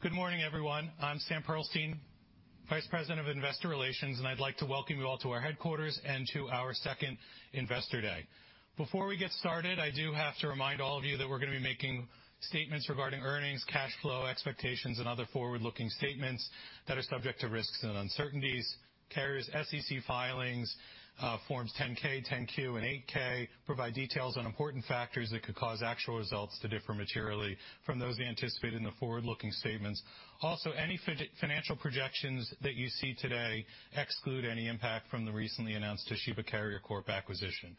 Good morning, everyone. I'm Sam Pearlstein, Vice President of Investor Relations, and I'd like to welcome you all to our headquarters and to our second Investor Day. Before we get started, I do have to remind all of you that we're gonna be making statements regarding earnings, cash flow expectations, and other forward-looking statements that are subject to risks and uncertainties. Carrier's SEC filings, Forms 10-K, 10-Q, and 8-K provide details on important factors that could cause actual results to differ materially from those anticipated in the forward-looking statements. Also, any financial projections that you see today exclude any impact from the recently announced Toshiba Carrier Corporation acquisition.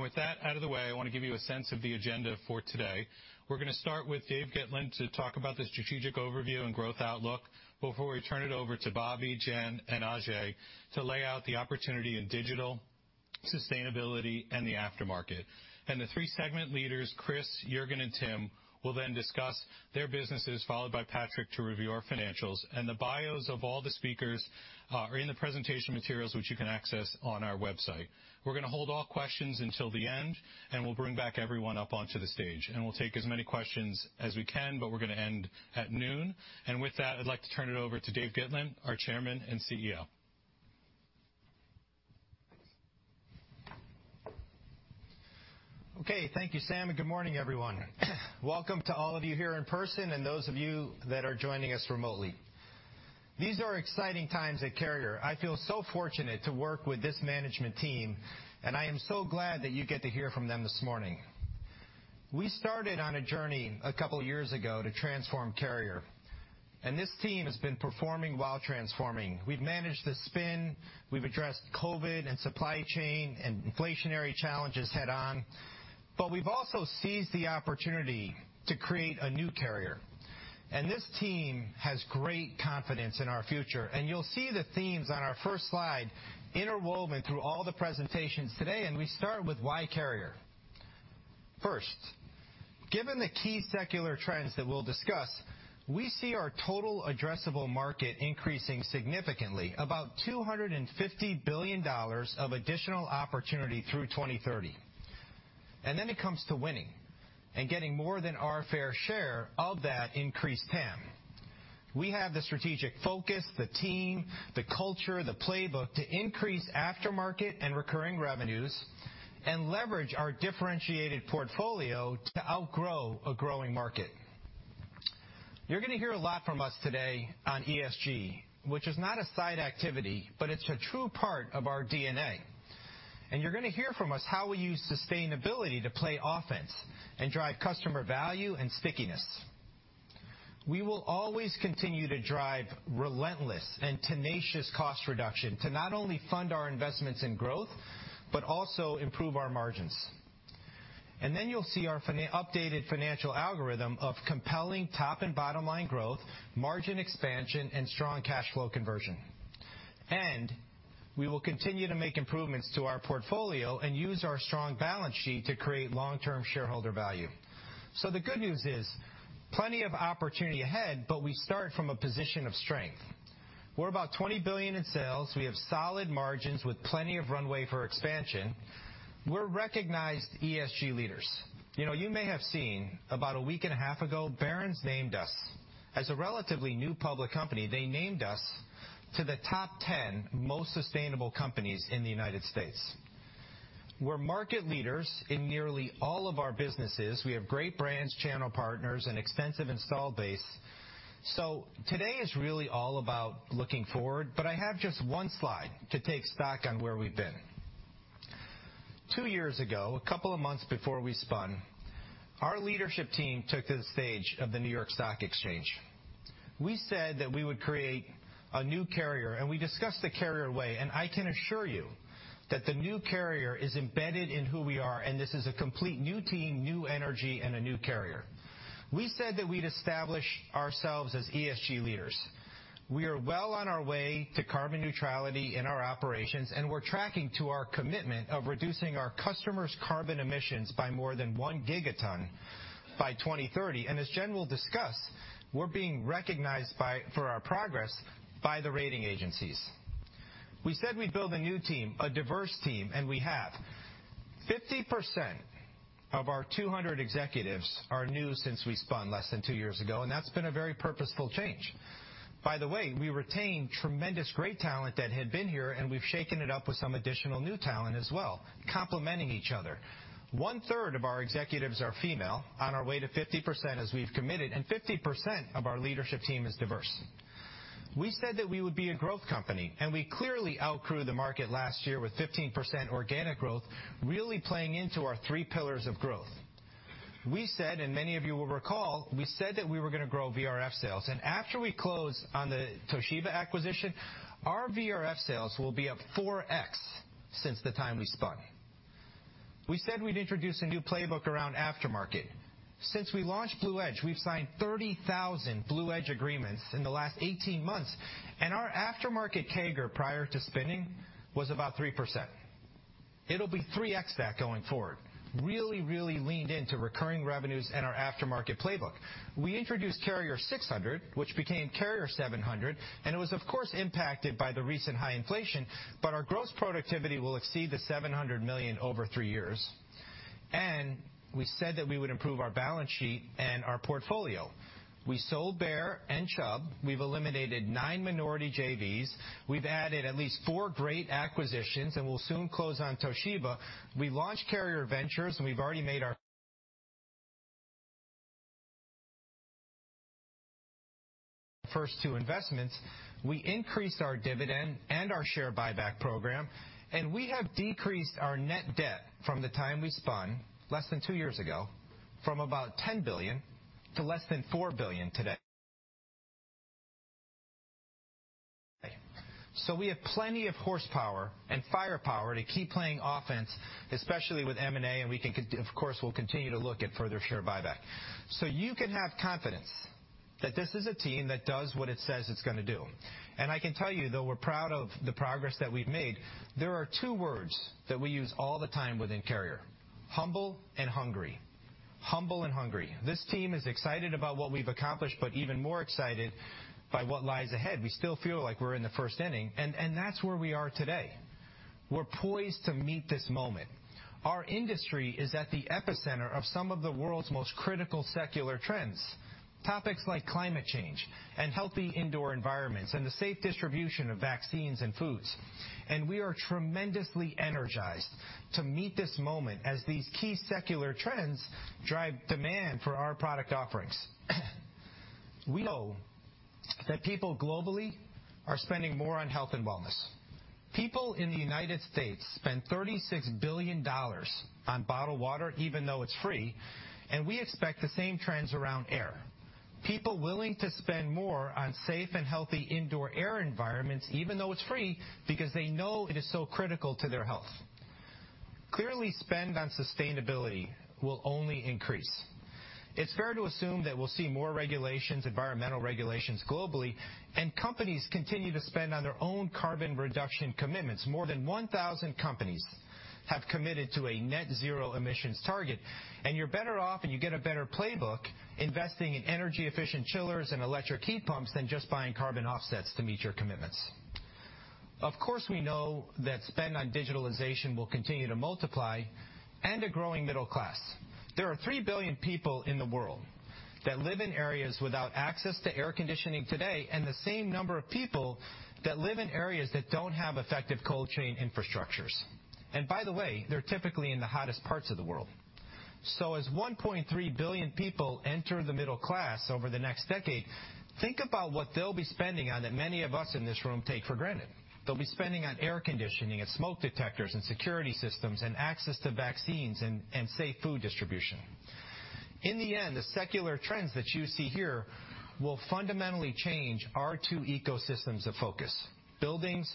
With that out of the way, I wanna give you a sense of the agenda for today. We're gonna start with Dave Gitlin to talk about the strategic overview and growth outlook before we turn it over to Bobby, Jen, and Ajay to lay out the opportunity in digital, sustainability, and the aftermarket. The three segment leaders, Chris, Juergen, and Tim, will then discuss their businesses, followed by Patrick to review our financials. The bios of all the speakers are in the presentation materials which you can access on our website. We're gonna hold all questions until the end, and we'll bring back everyone up onto the stage, and we'll take as many questions as we can, but we're gonna end at noon. With that, I'd like to turn it over to Dave Gitlin, our Chairman and CEO. Okay, thank you, Sam, and good morning, everyone. Welcome to all of you here in person and those of you that are joining us remotely. These are exciting times at Carrier. I feel so fortunate to work with this management team, and I am so glad that you get to hear from them this morning. We started on a journey a couple years ago to transform Carrier, and this team has been performing while transforming. We've managed the spin, we've addressed COVID and supply chain and inflationary challenges head-on, but we've also seized the opportunity to create a new Carrier. This team has great confidence in our future, and you'll see the themes on our first slide interwoven through all the presentations today, and we start with why Carrier. First, given the key secular trends that we'll discuss, we see our total addressable market increasing significantly, about $250 billion of additional opportunity through 2030. Then it comes to winning and getting more than our fair share of that increased TAM. We have the strategic focus, the team, the culture, the playbook to increase aftermarket and recurring revenues and leverage our differentiated portfolio to outgrow a growing market. You're gonna hear a lot from us today on ESG, which is not a side activity, but it's a true part of our DNA. You're gonna hear from us how we use sustainability to play offense and drive customer value and stickiness. We will always continue to drive relentless and tenacious cost reduction to not only fund our investments in growth, but also improve our margins. You'll see our updated financial algorithm of compelling top and bottom line growth, margin expansion, and strong cash flow conversion. We will continue to make improvements to our portfolio and use our strong balance sheet to create long-term shareholder value. The good news is plenty of opportunity ahead, but we start from a position of strength. We're about $20 billion in sales. We have solid margins with plenty of runway for expansion. We're recognized ESG leaders. You know, you may have seen about a week and a half ago, Barron's named us. As a relatively new public company, they named us to the top 10 most sustainable companies in the United States. We're market leaders in nearly all of our businesses. We have great brands, channel partners, an extensive install base. Today is really all about looking forward, but I have just one slide to take stock on where we've been. Two years ago, a couple of months before we spun, our leadership team took to the stage of the New York Stock Exchange. We said that we would create a new Carrier, and we discussed The Carrier Way, and I can assure you that the new Carrier is embedded in who we are, and this is a complete new team, new energy, and a new Carrier. We said that we'd establish ourselves as ESG leaders. We are well on our way to carbon neutrality in our operations, and we're tracking to our commitment of reducing our customers' carbon emissions by more than one gigaton by 2030. As Jen will discuss, we're being recognized for our progress by the rating agencies. We said we'd build a new team, a diverse team, and we have. 50% of our 200 executives are new since we spun less than two years ago, and that's been a very purposeful change. By the way, we retained tremendous great talent that had been here, and we've shaken it up with some additional new talent as well, complementing each other. 1/3 of our executives are female, on our way to 50%, as we've committed, and 50% of our leadership team is diverse. We said that we would be a growth company, and we clearly outgrew the market last year with 15% organic growth, really playing into our three pillars of growth. We said, and many of you will recall, we said that we were gonna grow VRF sales. After we close on the Toshiba acquisition, our VRF sales will be up 4x since the time we spun. We said we'd introduce a new playbook around aftermarket. Since we launched BluEdge, we've signed 30,000 BluEdge agreements in the last 18 months, and our aftermarket CAGR prior to spinning was about 3%. It'll be 3x that going forward. Really, really leaned into recurring revenues and our aftermarket playbook. We introduced Carrier 600, which became Carrier 700, and it was of course impacted by the recent high inflation, but our gross productivity will exceed $700 million over three years. We said that we would improve our balance sheet and our portfolio. We sold Beijer and Chubb. We've eliminated nine minority JVs. We've added at least four great acquisitions, and we'll soon close on Toshiba. We launched Carrier Ventures, and we've already made our first two investments. We increased our dividend and our share buyback program, and we have decreased our net debt from the time we spun less than two years ago from about $10 billion to less than $4 billion today. We have plenty of horsepower and firepower to keep playing offense, especially with M&A, and of course, we'll continue to look at further share buyback. You can have confidence that this is a team that does what it says it's gonna do. I can tell you, though we're proud of the progress that we've made, there are two words that we use all the time within Carrier, humble and hungry. Humble and hungry. This team is excited about what we've accomplished, but even more excited by what lies ahead. We still feel like we're in the first inning, and that's where we are today. We're poised to meet this moment. Our industry is at the epicenter of some of the world's most critical secular trends, topics like climate change and healthy indoor environments and the safe distribution of vaccines and foods. We are tremendously energized to meet this moment as these key secular trends drive demand for our product offerings. We know that people globally are spending more on health and wellness. People in the United States spend $36 billion on bottled water, even though it's free, and we expect the same trends around air. People willing to spend more on safe and healthy indoor air environments, even though it's free, because they know it is so critical to their health. Clearly, spend on sustainability will only increase. It's fair to assume that we'll see more regulations, environmental regulations globally, and companies continue to spend on their own carbon reduction commitments. More than 1,000 companies have committed to a net zero emissions target, and you're better off, and you get a better playbook investing in energy-efficient chillers and electric heat pumps than just buying carbon offsets to meet your commitments. Of course, we know that spend on digitalization will continue to multiply and a growing middle class. There are 3 billion people in the world that live in areas without access to air conditioning today, and the same number of people that live in areas that don't have effective cold chain infrastructures. By the way, they're typically in the hottest parts of the world. As 1.3 billion people enter the middle class over the next decade, think about what they'll be spending on that many of us in this room take for granted. They'll be spending on air conditioning and smoke detectors and security systems and access to vaccines and safe food distribution. In the end, the secular trends that you see here will fundamentally change our two ecosystems of focus, buildings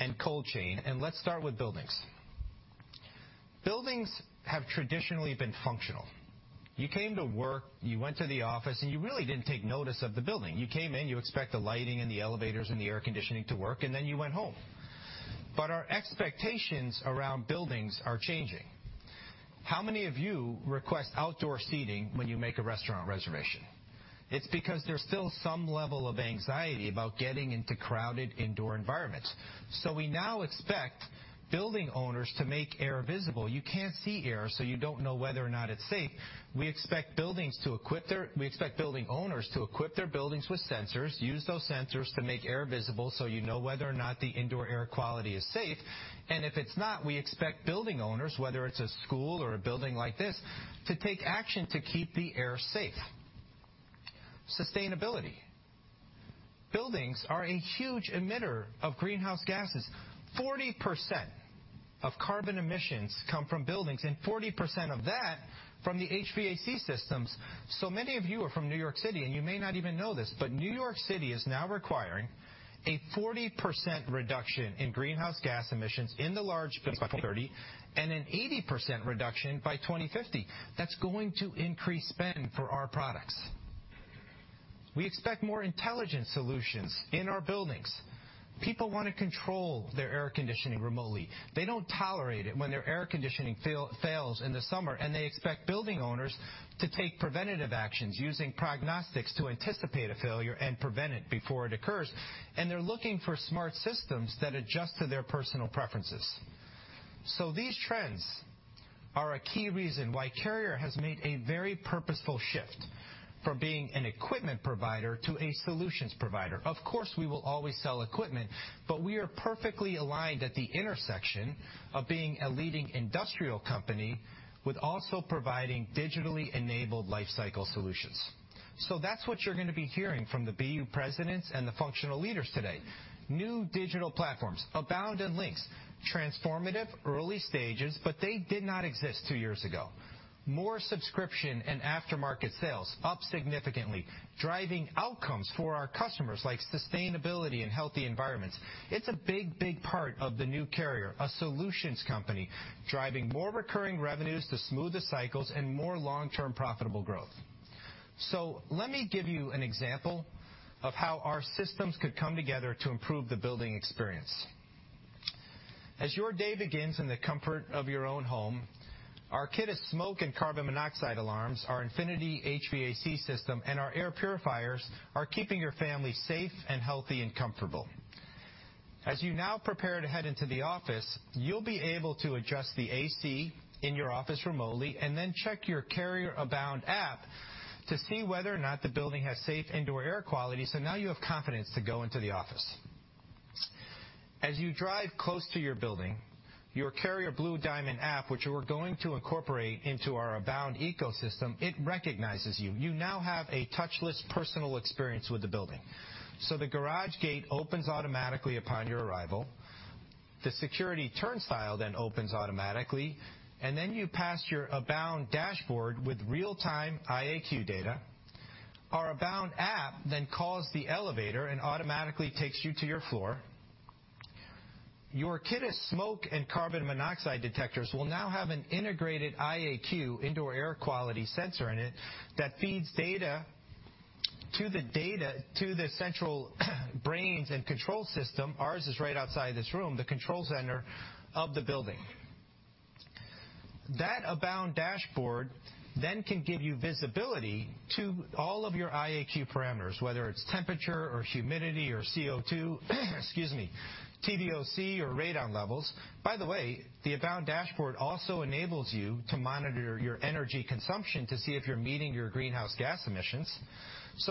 and cold chain. Let's start with buildings. Buildings have traditionally been functional. You came to work, you went to the office, and you really didn't take notice of the building. You came in, you expect the lighting and the elevators and the air conditioning to work, and then you went home. Our expectations around buildings are changing. How many of you request outdoor seating when you make a restaurant reservation? It's because there's still some level of anxiety about getting into crowded indoor environments. We now expect building owners to make air visible. You can't see air, so you don't know whether or not it's safe. We expect building owners to equip their buildings with sensors, use those sensors to make air visible, so you know whether or not the indoor air quality is safe. If it's not, we expect building owners, whether it's a school or a building like this, to take action to keep the air safe. Sustainability. Buildings are a huge emitter of greenhouse gases. 40% of carbon emissions come from buildings, and 40% of that from the HVAC systems. Many of you are from New York City, and you may not even know this, but New York City is now requiring a 40% reduction in greenhouse gas emissions in the large buildings by 2030 and an 80% reduction by 2050. That's going to increase spend for our products. We expect more intelligent solutions in our buildings. People wanna control their air conditioning remotely. They don't tolerate it when their air conditioning fails in the summer, and they expect building owners to take preventative actions using prognostics to anticipate a failure and prevent it before it occurs. They're looking for smart systems that adjust to their personal preferences. These trends are a key reason why Carrier has made a very purposeful shift from being an equipment provider to a solutions provider. Of course, we will always sell equipment, but we are perfectly aligned at the intersection of being a leading industrial company with also providing digitally enabled lifecycle solutions. That's what you're gonna be hearing from the BU presidents and the functional leaders today. New digital platforms, Abound and Lynx, transformative, early stages, but they did not exist two years ago. More subscription and aftermarket sales up significantly, driving outcomes for our customers like sustainability and healthy environments. It's a big, big part of the new Carrier, a solutions company, driving more recurring revenues to smoother cycles and more long-term profitable growth. Let me give you an example of how our systems could come together to improve the building experience. As your day begins in the comfort of your own home, our Kidde smoke and carbon monoxide alarms, our Infinity HVAC system, and our air purifiers are keeping your family safe and healthy and comfortable. As you now prepare to head into the office, you'll be able to adjust the AC in your office remotely and then check your Carrier Abound app to see whether or not the building has safe indoor air quality, so now you have confidence to go into the office. As you drive close to your building, your Carrier BlueDiamond app, which we're going to incorporate into our Abound ecosystem, it recognizes you. You now have a touchless personal experience with the building. The garage gate opens automatically upon your arrival. The security turnstile then opens automatically, and then you pass your Abound dashboard with real-time IAQ data. Our Abound app then calls the elevator and automatically takes you to your floor. Your Kidde smoke and carbon monoxide detectors will now have an integrated IAQ, indoor air quality sensor in it that feeds data to the central brains and control system. Ours is right outside this room, the control center of the building. That Abound dashboard then can give you visibility to all of your IAQ parameters, whether it's temperature or humidity or CO₂ excuse me, TVOC or radon levels. By the way, the Abound dashboard also enables you to monitor your energy consumption to see if you're meeting your greenhouse gas emissions.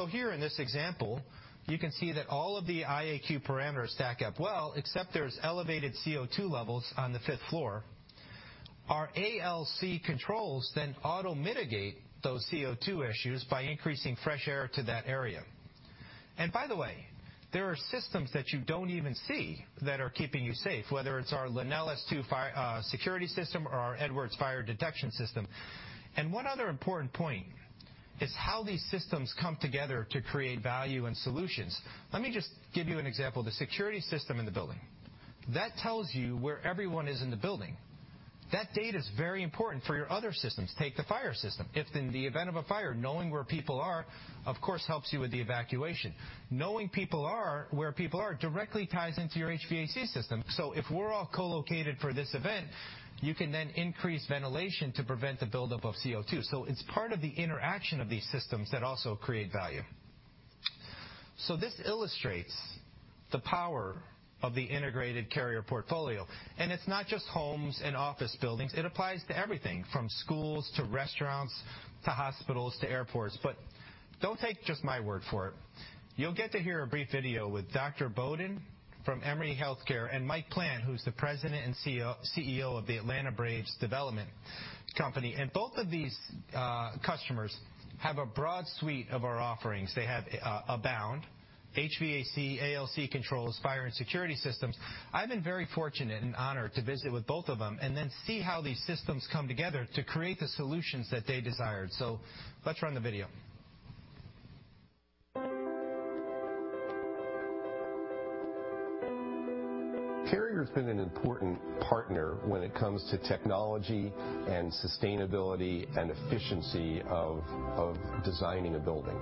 Here in this example, you can see that all of the IAQ parameters stack up well, except there's elevated CO₂ levels on the fifth floor. Our ALC controls then auto mitigate those CO₂ issues by increasing fresh air to that area. By the way, there are systems that you don't even see that are keeping you safe, whether it's our LenelS2 security system or our Edwards fire detection system. One other important point is how these systems come together to create value and solutions. Let me just give you an example. The security system in the building, that tells you where everyone is in the building. That data is very important for your other systems. Take the fire system. If in the event of a fire, knowing where people are, of course, helps you with the evacuation. Knowing where people are directly ties into your HVAC system. If we're all co-located for this event, you can then increase ventilation to prevent the buildup of CO₂. It's part of the interaction of these systems that also create value. This illustrates the power of the integrated Carrier portfolio. It's not just homes and office buildings, it applies to everything from schools to restaurants to hospitals to airports. Don't take just my word for it. You'll get to hear a brief video with Dr. Boden from Emory Healthcare and Mike Plant, who's the President and CEO of the Atlanta Braves Development Company. Both of these customers have a broad suite of our offerings. They have Abound, HVAC, ALC controls, fire and security systems. I've been very fortunate and honored to visit with both of them and then see how these systems come together to create the solutions that they desired. Let's run the video. Carrier has been an important partner when it comes to technology and sustainability and efficiency of designing a building.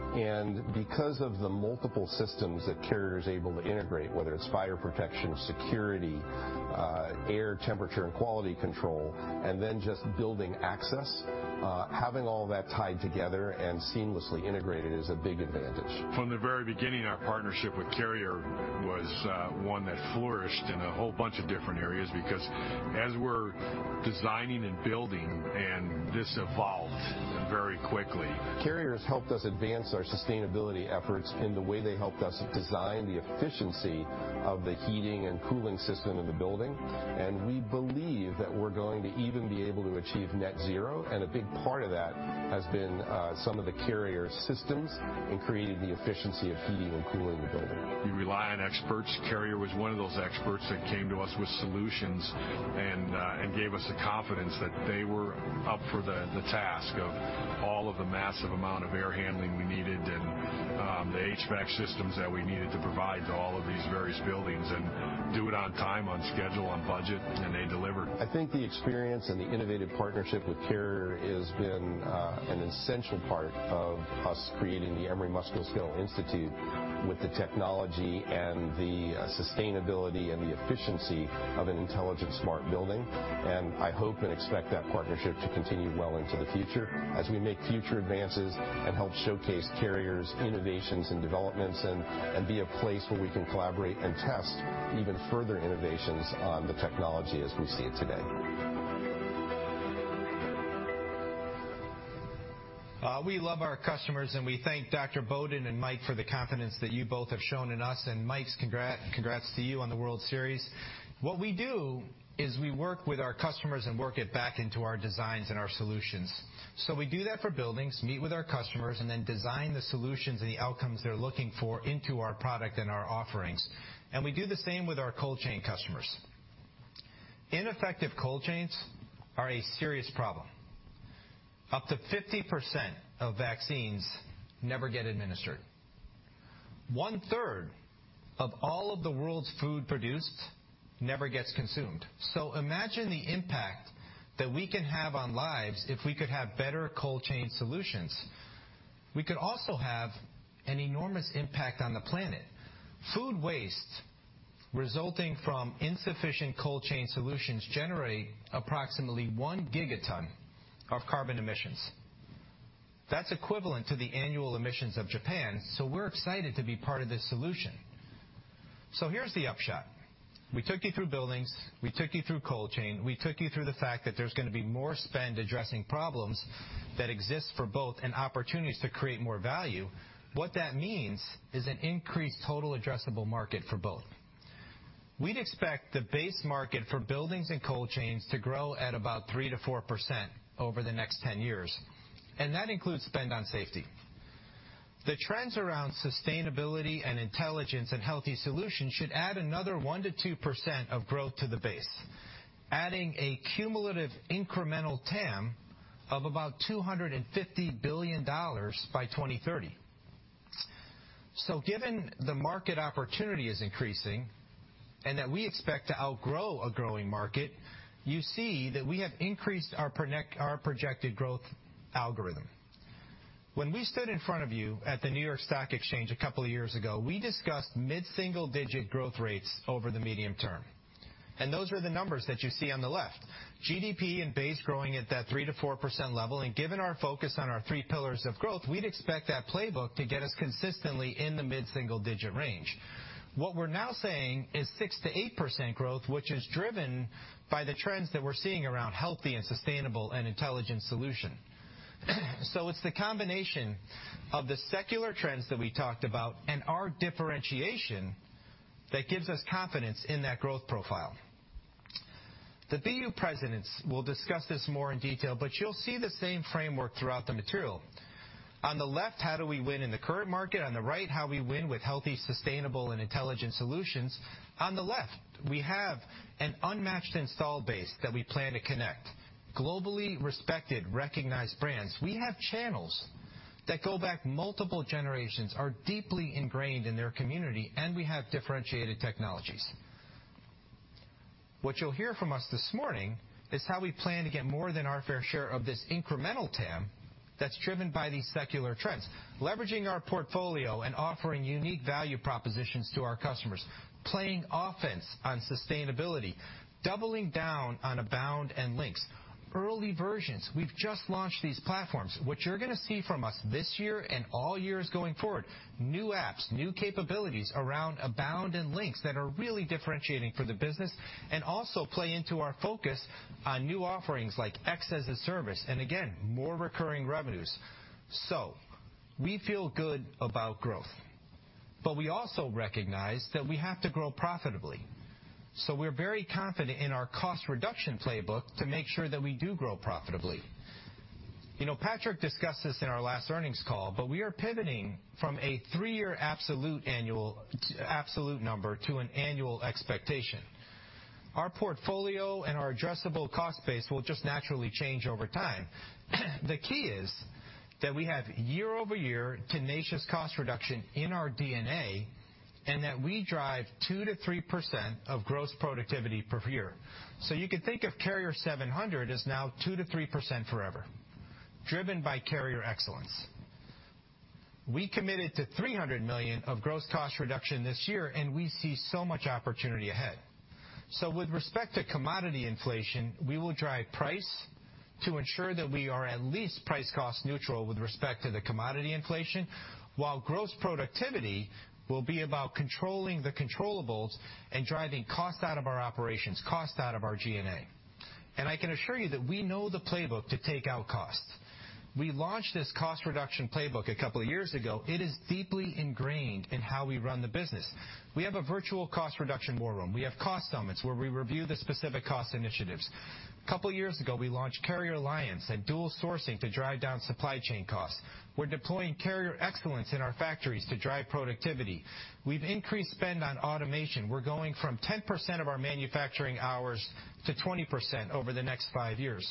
Because of the multiple systems that Carrier is able to integrate, whether it's fire protection, security, air temperature and quality control, and then just building access, having all that tied together and seamlessly integrated is a big advantage. From the very beginning, our partnership with Carrier was one that flourished in a whole bunch of different areas because as we're designing and building, and this evolved very quickly. Carrier has helped us advance our sustainability efforts in the way they helped us design the efficiency of the heating and cooling system in the building. We believe that we're going to even be able to achieve net zero, and a big part of that has been some of the Carrier systems in creating the efficiency of heating and cooling the building. You rely on experts. Carrier was one of those experts that came to us with solutions and gave us the confidence that they were up for the task of all of the massive amount of air handling we needed and the HVAC systems that we needed to provide to all of these various buildings and do it on time, on schedule, on budget. They delivered. I think the experience and the innovative partnership with Carrier has been an essential part of us creating the Emory Musculoskeletal Institute with the technology and the sustainability and the efficiency of an intelligent, smart building. I hope and expect that partnership to continue well into the future as we make future advances and help showcase Carrier's innovations and developments and be a place where we can collaborate and test even further innovations on the technology as we see it today. We love our customers, and we thank Dr. Boden and Mike for the confidence that you both have shown in us. Mike, congrats to you on the World Series. What we do is we work with our customers and work it back into our designs and our solutions. We do that for buildings, meet with our customers, and then design the solutions and the outcomes they're looking for into our product and our offerings. We do the same with our cold chain customers. Ineffective cold chains are a serious problem. Up to 50% of vaccines never get administered. 1/3 of all of the world's food produced never gets consumed. Imagine the impact that we can have on lives if we could have better cold chain solutions. We could also have an enormous impact on the planet. Food waste resulting from insufficient cold chain solutions generate approximately 1 Gt of carbon emissions. That's equivalent to the annual emissions of Japan, so we're excited to be part of this solution. Here's the upshot. We took you through buildings, we took you through cold chain, we took you through the fact that there's gonna be more spend addressing problems that exist for both and opportunities to create more value. What that means is an increased total addressable market for both. We'd expect the base market for buildings and cold chains to grow at about 3%-4% over the next 10 years, and that includes spend on safety. The trends around sustainability and intelligence and healthy solutions should add another 1%-2% of growth to the base, adding a cumulative incremental TAM of about $250 billion by 2030. Given the market opportunity is increasing and that we expect to outgrow a growing market, you see that we have increased our projected growth algorithm. When we stood in front of you at the New York Stock Exchange a couple of years ago, we discussed mid-single digit growth rates over the medium term. Those are the numbers that you see on the left. GDP and base growing at that 3%-4% level, and given our focus on our three pillars of growth, we'd expect that playbook to get us consistently in the mid-single digit range. What we're now saying is 6%-8% growth, which is driven by the trends that we're seeing around healthy and sustainable and intelligent solution. It's the combination of the secular trends that we talked about and our differentiation that gives us confidence in that growth profile. The BU presidents will discuss this more in detail, but you'll see the same framework throughout the material. On the left, how do we win in the current market? On the right, how we win with healthy, sustainable, and intelligent solutions. On the left, we have an unmatched install base that we plan to connect. Globally respected, recognized brands. We have channels that go back multiple generations, are deeply ingrained in their community, and we have differentiated technologies. What you'll hear from us this morning is how we plan to get more than our fair share of this incremental TAM that's driven by these secular trends. Leveraging our portfolio and offering unique value propositions to our customers, playing offense on sustainability, doubling down on Abound and Lynx. Early versions, we've just launched these platforms. What you're gonna see from us this year and all years going forward, new apps, new capabilities around Abound and Lynx that are really differentiating for the business and also play into our focus on new offerings like X as a Service, and again, more recurring revenues. We feel good about growth, but we also recognize that we have to grow profitably. We're very confident in our cost reduction playbook to make sure that we do grow profitably. You know, Patrick discussed this in our last earnings call, but we are pivoting from a three-year absolute number to an annual expectation. Our portfolio and our addressable cost base will just naturally change over time. The key is that we have year-over-year tenacious cost reduction in our DNA, and that we drive 2%-3% of gross productivity per year. You can think of Carrier 700 as now 2%-3% forever, driven by Carrier Excellence. We committed to $300 million of gross cost reduction this year, and we see so much opportunity ahead. With respect to commodity inflation, we will drive price to ensure that we are at least price-cost neutral with respect to the commodity inflation, while gross productivity will be about controlling the controllables and driving cost out of our operations, cost out of our G&A. I can assure you that we know the playbook to take out costs. We launched this cost reduction playbook a couple of years ago. It is deeply ingrained in how we run the business. We have a virtual cost reduction war room. We have cost summits where we review the specific cost initiatives. Couple years ago, we launched Carrier Alliance and dual sourcing to drive down supply chain costs. We're deploying Carrier Excellence in our factories to drive productivity. We've increased spend on automation. We're going from 10% of our manufacturing hours to 20% over the next five years.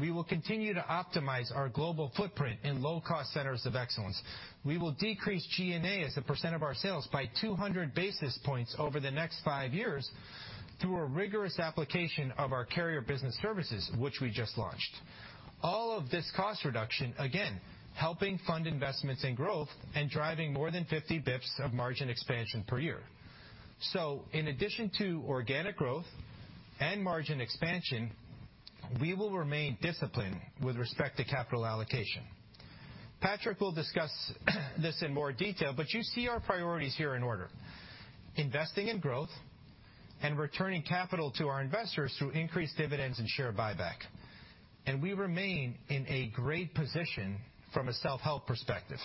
We will continue to optimize our global footprint in low-cost centers of excellence. We will decrease G&A as a % of our sales by 200 basis points over the next five years through a rigorous application of our Carrier Business Services, which we just launched. All of this cost reduction, again, helping fund investments in growth and driving more than 50 basis points of margin expansion per year. In addition to organic growth and margin expansion, we will remain disciplined with respect to capital allocation. Patrick will discuss this in more detail, but you see our priorities here in order. Investing in growth and returning capital to our investors through increased dividends and share buyback. We remain in a great position from a self-help perspective.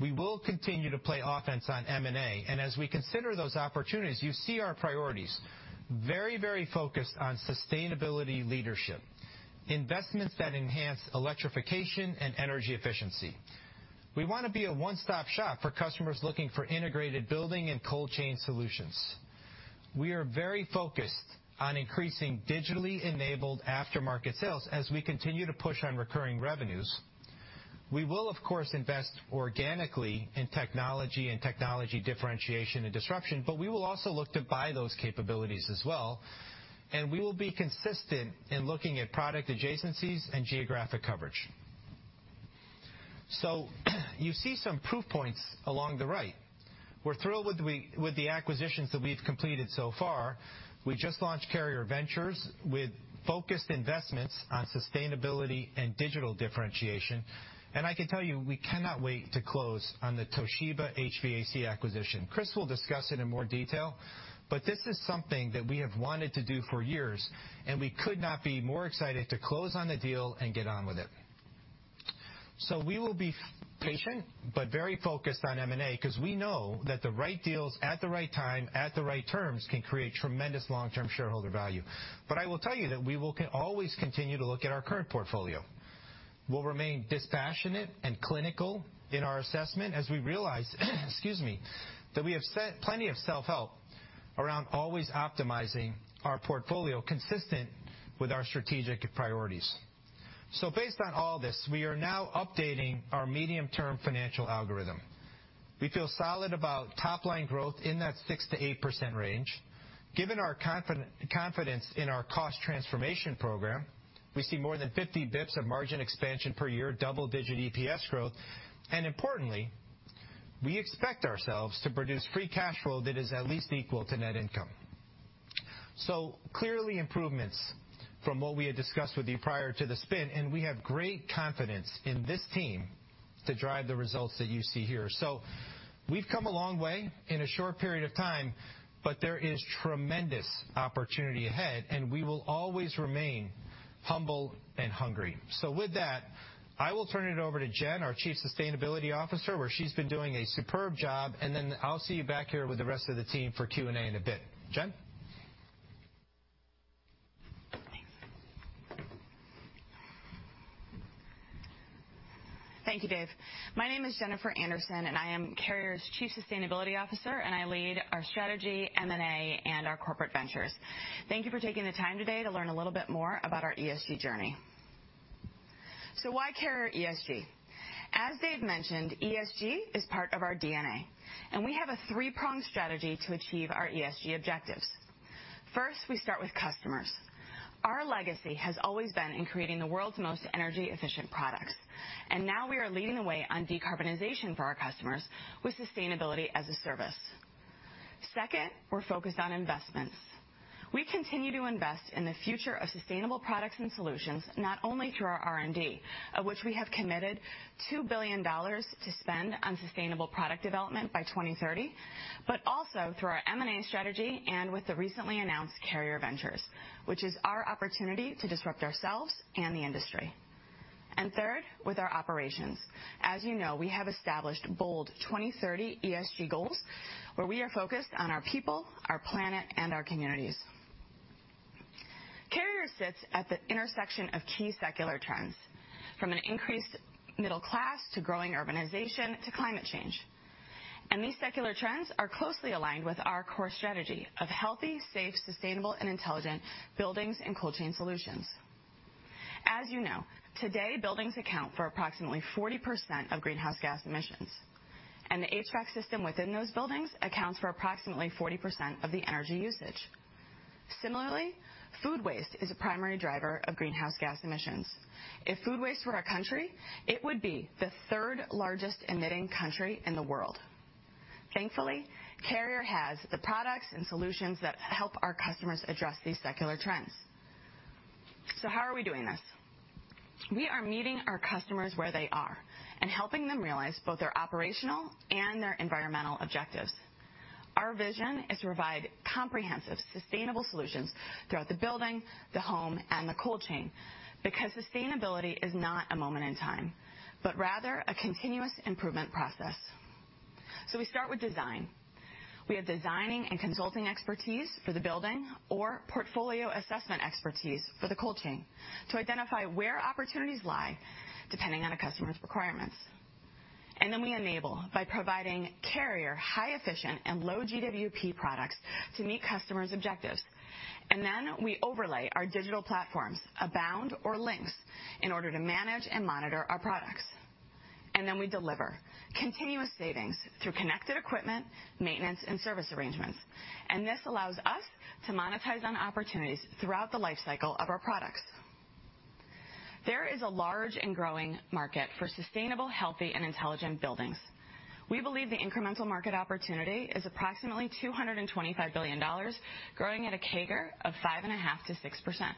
We will continue to play offense on M&A, and as we consider those opportunities, you see our priorities. Very, very focused on sustainability leadership, investments that enhance electrification and energy efficiency. We wanna be a one-stop shop for customers looking for integrated building and cold chain solutions. We are very focused on increasing digitally enabled aftermarket sales as we continue to push on recurring revenues. We will, of course, invest organically in technology and technology differentiation and disruption, but we will also look to buy those capabilities as well, and we will be consistent in looking at product adjacencies and geographic coverage. You see some proof points along the right. We're thrilled with the acquisitions that we've completed so far. We just launched Carrier Ventures with focused investments on sustainability and digital differentiation. I can tell you, we cannot wait to close on the Toshiba HVAC acquisition. Chris will discuss it in more detail, but this is something that we have wanted to do for years, and we could not be more excited to close on the deal and get on with it. We will be patient but very focused on M&A 'cause we know that the right deals at the right time, at the right terms, can create tremendous long-term shareholder value. I will tell you that we will always continue to look at our current portfolio. We'll remain dispassionate and clinical in our assessment as we realize excuse me, that we have set plenty of self-help around always optimizing our portfolio consistent with our strategic priorities. Based on all this, we are now updating our medium-term financial algorithm. We feel solid about top line growth in that 6%-8% range. Given our confidence in our cost transformation program, we see more than 50 basis points of margin expansion per year, double-digit EPS growth. Importantly, we expect ourselves to produce free cash flow that is at least equal to net income. Clearly improvements from what we had discussed with you prior to the spin, and we have great confidence in this team to drive the results that you see here. We've come a long way in a short period of time, but there is tremendous opportunity ahead, and we will always remain humble and hungry. With that, I will turn it over to Jen, our Chief Sustainability Officer, where she's been doing a superb job, and then I'll see you back here with the rest of the team for Q&A in a bit. Jen. Thank you, Dave. My name is Jennifer Anderson, and I am Carrier's Chief Sustainability Officer, and I lead our strategy, M&A, and our corporate ventures. Thank you for taking the time today to learn a little bit more about our ESG journey. Why Carrier ESG? As Dave mentioned, ESG is part of our DNA, and we have a three-pronged strategy to achieve our ESG objectives. First, we start with customers. Our legacy has always been in creating the world's most energy-efficient products, and now we are leading the way on decarbonization for our customers with sustainability as a service. Second, we're focused on investments. We continue to invest in the future of sustainable products and solutions, not only through our R&D, of which we have committed $2 billion to spend on sustainable product development by 2030, but also through our M&A strategy and with the recently announced Carrier Ventures, which is our opportunity to disrupt ourselves and the industry. Third, with our operations. As you know, we have established bold 2030 ESG goals, where we are focused on our people, our planet, and our communities. Carrier sits at the intersection of key secular trends, from an increased middle class to growing urbanization to climate change. These secular trends are closely aligned with our core strategy of healthy, safe, sustainable, and intelligent buildings and cold-chain solutions. As you know, today, buildings account for approximately 40% of greenhouse gas emissions, and the HVAC system within those buildings accounts for approximately 40% of the energy usage. Similarly, food waste is a primary driver of greenhouse gas emissions. If food waste were a country, it would be the third largest emitting country in the world. Thankfully, Carrier has the products and solutions that help our customers address these secular trends. How are we doing this? We are meeting our customers where they are and helping them realize both their operational and their environmental objectives. Our vision is to provide comprehensive, sustainable solutions throughout the building, the home, and the cold chain, because sustainability is not a moment in time, but rather a continuous improvement process. We start with design. We have designing and consulting expertise for the building or portfolio assessment expertise for the cold chain to identify where opportunities lie depending on a customer's requirements. Then we enable by providing Carrier highly efficient and low GWP products to meet customers' objectives. Then we overlay our digital platforms, Abound or Lynx, in order to manage and monitor our products. Then we deliver continuous savings through connected equipment, maintenance, and service arrangements. This allows us to monetize on opportunities throughout the life cycle of our products. There is a large and growing market for sustainable, healthy, and intelligent buildings. We believe the incremental market opportunity is approximately $225 billion, growing at a CAGR of 5.5%-6%.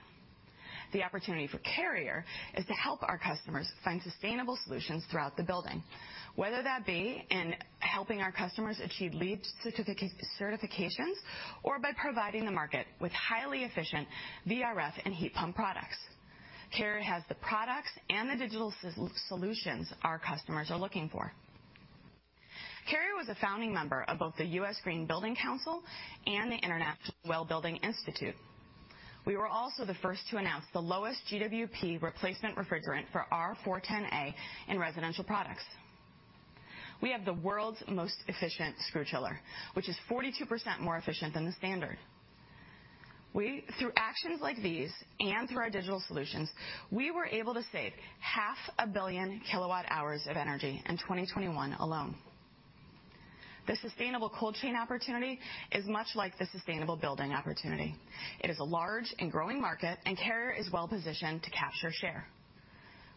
The opportunity for Carrier is to help our customers find sustainable solutions throughout the building, whether that be in helping our customers achieve LEED certifications or by providing the market with highly efficient VRF and heat pump products. Carrier has the products and the digital solutions our customers are looking for. Carrier was a founding member of both the U.S. Green Building Council and the International WELL Building Institute. We were also the first to announce the lowest GWP replacement refrigerant for R410A in residential products. We have the world's most efficient screw chiller, which is 42% more efficient than the standard. Through actions like these, and through our digital solutions, we were able to save 500 million kWh of energy in 2021 alone. The sustainable cold chain opportunity is much like the sustainable building opportunity. It is a large and growing market, and Carrier is well-positioned to capture share.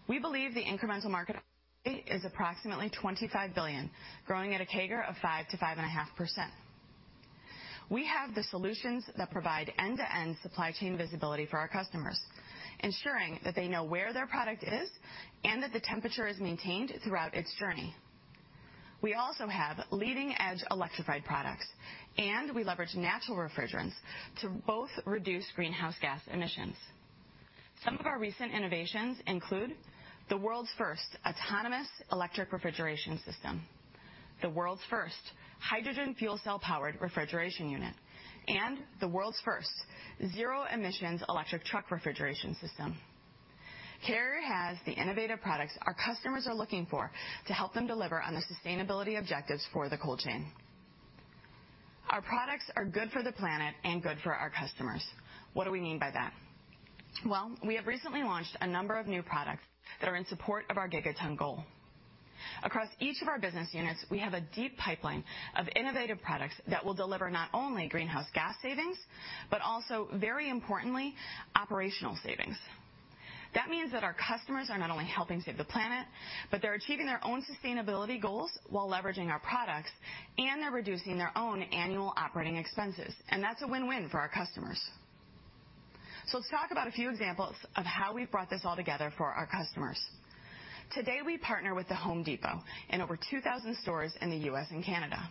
We believe the incremental market is approximately $25 billion, growing at a CAGR of 5%-5.5%. We have the solutions that provide end-to-end supply chain visibility for our customers, ensuring that they know where their product is and that the temperature is maintained throughout its journey. We also have leading-edge electrified products, and we leverage natural refrigerants to both reduce greenhouse gas emissions. Some of our recent innovations include the world's first autonomous electric refrigeration system, the world's first hydrogen fuel cell-powered refrigeration unit, and the world's first zero-emissions electric truck refrigeration system. Carrier has the innovative products our customers are looking for to help them deliver on the sustainability objectives for the cold chain. Our products are good for the planet and good for our customers. What do we mean by that? Well, we have recently launched a number of new products that are in support of our Gigaton Goal. Across each of our business units, we have a deep pipeline of innovative products that will deliver not only greenhouse gas savings, but also, very importantly, operational savings. That means that our customers are not only helping save the planet, but they're achieving their own sustainability goals while leveraging our products, and they're reducing their own annual operating expenses. That's a win-win for our customers. Let's talk about a few examples of how we've brought this all together for our customers. Today, we partner with The Home Depot in over 2,000 stores in the U.S. and Canada.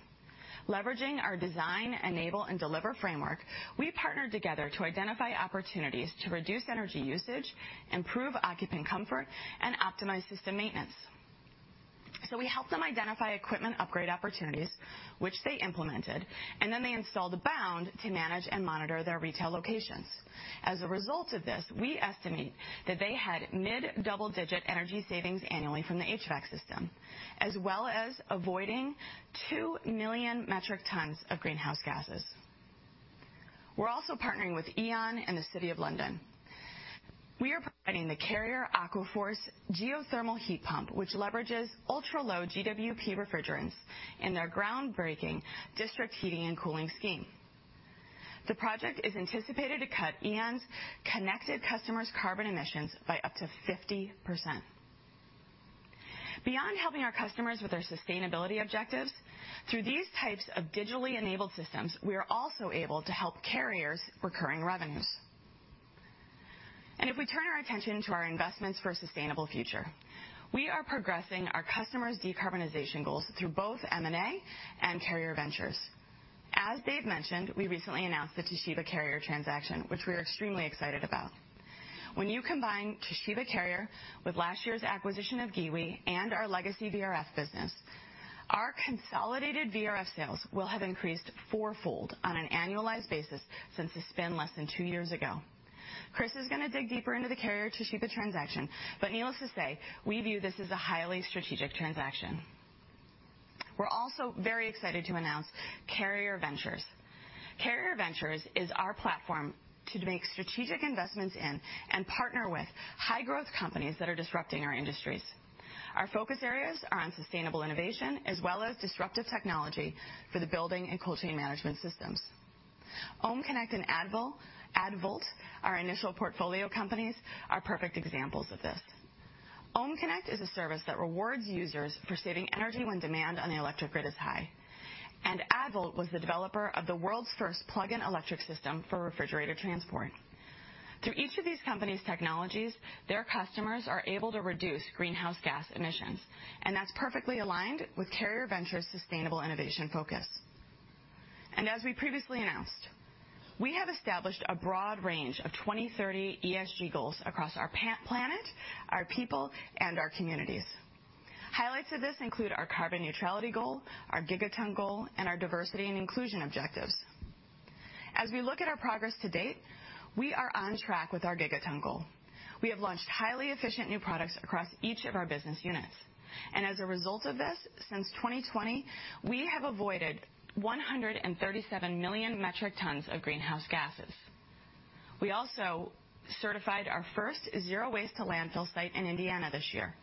Leveraging our design, enable, and deliver framework, we partnered together to identify opportunities to reduce energy usage, improve occupant comfort, and optimize system maintenance. We helped them identify equipment upgrade opportunities, which they implemented, and then they installed Abound to manage and monitor their retail locations. As a result of this, we estimate that they had mid-double-digit energy savings annually from the HVAC system, as well as avoiding 2 million metric tons of greenhouse gases. We're also partnering with E.ON and the City of London. We are providing the Carrier AquaForce geothermal heat pump, which leverages ultra-low GWP refrigerants in their groundbreaking district heating and cooling scheme. The project is anticipated to cut E.ON's connected customers' carbon emissions by up to 50%. Beyond helping our customers with their sustainability objectives, through these types of digitally enabled systems, we are also able to help Carrier's recurring revenues. If we turn our attention to our investments for a sustainable future, we are progressing our customers' decarbonization goals through both M&A and Carrier Ventures. As Dave mentioned, we recently announced the Toshiba Carrier transaction, which we're extremely excited about. When you combine Toshiba Carrier with last year's acquisition of Giwee and our legacy VRF business, our consolidated VRF sales will have increased fourfold on an annualized basis since the spin less than two years ago. Chris is gonna dig deeper into the Carrier-Toshiba transaction, but needless to say, we view this as a highly strategic transaction. We're also very excited to announce Carrier Ventures. Carrier Ventures is our platform to make strategic investments in and partner with high-growth companies that are disrupting our industries. Our focus areas are on sustainable innovation as well as disruptive technology for the building and cold chain management systems. OhmConnect and Addvolt, our initial portfolio companies, are perfect examples of this. OhmConnect is a service that rewards users for saving energy when demand on the electric grid is high. Addvolt was the developer of the world's first plug-in electric system for refrigerated transport. Through each of these companies' technologies, their customers are able to reduce greenhouse gas emissions, and that's perfectly aligned with Carrier Ventures' sustainable innovation focus. As we previously announced, we have established a broad range of 2030 ESG goals across our planet, our people, and our communities. Highlights of this include our carbon neutrality goal, our gigaton goal, and our diversity and inclusion objectives. As we look at our progress to date, we are on track with our gigaton goal. We have launched highly efficient new products across each of our business units. As a result of this, since 2020, we have avoided 137 million metric tons of greenhouse gases. We also certified our first zero-waste-to-landfill site in Indiana this year.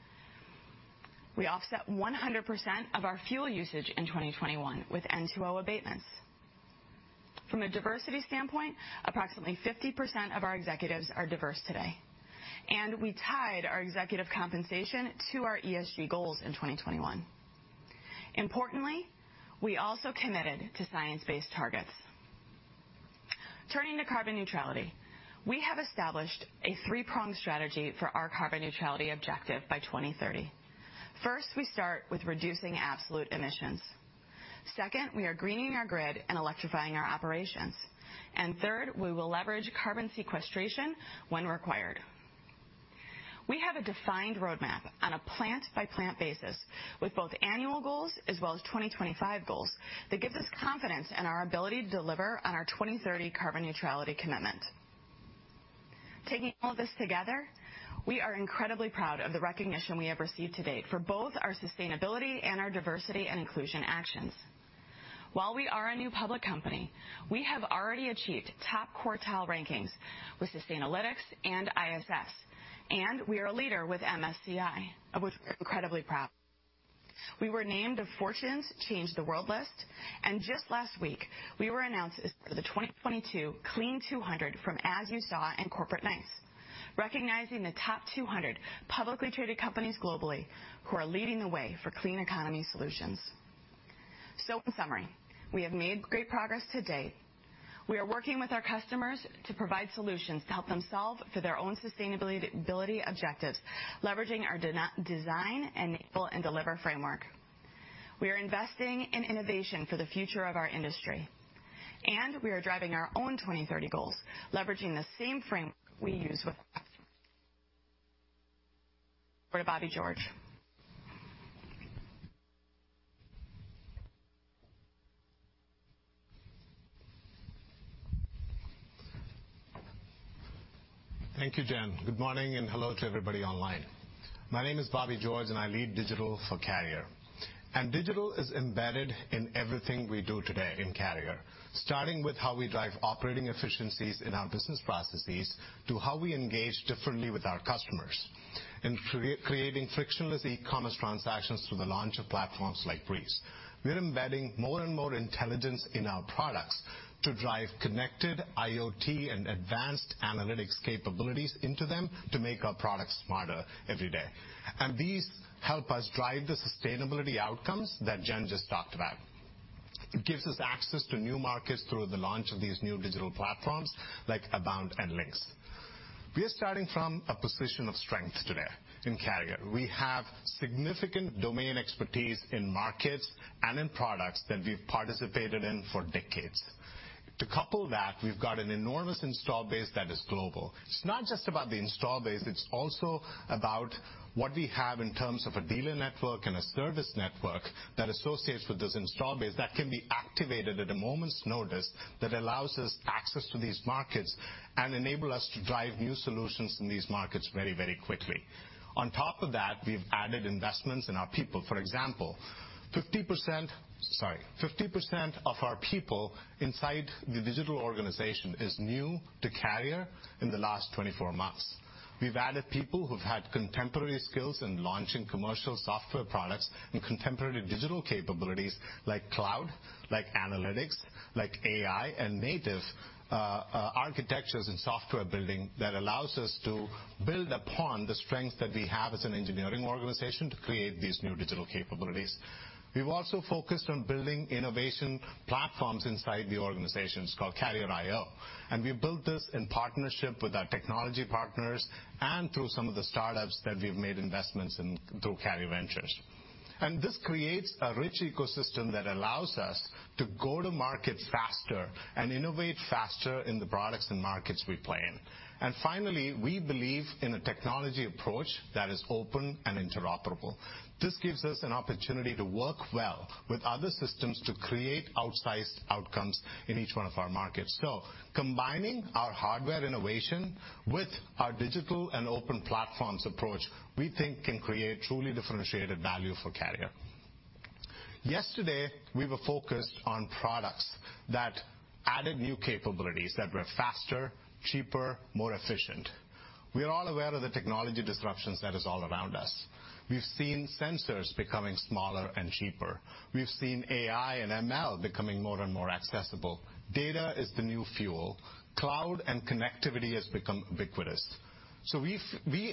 We offset 100% of our fuel usage in 2021 with N₂O abatements. From a diversity standpoint, approximately 50% of our executives are diverse today, and we tied our executive compensation to our ESG goals in 2021. Importantly, we also committed to science-based targets. Turning to carbon neutrality, we have established a three-pronged strategy for our carbon neutrality objective by 2030. First, we start with reducing absolute emissions. Second, we are greening our grid and electrifying our operations. Third, we will leverage carbon sequestration when required. We have a defined roadmap on a plant-by-plant basis with both annual goals as well as 2025 goals that gives us confidence in our ability to deliver on our 2030 carbon neutrality commitment. Taking all this together, we are incredibly proud of the recognition we have received to date for both our sustainability and our diversity and inclusion actions. While we are a new public company, we have already achieved top quartile rankings with Sustainalytics and ISS, and we are a leader with MSCI, of which we're incredibly proud. We were named to Fortune's Change the World list, and just last week, we were announced as part of the 2022 Clean200 from As You Sow and Corporate Knights, recognizing the top 200 publicly traded companies globally who are leading the way for clean economy solutions. In summary, we have made great progress to date. We are working with our customers to provide solutions to help them solve for their own sustainability objectives, leveraging our Design, Enable, and Deliver framework. We are investing in innovation for the future of our industry, and we are driving our own 2030 goals, leveraging the same framework we use with our customers. Over to Bobby George. Thank you, Jen. Good morning and hello to everybody online. My name is Bobby George, and I lead digital for Carrier. Digital is embedded in everything we do today in Carrier, starting with how we drive operating efficiencies in our business processes to how we engage differently with our customers in creating frictionless e-commerce transactions through the launch of platforms like Breeze. We're embedding more and more intelligence in our products to drive connected IoT and advanced analytics capabilities into them to make our products smarter every day. These help us drive the sustainability outcomes that Jen just talked about. It gives us access to new markets through the launch of these new digital platforms like Abound and Lynx. We are starting from a position of strength today in Carrier. We have significant domain expertise in markets and in products that we've participated in for decades. To couple that, we've got an enormous install base that is global. It's not just about the install base, it's also about what we have in terms of a dealer network and a service network that associates with this install base that can be activated at a moment's notice that allows us access to these markets and enable us to drive new solutions in these markets very, very quickly. On top of that, we've added investments in our people. For example, 50% of our people inside the digital organization is new to Carrier in the last 24 months. We've added people who've had contemporary skills in launching commercial software products and contemporary digital capabilities like cloud, like analytics, like AI and native architectures and software building that allows us to build upon the strength that we have as an engineering organization to create these new digital capabilities. We've also focused on building innovation platforms inside the organizations called Carrier IO, and we built this in partnership with our technology partners and through some of the startups that we've made investments in through Carrier Ventures. This creates a rich ecosystem that allows us to go to market faster and innovate faster in the products and markets we play in. Finally, we believe in a technology approach that is open and interoperable. This gives us an opportunity to work well with other systems to create outsized outcomes in each one of our markets. Combining our hardware innovation with our digital and open platforms approach, we think can create truly differentiated value for Carrier. Yesterday, we were focused on products that added new capabilities that were faster, cheaper, more efficient. We are all aware of the technology disruptions that is all around us. We've seen sensors becoming smaller and cheaper. We've seen AI and ML becoming more and more accessible. Data is the new fuel. Cloud and connectivity has become ubiquitous. We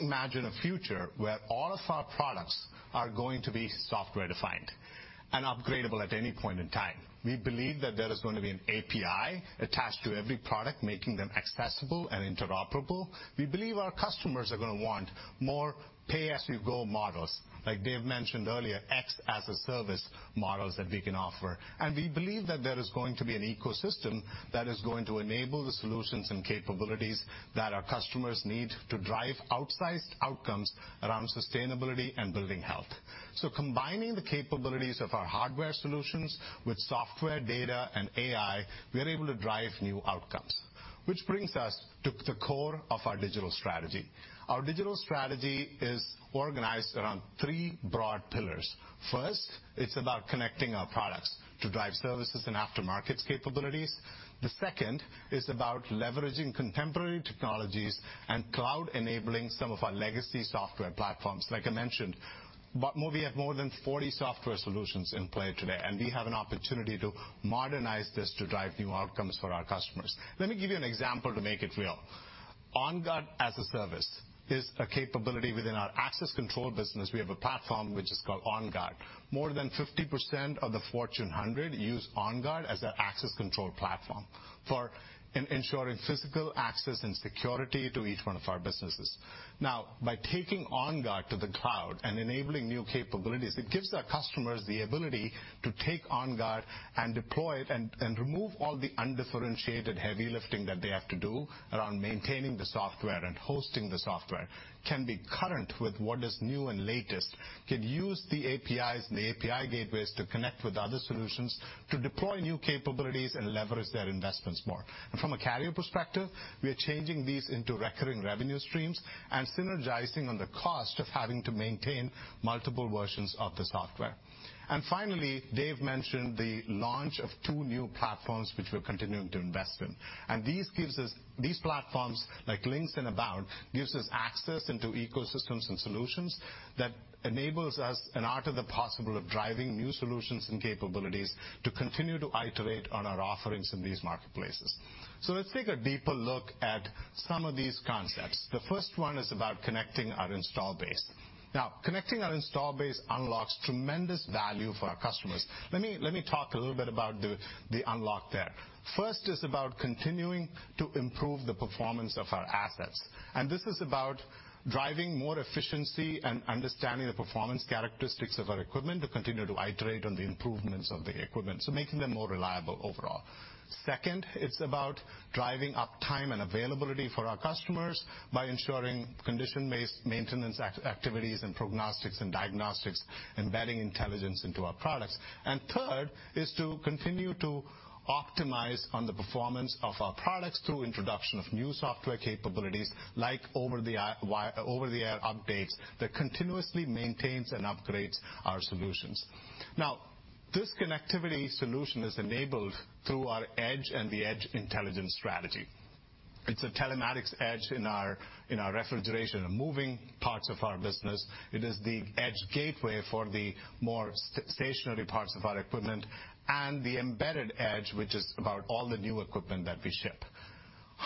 imagine a future where all of our products are going to be software-defined and upgradable at any point in time. We believe that there is gonna be an API attached to every product, making them accessible and interoperable. We believe our customers are gonna want more pay-as-you-go models, like Dave mentioned earlier, X-as-a-service models that we can offer. We believe that there is going to be an ecosystem that is going to enable the solutions and capabilities that our customers need to drive outsized outcomes around sustainability and building health. Combining the capabilities of our hardware solutions with software, data, and AI, we are able to drive new outcomes. Which brings us to the core of our digital strategy. Our digital strategy is organized around three broad pillars. First, it's about connecting our products to drive services and aftermarket capabilities. The second is about leveraging contemporary technologies and cloud enabling some of our legacy software platforms, like I mentioned. We have more than 40 software solutions in play today, and we have an opportunity to modernize this to drive new outcomes for our customers. Let me give you an example to make it real. OnGuard as a service is a capability within our access control business. We have a platform which is called OnGuard. More than 50% of the Fortune 100 use OnGuard as their access control platform for ensuring physical access and security to each one of our businesses. Now, by taking OnGuard to the cloud and enabling new capabilities, it gives our customers the ability to take OnGuard and deploy it and remove all the undifferentiated heavy lifting that they have to do around maintaining the software and hosting the software, can be current with what is new and latest, can use the APIs and the API gateways to connect with other solutions to deploy new capabilities and leverage their investments more. From a Carrier perspective, we are changing these into recurring revenue streams and synergizing on the cost of having to maintain multiple versions of the software. Finally, Dave mentioned the launch of two new platforms which we're continuing to invest in. These platforms like Lynx and Abound give us access into ecosystems and solutions that enable us an art of the possible of driving new solutions and capabilities to continue to iterate on our offerings in these marketplaces. Let's take a deeper look at some of these concepts. The first one is about connecting our installed base. Now, connecting our installed base unlocks tremendous value for our customers. Let me talk a little bit about the unlock there. First is about continuing to improve the performance of our assets. This is about driving more efficiency and understanding the performance characteristics of our equipment to continue to iterate on the improvements of the equipment, so making them more reliable overall. Second, it's about driving uptime and availability for our customers by ensuring condition-based maintenance activities and prognostics and diagnostics, embedding intelligence into our products. Third is to continue to optimize on the performance of our products through introduction of new software capabilities like over-the-air updates that continuously maintains and upgrades our solutions. Now, this connectivity solution is enabled through our edge and the edge intelligence strategy. It's a telematics edge in our refrigeration and moving parts of our business. It is the edge gateway for the more stationary parts of our equipment, and the embedded edge, which is about all the new equipment that we ship.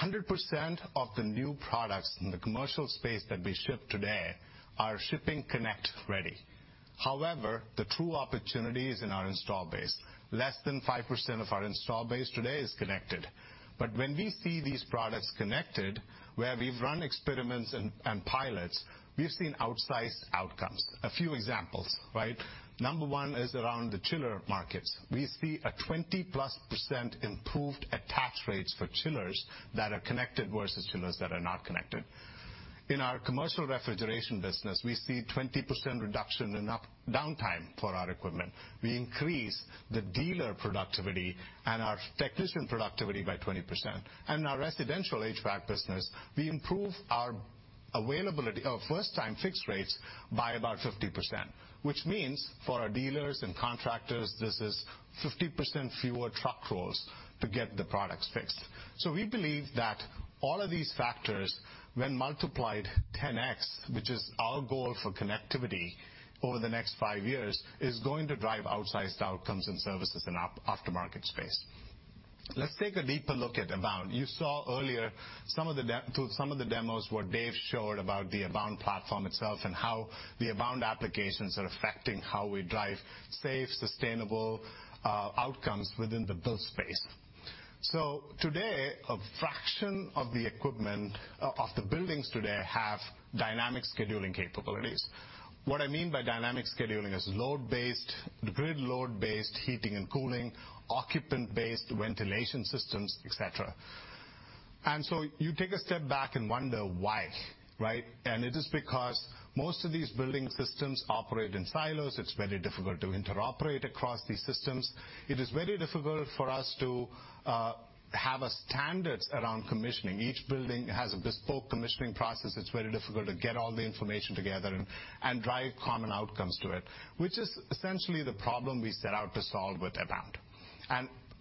100% of the new products in the commercial space that we ship today are shipping connect-ready. However, the true opportunity is in our install base. Less than 5% of our install base today is connected. When we see these products connected, where we've run experiments and pilots, we've seen outsized outcomes. A few examples, right? Number one is around the chiller markets. We see a 20%+ improved attach rates for chillers that are connected versus chillers that are not connected. In our commercial refrigeration business, we see 20% reduction in downtime for our equipment. We increase the dealer productivity and our technician productivity by 20%. In our residential HVAC business, we improve our availability of first time fix rates by about 50%, which means for our dealers and contractors, this is 50% fewer truck rolls to get the products fixed. We believe that all of these factors when multiplied 10x, which is our goal for connectivity over the next five years, is going to drive outsized outcomes and services in aftermarket space. Let's take a deeper look at Abound. You saw earlier some of the demos what Dave showed about the Abound platform itself and how the Abound applications are affecting how we drive safe, sustainable, outcomes within the building space. Today, a fraction of the equipment, of the buildings today have dynamic scheduling capabilities. What I mean by dynamic scheduling is load-based, grid load-based heating and cooling, occupant-based ventilation systems, et cetera. You take a step back and wonder why, right? It is because most of these building systems operate in silos. It's very difficult to interoperate across these systems. It is very difficult for us to have a standard around commissioning. Each building has a bespoke commissioning process. It's very difficult to get all the information together and drive common outcomes to it, which is essentially the problem we set out to solve with Abound.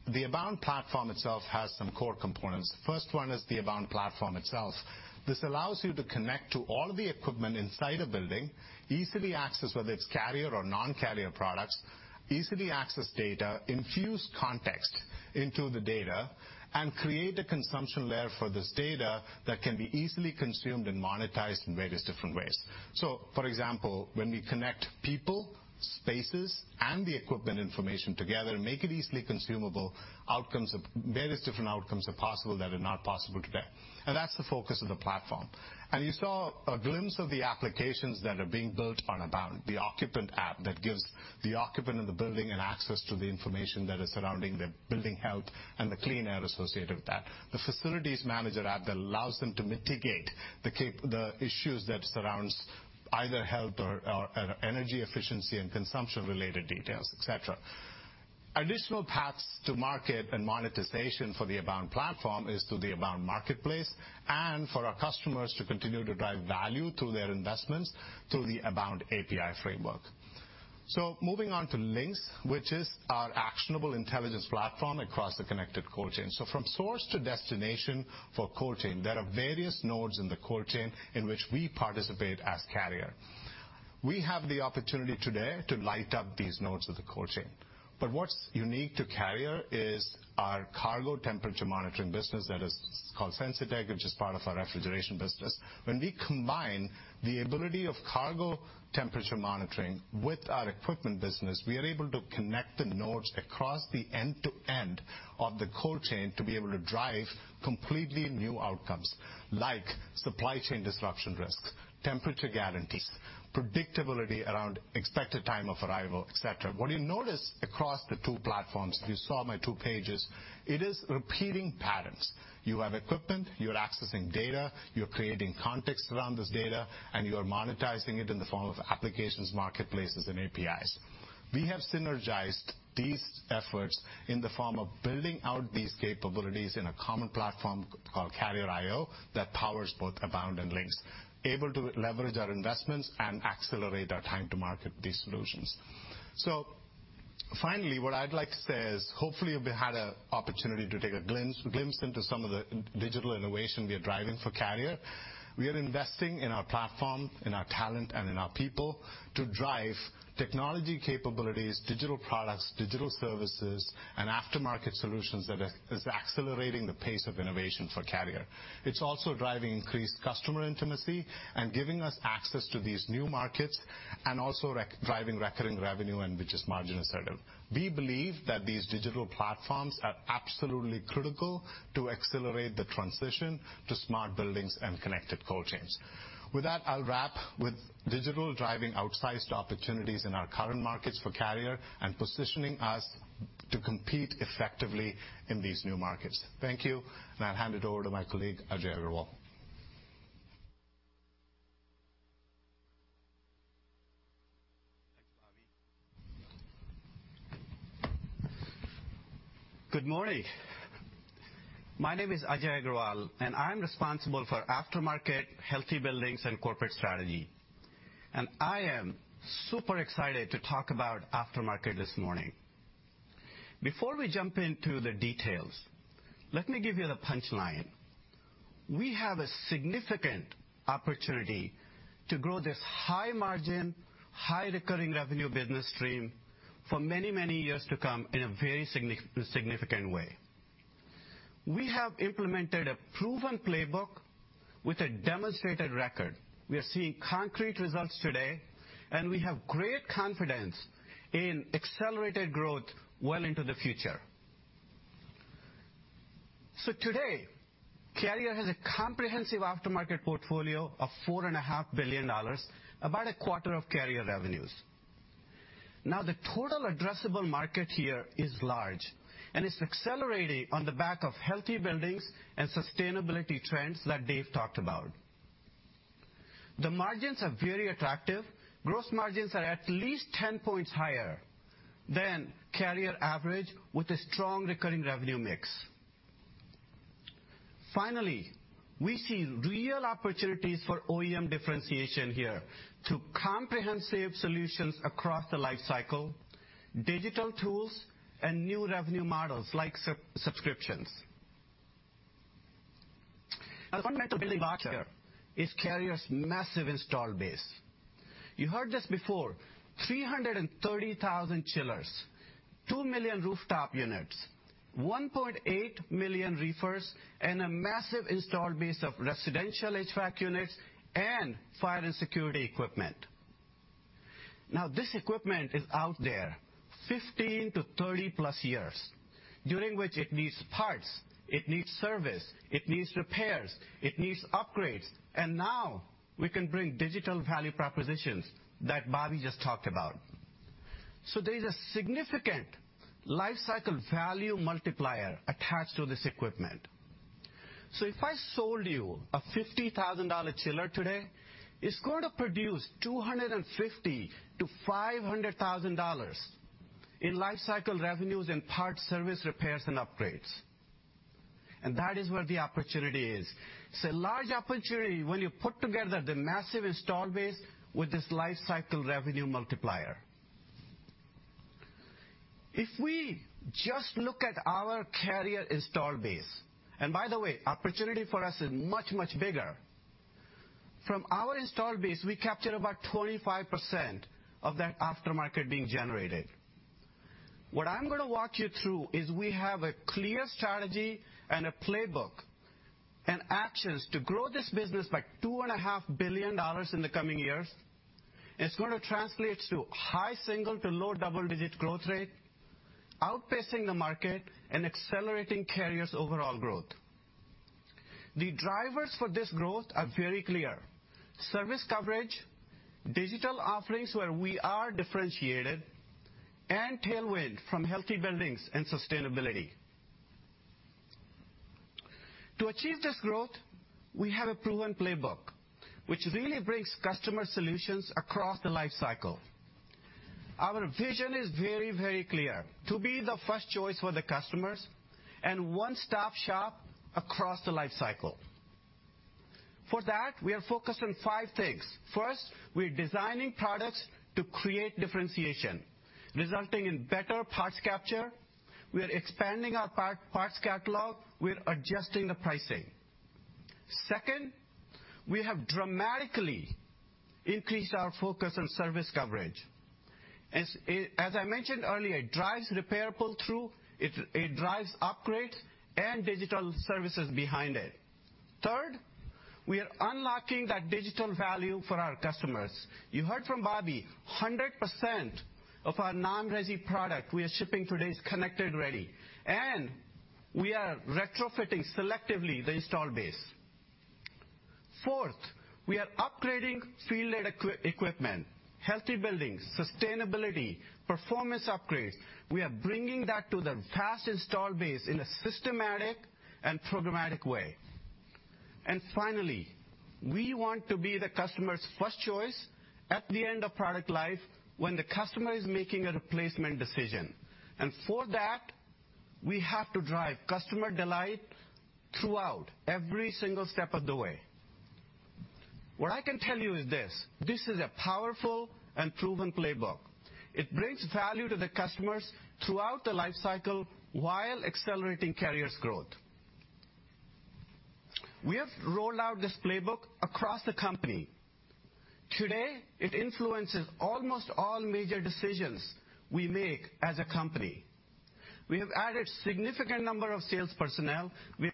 The Abound platform itself has some core components. The first one is the Abound platform itself. This allows you to connect to all the equipment inside a building, easily access whether it's Carrier or non-Carrier products, easily access data, infuse context into the data, and create a consumption layer for this data that can be easily consumed and monetized in various different ways. For example, when we connect people, spaces, and the equipment information together and make it easily consumable, outcomes of various different outcomes are possible that are not possible today. That's the focus of the platform. You saw a glimpse of the applications that are being built on Abound, the occupant app that gives the occupant in the building an access to the information that is surrounding the building health and the clean air associated with that. The facilities manager app that allows them to mitigate the issues that surrounds either health or energy efficiency and consumption-related details, etc. Additional paths to market and monetization for the Abound platform is through the Abound marketplace and for our customers to continue to drive value through their investments through the Abound API framework. Moving on to Lynx, which is our actionable intelligence platform across the connected cold chain. From source to destination for cold chain, there are various nodes in the cold chain in which we participate as Carrier. We have the opportunity today to light up these nodes of the cold chain. What's unique to Carrier is our cargo temperature monitoring business that is called Sensitech, which is part of our refrigeration business. When we combine the ability of cargo temperature monitoring with our equipment business, we are able to connect the nodes across the end-to-end of the cold chain to be able to drive completely new outcomes like supply chain disruption risk, temperature guarantees, predictability around expected time of arrival, etc. What you notice across the two platforms, if you saw my two pages, it is repeating patterns. You have equipment, you're accessing data, you're creating context around this data, and you are monetizing it in the form of applications, marketplaces, and APIs. We have synergized these efforts in the form of building out these capabilities in a common platform called Carrier IO that powers both Abound and Lynx, able to leverage our investments and accelerate our time to market these solutions. Finally, what I'd like to say is, hopefully, you've had an opportunity to take a glimpse into some of the digital innovation we are driving for Carrier. We are investing in our platform, in our talent, and in our people to drive technology capabilities, digital products, digital services, and aftermarket solutions that is accelerating the pace of innovation for Carrier. It's also driving increased customer intimacy and giving us access to these new markets and also driving recurring revenue and which is margin accretive. We believe that these digital platforms are absolutely critical to accelerate the transition to smart buildings and connected cold chains. With that, I'll wrap with digital driving outsized opportunities in our current markets for Carrier and positioning us to compete effectively in these new markets. Thank you. Now I'll hand it over to my colleague, Ajay Agrawal. Thanks, Bobby. Good morning. My name is Ajay Agrawal, and I am responsible for aftermarket, healthy buildings, and corporate strategy. I am super excited to talk about aftermarket this morning. Before we jump into the details, let me give you the punchline. We have a significant opportunity to grow this high margin, high recurring revenue business stream for many, many years to come in a very significant way. We have implemented a proven playbook with a demonstrated record. We are seeing concrete results today, and we have great confidence in accelerated growth well into the future. Today, Carrier has a comprehensive aftermarket portfolio of $4.5 billion, about a quarter of Carrier revenues. Now, the total addressable market here is large, and it's accelerating on the back of healthy buildings and sustainability trends that Dave talked about. The margins are very attractive. Gross margins are at least 10 points higher than Carrier average with a strong recurring revenue mix. Finally, we see real opportunities for OEM differentiation here through comprehensive solutions across the life cycle, digital tools, and new revenue models like sub-subscriptions. A fundamental building block here is Carrier's massive install base. You heard this before, 330,000 chillers, 2 million rooftop units, 1.8 million reefers, and a massive install base of residential HVAC units and fire and security equipment. Now, this equipment is out there 15-30+ years, during which it needs parts, it needs service, it needs repairs, it needs upgrades, and now we can bring digital value propositions that Bobby just talked about. There's a significant life cycle value multiplier attached to this equipment. If I sold you a $50,000 chiller today, it's gonna produce $250,000-$500,000 in life cycle revenues in parts, service, repairs, and upgrades. That is where the opportunity is. It's a large opportunity when you put together the massive install base with this life cycle revenue multiplier. If we just look at our Carrier install base, by the way, opportunity for us is much, much bigger. From our install base, we capture about 25% of that aftermarket being generated. What I'm gonna walk you through is we have a clear strategy and a playbook and actions to grow this business by $2.5 billion in the coming years. It's gonna translate to high single- to low double-digit growth rate, outpacing the market and accelerating Carrier's overall growth. The drivers for this growth are very clear. Service coverage, digital offerings where we are differentiated, and tailwind from healthy buildings and sustainability. To achieve this growth, we have a proven playbook, which really brings customer solutions across the life cycle. Our vision is very, very clear, to be the first choice for the customers and one-stop shop across the life cycle. For that, we are focused on five things. First, we're designing products to create differentiation, resulting in better parts capture. We are expanding our parts catalog. We're adjusting the pricing. Second, we have dramatically increased our focus on service coverage. As I mentioned earlier, it drives repair pull-through, it drives upgrade and digital services behind it. Third, we are unlocking that digital value for our customers. You heard from Bobby, 100% of our non-resi product we are shipping today is connected ready, and we are retrofitting selectively the install base. Fourth, we are upgrading field-led equipment, healthy buildings, sustainability, performance upgrades. We are bringing that to the vast install base in a systematic and programmatic way. Finally, we want to be the customer's first choice at the end of product life when the customer is making a replacement decision. For that, we have to drive customer delight throughout every single step of the way. What I can tell you is this: this is a powerful and proven playbook. It brings value to the customers throughout the life cycle while accelerating Carrier's growth. We have rolled out this playbook across the company. Today, it influences almost all major decisions we make as a company. We have added significant number of sales personnel. We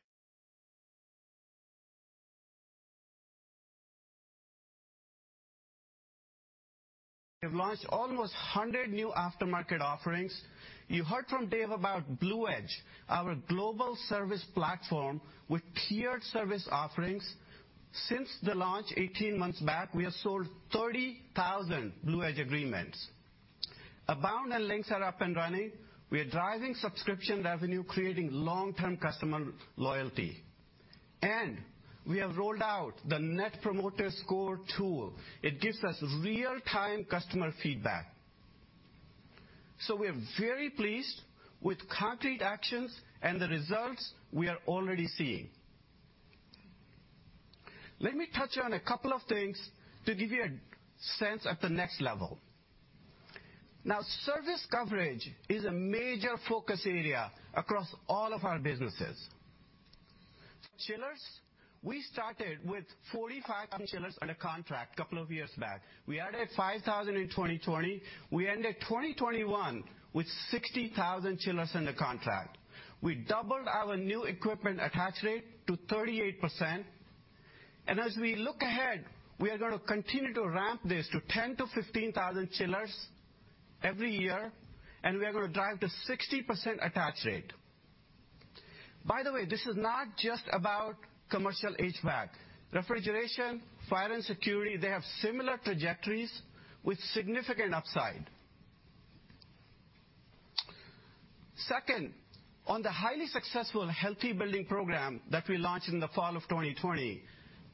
have launched almost 100 new aftermarket offerings. You heard from Dave about BluEdge, our global service platform with tiered service offerings. Since the launch 18 months back, we have sold 30,000 BluEdge agreements. Abound and Lynx are up and running. We are driving subscription revenue, creating long-term customer loyalty. We have rolled out the Net Promoter Score tool. It gives us real-time customer feedback. We are very pleased with concrete actions and the results we are already seeing. Let me touch on a couple of things to give you a sense at the next level. Now, service coverage is a major focus area across all of our businesses. Chillers, we started with 45,000 chillers under contract couple of years back. We added 5,000 in 2020. We ended 2021 with 60,000 chillers under contract. We doubled our new equipment attach rate to 38%. As we look ahead, we are gonna continue to ramp this to 10,000-15,000 chillers every year, and we are gonna drive to 60% attach rate. By the way, this is not just about commercial HVAC. Refrigeration, Fire and Security, they have similar trajectories with significant upside. Second, on the highly successful Healthy Building program that we launched in the fall of 2020,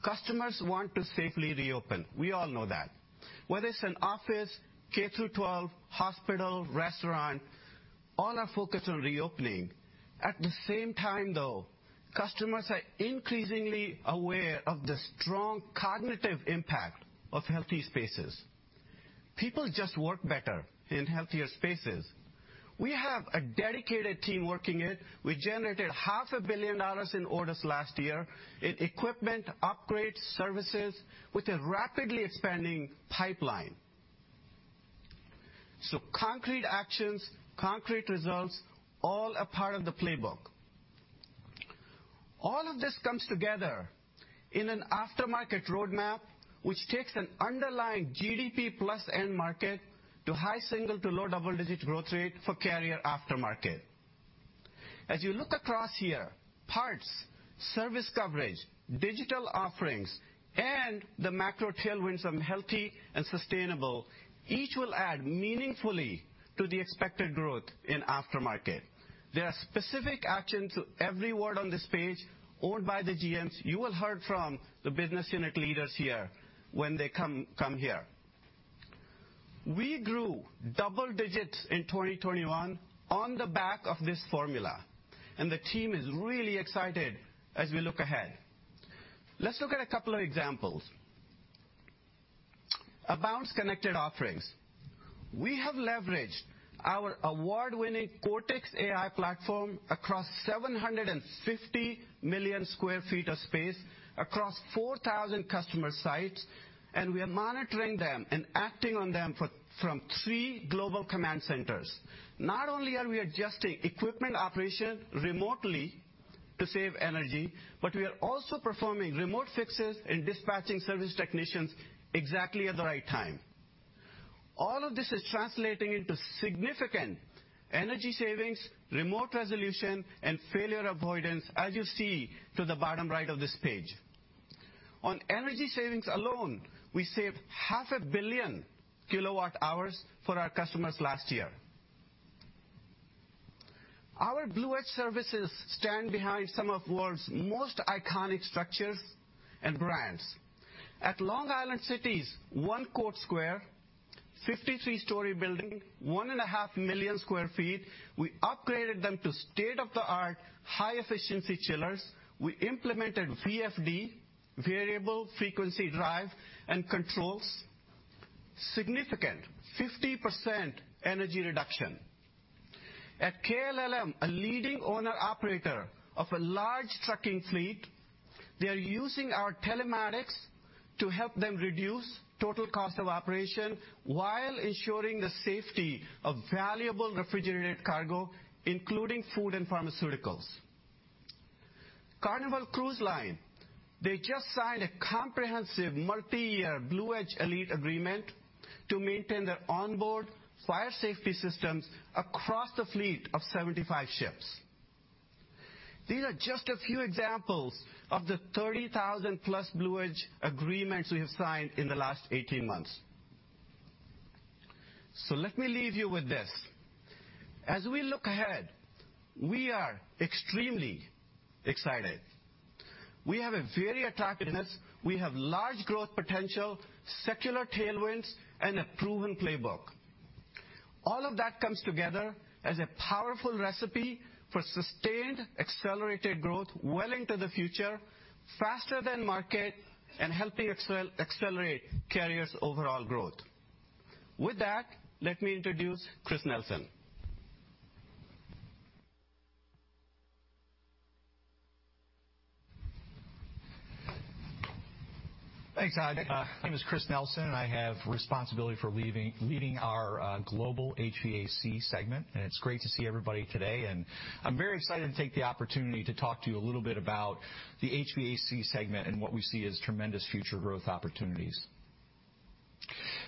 customers want to safely reopen. We all know that. Whether it's an office, K-12, hospital, restaurant, all are focused on reopening. At the same time, though, customers are increasingly aware of the strong cognitive impact of healthy spaces. People just work better in healthier spaces. We have a dedicated team working it. We generated half a billion dollars in orders last year in equipment upgrades, services, with a rapidly expanding pipeline. Concrete actions, concrete results, all a part of the playbook. All of this comes together in an aftermarket roadmap, which takes an underlying GDP plus end market to high single-digit to low double-digit growth rate for Carrier aftermarket. As you look across here, parts, service coverage, digital offerings, and the macro tailwinds from healthy and sustainable, each will add meaningfully to the expected growth in aftermarket. There are specific actions to every word on this page owned by the GMs. You will hear from the business unit leaders here when they come here. We grew double digits in 2021 on the back of this formula, and the team is really excited as we look ahead. Let's look at a couple of examples. Abound's connected offerings. We have leveraged our award-winning CORTIX AI platform across 750 million sq ft of space, across 4,000 customer sites, and we are monitoring them and acting on them from three global command centers. Not only are we adjusting equipment operation remotely to save energy, but we are also performing remote fixes and dispatching service technicians exactly at the right time. All of this is translating into significant energy savings, remote resolution, and failure avoidance, as you see to the bottom right of this page. On energy savings alone, we saved 500 million kWh for our customers last year. Our BluEdge services stand behind some of world's most iconic structures and brands. At Long Island City's One Court Square, 53-story building, 1.5 million sq ft, we upgraded them to state-of-the-art high-efficiency chillers. We implemented VFD, variable frequency drive, and controls. Significant 50% energy reduction. At KLLM, a leading owner operator of a large trucking fleet, they are using our telematics to help them reduce total cost of operation while ensuring the safety of valuable refrigerated cargo, including food and pharmaceuticals. Carnival Cruise Line, they just signed a comprehensive multiyear BluEdge elite agreement to maintain their onboard fire safety systems across the fleet of 75 ships. These are just a few examples of the 30,000+ BluEdge agreements we have signed in the last 18 months. Let me leave you with this. As we look ahead, we are extremely excited. We have a very attractive business. We have large growth potential, secular tailwinds, and a proven playbook. All of that comes together as a powerful recipe for sustained, accelerated growth well into the future, faster than market and helping accelerate Carrier's overall growth. With that, let me introduce Chris Nelson. Thanks, Ajay. My name is Chris Nelson, and I have responsibility for leading our global HVAC segment. It's great to see everybody today. I'm very excited to take the opportunity to talk to you a little bit about the HVAC segment and what we see as tremendous future growth opportunities.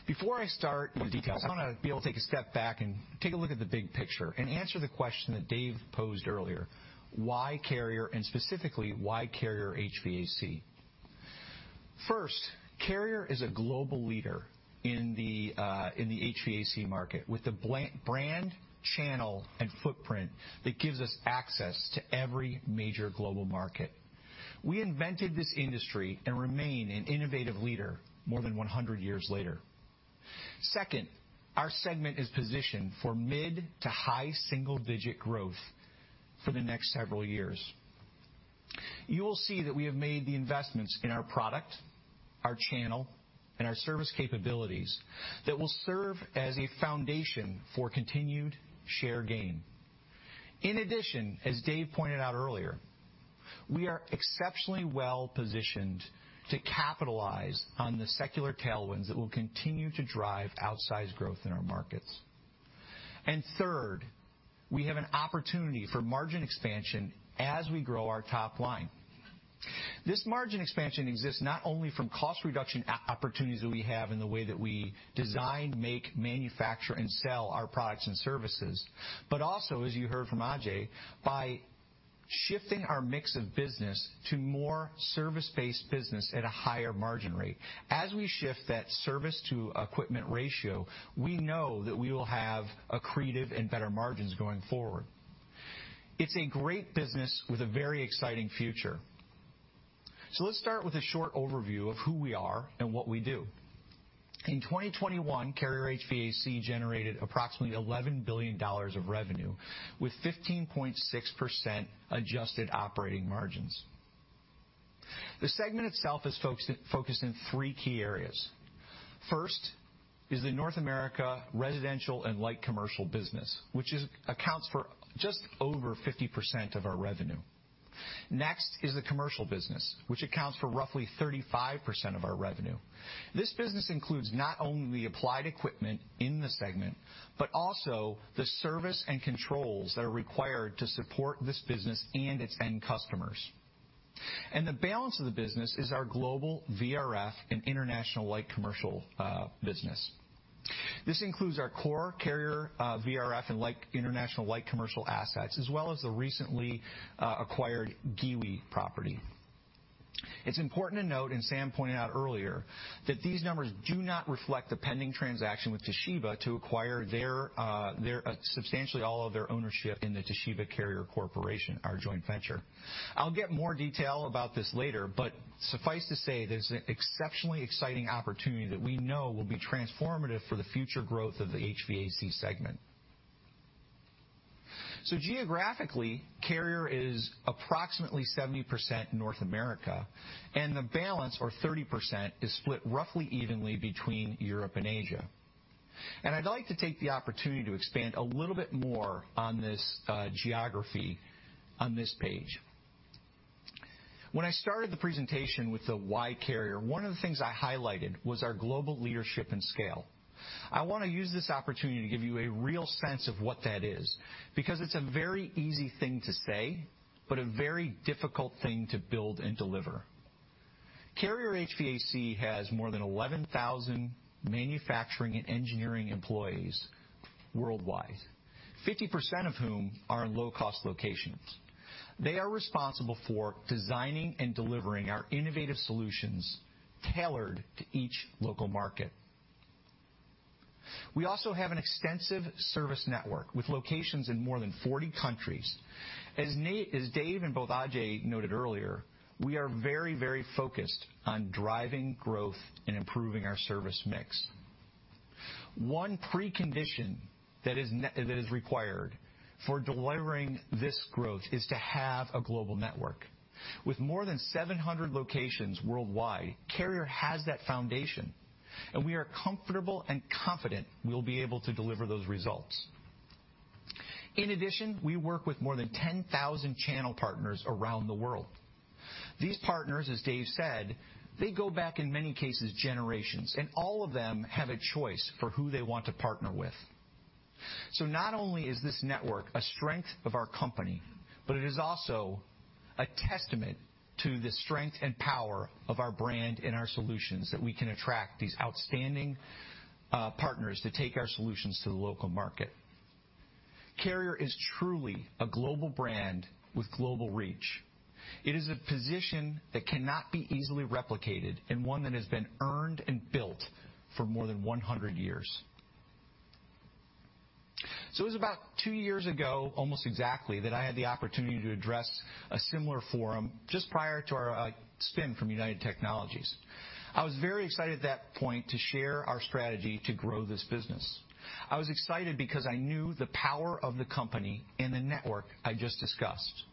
Before I start the details, I wanna be able to take a step back and take a look at the big picture and answer the question that Dave posed earlier, why Carrier, and specifically why Carrier HVAC? First, Carrier is a global leader in the HVAC market with a brand, channel, and footprint that gives us access to every major global market. We invented this industry and remain an innovative leader more than 100 years later. Second, our segment is positioned for mid- to high single-digit growth for the next several years. You will see that we have made the investments in our product, our channel, and our service capabilities that will serve as a foundation for continued share gain. In addition, as Dave pointed out earlier, we are exceptionally well positioned to capitalize on the secular tailwinds that will continue to drive outsized growth in our markets. Third, we have an opportunity for margin expansion as we grow our top line. This margin expansion exists not only from cost reduction opportunities that we have in the way that we design, make, manufacture, and sell our products and services, but also, as you heard from Ajay, by shifting our mix of business to more service-based business at a higher margin rate. As we shift that service to equipment ratio, we know that we will have accretive and better margins going forward. It's a great business with a very exciting future. Let's start with a short overview of who we are and what we do. In 2021, Carrier HVAC generated approximately $11 billion of revenue with 15.6% adjusted operating margins. The segment itself is focused in three key areas. First is the North America residential and light commercial business, which accounts for just over 50% of our revenue. Next is the commercial business, which accounts for roughly 35% of our revenue. This business includes not only the applied equipment in the segment, but also the service and controls that are required to support this business and its end customers. The balance of the business is our global VRF and international light commercial business. This includes our core Carrier VRF and international light commercial assets, as well as the recently acquired Giwee property. It's important to note, and Sam pointed out earlier, that these numbers do not reflect the pending transaction with Toshiba to acquire substantially all of their ownership in the Toshiba Carrier Corporation, our joint venture. I'll get more detail about this later, but suffice to say, there's an exceptionally exciting opportunity that we know will be transformative for the future growth of the HVAC segment. Geographically, Carrier is approximately 70% North America, and the balance or 30% is split roughly evenly between Europe and Asia. I'd like to take the opportunity to expand a little bit more on this geography on this page. When I started the presentation with the why Carrier, one of the things I highlighted was our global leadership and scale. I wanna use this opportunity to give you a real sense of what that is, because it's a very easy thing to say, but a very difficult thing to build and deliver. Carrier HVAC has more than 11,000 manufacturing and engineering employees worldwide, 50% of whom are in low-cost locations. They are responsible for designing and delivering our innovative solutions tailored to each local market. We also have an extensive service network with locations in more than 40 countries. As Dave and both Ajay noted earlier, we are very, very focused on driving growth and improving our service mix. One precondition that is required for delivering this growth is to have a global network. With more than 700 locations worldwide, Carrier has that foundation, and we are comfortable and confident we'll be able to deliver those results. In addition, we work with more than 10,000 channel partners around the world. These partners, as Dave said, they go back in many cases generations, and all of them have a choice for who they want to partner with. Not only is this network a strength of our company, but it is also a testament to the strength and power of our brand and our solutions that we can attract these outstanding partners to take our solutions to the local market. Carrier is truly a global brand with global reach. It is a position that cannot be easily replicated and one that has been earned and built for more than 100 years. It was about two years ago, almost exactly, that I had the opportunity to address a similar forum just prior to our spin from United Technologies. I was very excited at that point to share our strategy to grow this business. I was excited because I knew the power of the company and the network I just discussed.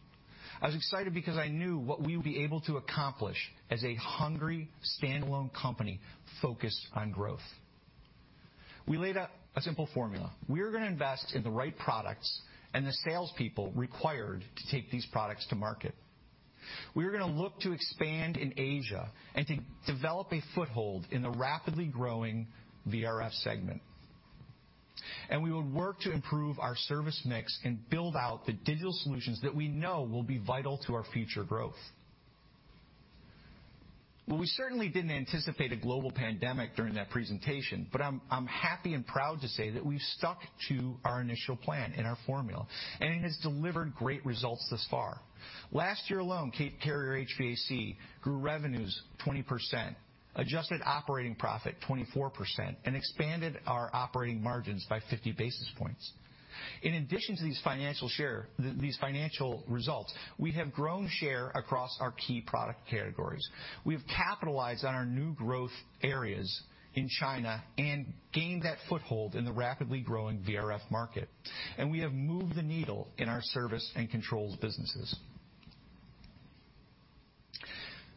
I was excited because I knew what we would be able to accomplish as a hungry, standalone company focused on growth. We laid out a simple formula. We are gonna invest in the right products and the salespeople required to take these products to market. We are gonna look to expand in Asia and to develop a foothold in the rapidly growing VRF segment. We will work to improve our service mix and build out the digital solutions that we know will be vital to our future growth. Well, we certainly didn't anticipate a global pandemic during that presentation, but I'm happy and proud to say that we've stuck to our initial plan and our formula, and it has delivered great results thus far. Last year alone, Carrier HVAC grew revenues 20%, adjusted operating profit 24%, and expanded our operating margins by 50 basis points. In addition to these financial results, we have grown share across our key product categories. We've capitalized on our new growth areas in China and gained that foothold in the rapidly growing VRF market. We have moved the needle in our service and controls businesses.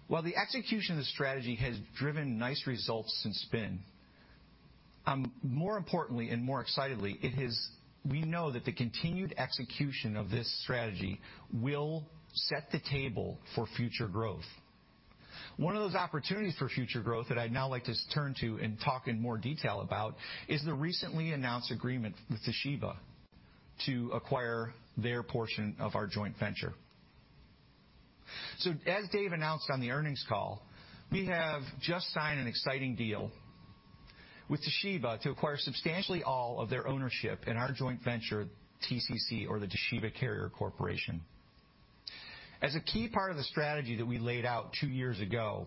While the execution of the strategy has driven nice results since spin, more importantly and more excitedly, it has, we know that the continued execution of this strategy will set the table for future growth. One of those opportunities for future growth that I'd now like to turn to and talk in more detail about is the recently announced agreement with Toshiba to acquire their portion of our joint venture. As Dave announced on the earnings call, we have just signed an exciting deal with Toshiba to acquire substantially all of their ownership in our joint venture, TCC, or the Toshiba Carrier Corporation. As a key part of the strategy that we laid out two years ago,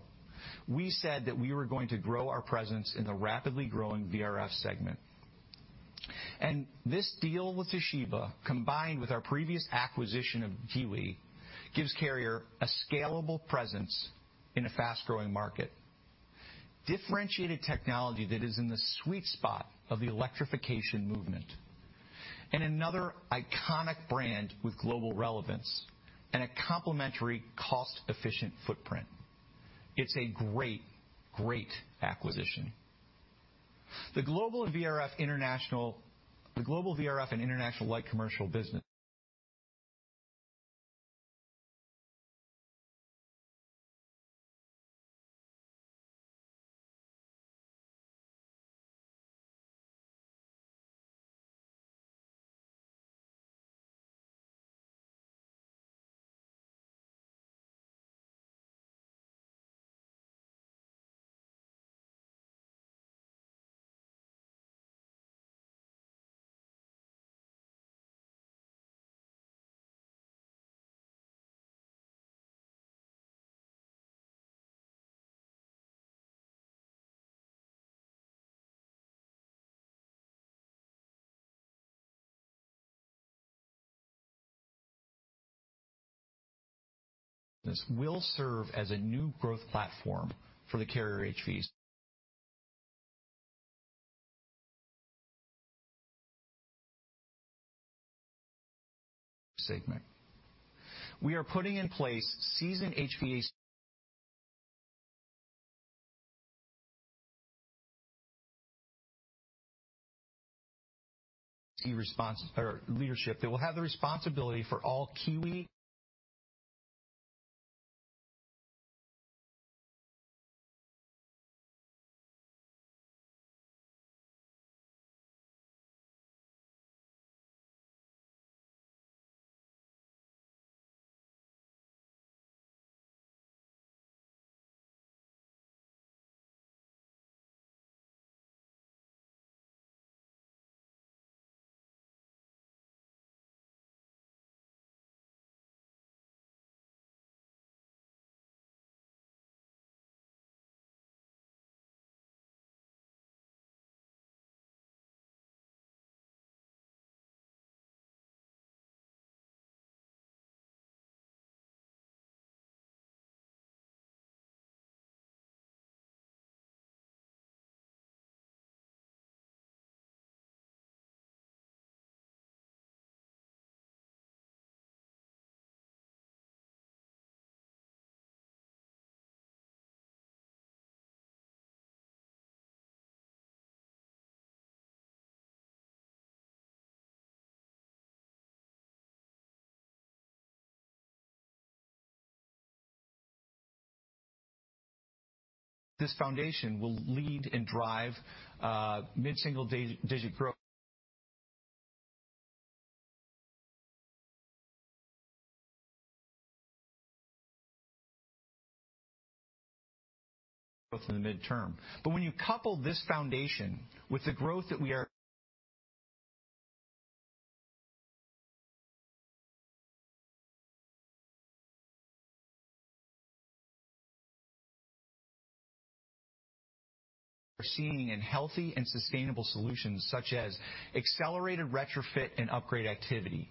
we said that we were going to grow our presence in the rapidly growing VRF segment. This deal with Toshiba, combined with our previous acquisition of Giwee, gives Carrier a scalable presence in a fast-growing market, differentiated technology that is in the sweet spot of the electrification movement, and another iconic brand with global relevance and a complementary cost-efficient footprint. It's a great acquisition. The global VRF and international light commercial business will serve as a new growth platform for the Carrier HVAC segment. We are putting in place seasoned HVAC residential leadership that will have the responsibility for all key. This foundation will lead and drive mid-single-digit growth in the mid-term. When you couple this foundation with the growth that we are seeing in healthy and sustainable solutions such as accelerated retrofit and upgrade activity,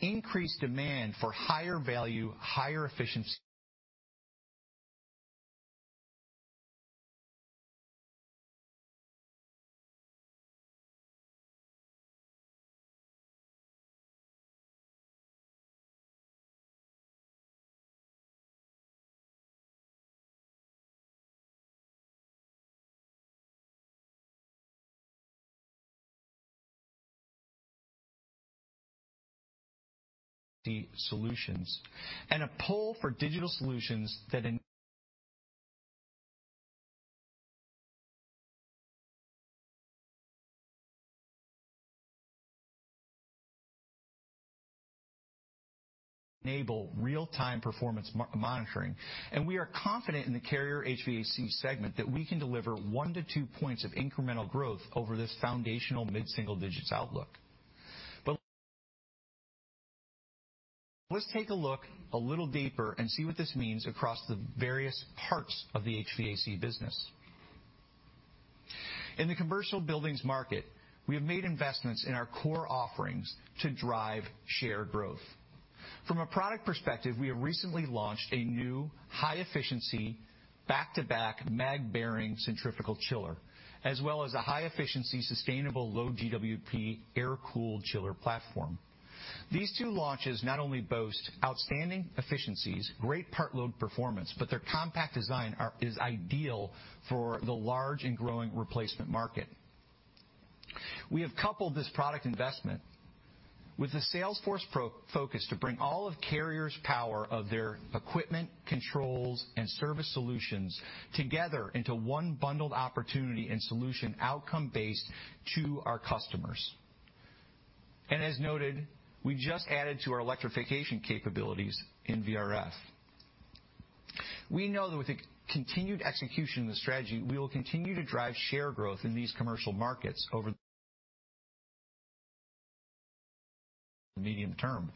increased demand for higher value, higher efficiency solutions, and a pull for digital solutions that enable real-time performance monitoring, we are confident in the Carrier HVAC segment that we can deliver one to two points of incremental growth over this foundational mid-single-digits outlook. Let's take a look a little deeper and see what this means across the various parts of the HVAC business. In the commercial buildings market, we have made investments in our core offerings to drive share growth. From a product perspective, we have recently launched a new high efficiency back-to-back mag-bearing centrifugal chiller, as well as a high efficiency, sustainable low GWP air-cooled chiller platform. These two launches not only boast outstanding efficiencies, great part load performance, but their compact design is ideal for the large and growing replacement market. We have coupled this product investment with the sales force pro-focus to bring all of Carrier's power of their equipment, controls, and service solutions together into one bundled opportunity and solution outcome-based to our customers. As noted, we just added to our electrification capabilities in VRF. We know that with the continued execution of the strategy, we will continue to drive share growth in these commercial markets over the medium term.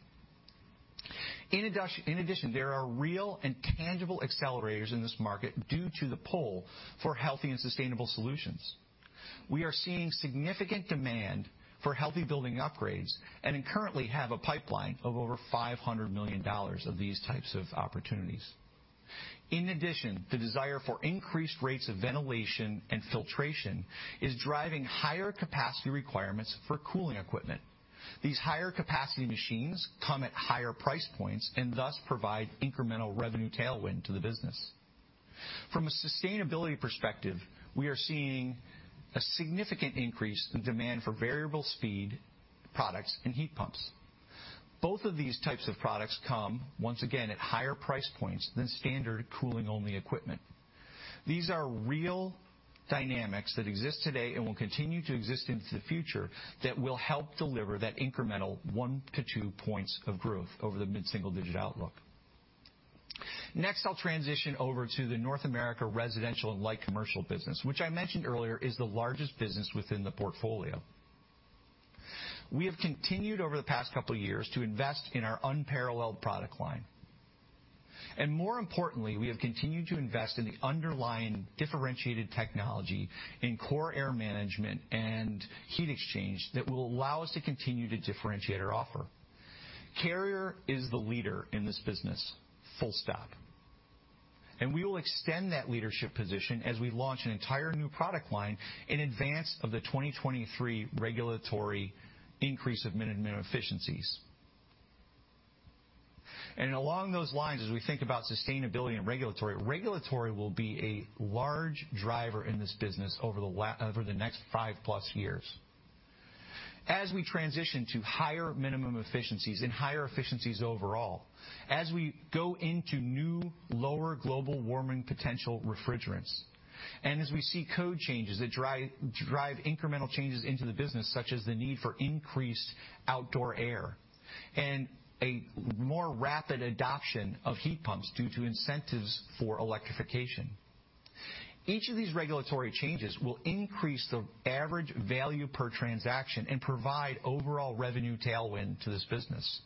In addition, there are real and tangible accelerators in this market due to the pull for healthy and sustainable solutions. We are seeing significant demand for healthy building upgrades and we currently have a pipeline of over $500 million of these types of opportunities. In addition, the desire for increased rates of ventilation and filtration is driving higher capacity requirements for cooling equipment. These higher capacity machines come at higher price points and thus provide incremental revenue tailwind to the business. From a sustainability perspective, we are seeing a significant increase in demand for variable speed products and heat pumps. Both of these types of products come, once again, at higher price points than standard cooling-only equipment. These are real dynamics that exist today and will continue to exist into the future that will help deliver that incremental one to two points of growth over the mid-single-digit outlook. Next, I'll transition over to the North America residential and light commercial business, which I mentioned earlier is the largest business within the portfolio. We have continued over the past couple of years to invest in our unparalleled product line. More importantly, we have continued to invest in the underlying differentiated technology in core air management and heat exchange that will allow us to continue to differentiate our offer. Carrier is the leader in this business, full stop. We will extend that leadership position as we launch an entire new product line in advance of the 2023 regulatory increase of minimum efficiencies. Along those lines, as we think about sustainability and regulatory will be a large driver in this business over the next 5+ years. As we transition to higher minimum efficiencies and higher efficiencies overall, as we go into new lower global warming potential refrigerants, and as we see code changes that drive incremental changes into the business, such as the need for increased outdoor air and a more rapid adoption of heat pumps due to incentives for electrification. Each of these regulatory changes will increase the average value per transaction and provide overall revenue tailwind to this business.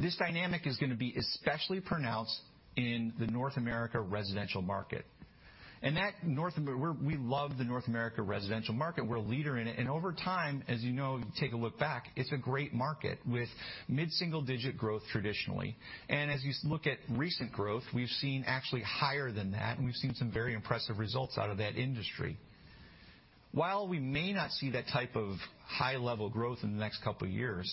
This dynamic is going to be especially pronounced in the North America residential market. We love the North America residential market. We're a leader in it. Over time, as you know, you take a look back, it's a great market with mid-single-digit growth traditionally. As you look at recent growth, we've seen actually higher than that, and we've seen some very impressive results out of that industry. While we may not see that type of high level growth in the next couple of years,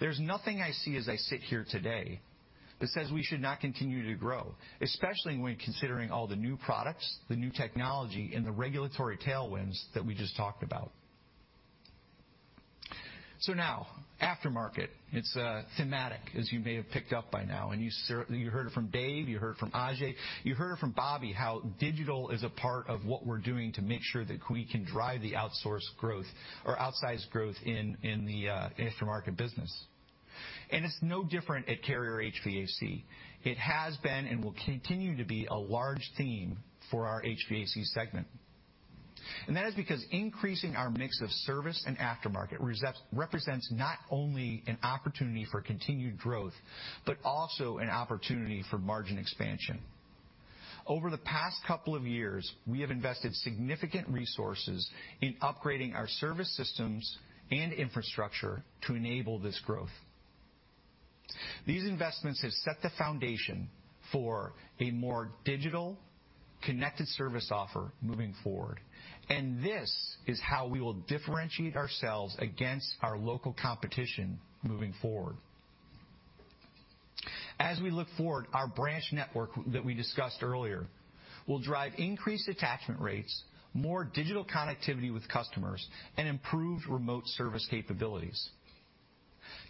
there's nothing I see as I sit here today that says we should not continue to grow, especially when considering all the new products, the new technology, and the regulatory tailwinds that we just talked about. Now aftermarket, it's thematic, as you may have picked up by now, and you heard it from Dave, you heard it from Ajay, you heard it from Bobby, how digital is a part of what we're doing to make sure that we can drive the outsized growth in the aftermarket business. It's no different at Carrier HVAC. It has been and will continue to be a large theme for our HVAC segment. That is because increasing our mix of service and aftermarket represents not only an opportunity for continued growth, but also an opportunity for margin expansion. Over the past couple of years, we have invested significant resources in upgrading our service systems and infrastructure to enable this growth. These investments have set the foundation for a more digital connected service offer moving forward, and this is how we will differentiate ourselves against our local competition moving forward. As we look forward, our branch network that we discussed earlier will drive increased attachment rates, more digital connectivity with customers, and improved remote service capabilities.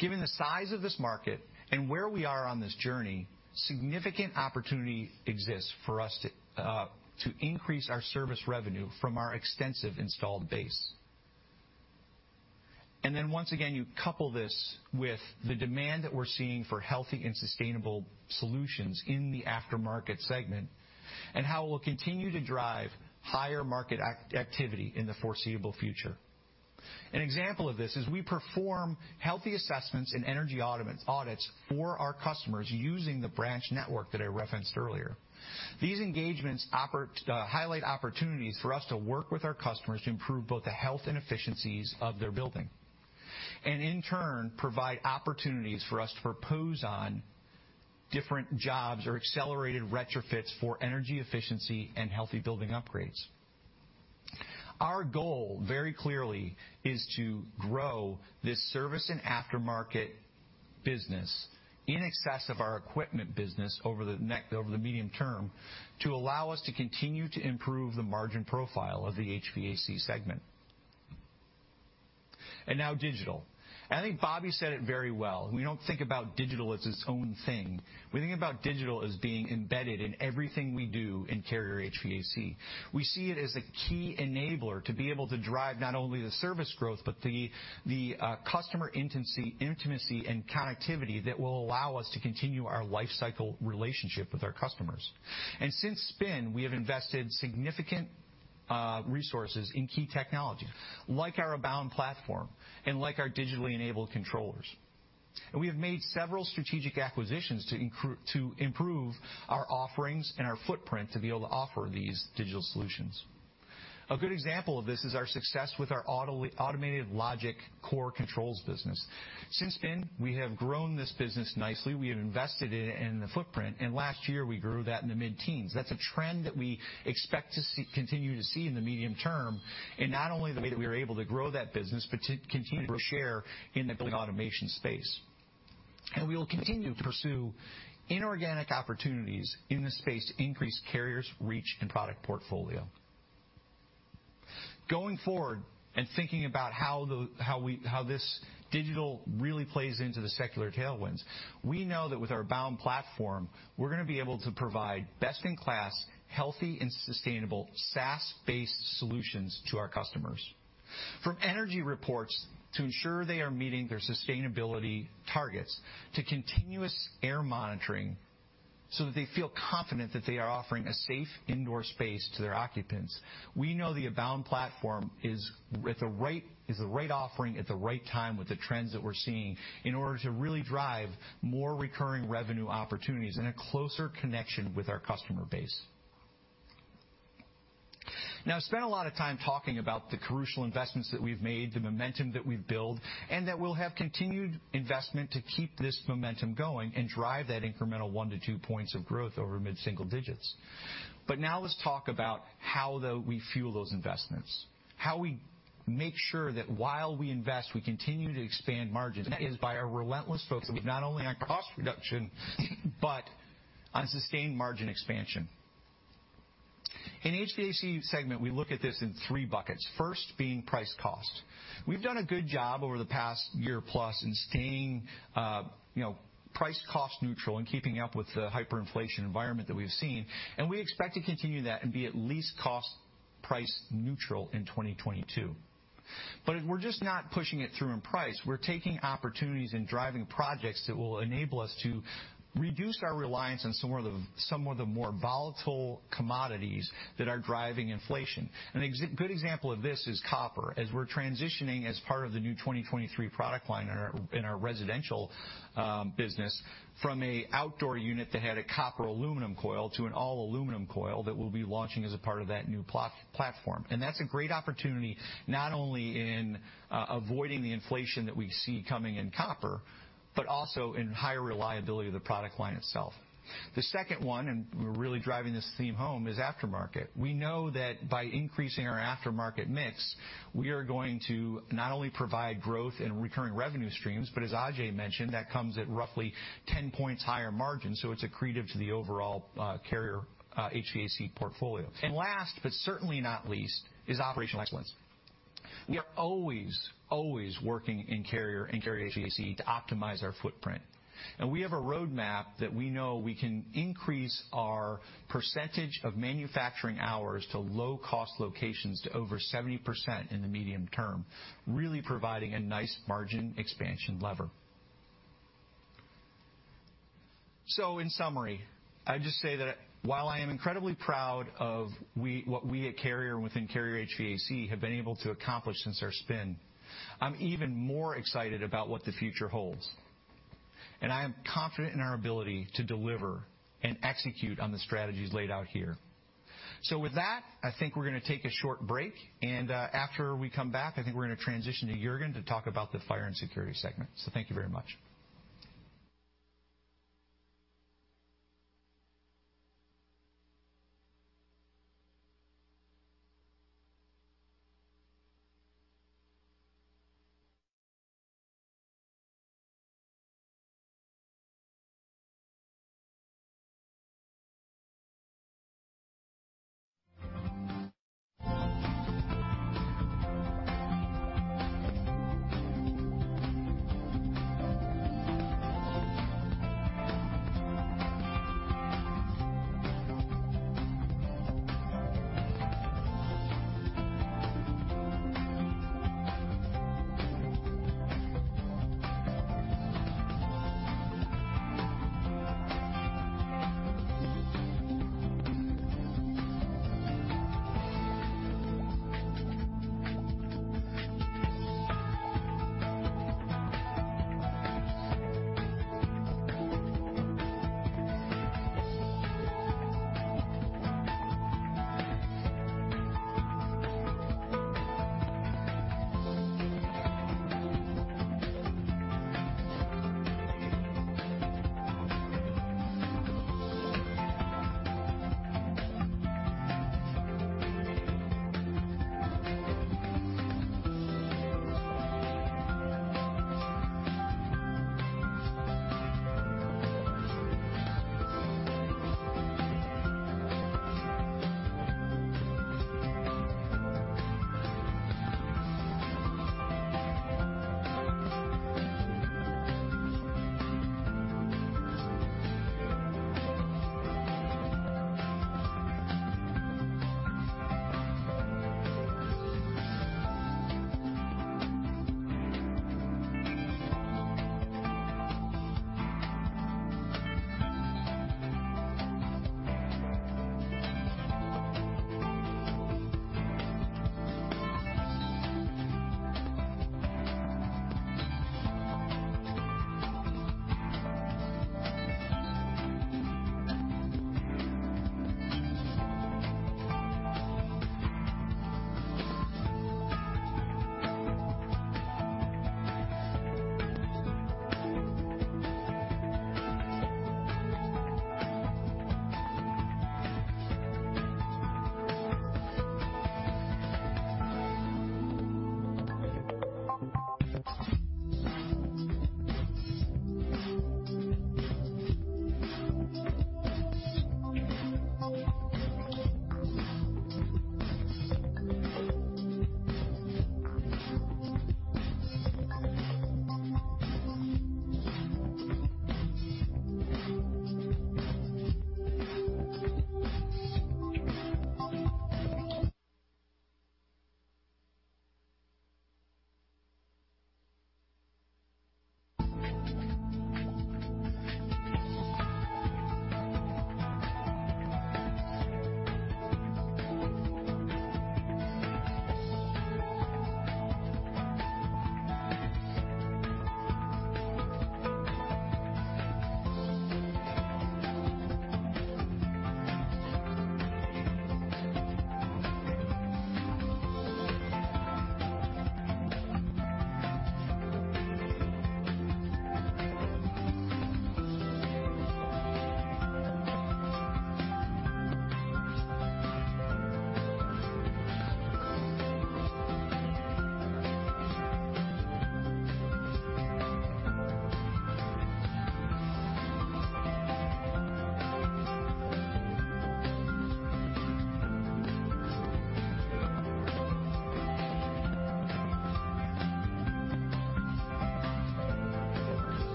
Given the size of this market and where we are on this journey, significant opportunity exists for us to increase our service revenue from our extensive installed base. Once again, you couple this with the demand that we're seeing for healthy and sustainable solutions in the aftermarket segment and how we'll continue to drive higher market activity in the foreseeable future. An example of this is we perform healthy assessments and energy audits for our customers using the branch network that I referenced earlier. These engagements highlight opportunities for us to work with our customers to improve both the health and efficiencies of their building, and in turn, provide opportunities for us to propose on different jobs or accelerated retrofits for energy efficiency and healthy building upgrades. Our goal very clearly is to grow this service and aftermarket business in excess of our equipment business over the medium term to allow us to continue to improve the margin profile of the HVAC segment. Now digital. I think Bobby said it very well. We don't think about digital as its own thing. We think about digital as being embedded in everything we do in Carrier HVAC. We see it as a key enabler to be able to drive not only the service growth, but the customer intimacy and connectivity that will allow us to continue our life cycle relationship with our customers. Since the spin, we have invested significant resources in key technology, like our Abound platform and like our digitally enabled controllers. We have made several strategic acquisitions to improve our offerings and our footprint to be able to offer these digital solutions. A good example of this is our success with our Automated Logic controls business. Since then, we have grown this business nicely. We have invested in it and the footprint, and last year, we grew that in the mid-teens%. That's a trend that we expect to continue to see in the medium term, and not only the way that we are able to grow that business, but to continue to share in the building automation space. We will continue to pursue inorganic opportunities in this space to increase Carrier's reach and product portfolio. Going forward and thinking about how this digital really plays into the secular tailwinds, we know that with our Abound platform, we're gonna be able to provide best-in-class, healthy, and sustainable SaaS-based solutions to our customers. From energy reports to ensure they are meeting their sustainability targets to continuous air monitoring so that they feel confident that they are offering a safe indoor space to their occupants, we know the Abound platform is the right offering at the right time with the trends that we're seeing in order to really drive more recurring revenue opportunities and a closer connection with our customer base. Now I've spent a lot of time talking about the crucial investments that we've made, the momentum that we've built, and that we'll have continued investment to keep this momentum going and drive that incremental one to two points of growth over mid-single digits. Now let's talk about how we fuel those investments, how we make sure that while we invest, we continue to expand margins. That is by our relentless focus not only on cost reduction, but on sustained margin expansion. In HVAC segment, we look at this in three buckets. First being price cost. We've done a good job over the past year plus in staying, price cost neutral and keeping up with the hyperinflation environment that we've seen. We expect to continue that and be at least cost price neutral in 2022. We're just not pushing it through in price. We're taking opportunities and driving projects that will enable us to reduce our reliance on some of the more volatile commodities that are driving inflation. Good example of this is copper. We're transitioning as part of the new 2023 product line in our residential business from an outdoor unit that had a copper aluminum coil to an all-aluminum coil that we'll be launching as a part of that new platform. That's a great opportunity not only in avoiding the inflation that we see coming in copper, but also in higher reliability of the product line itself. The second one, and we're really driving this theme home, is aftermarket. We know that by increasing our aftermarket mix, we are going to not only provide growth in recurring revenue streams, but as Ajay mentioned, that comes at roughly 10 points higher margin. It's accretive to the overall Carrier HVAC portfolio. Last, but certainly not least, is operational excellence. We are always working in Carrier, in Carrier HVAC to optimize our footprint. We have a roadmap that we know we can increase our percentage of manufacturing hours to low cost locations to over 70% in the medium term, really providing a nice margin expansion lever. In summary, I just say that while I am incredibly proud of what we at Carrier and within Carrier HVAC have been able to accomplish since our spin, I'm even more excited about what the future holds. I am confident in our ability to deliver and execute on the strategies laid out here. With that, I think we're gonna take a short break, and after we come back, I think we're gonna transition to Jurgen to talk about the Fire and Security segment. Thank you very much.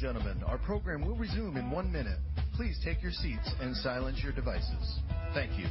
Ladies and gentlemen, our program will resume in one minute. Please take your seats and silence your devices. Thank you.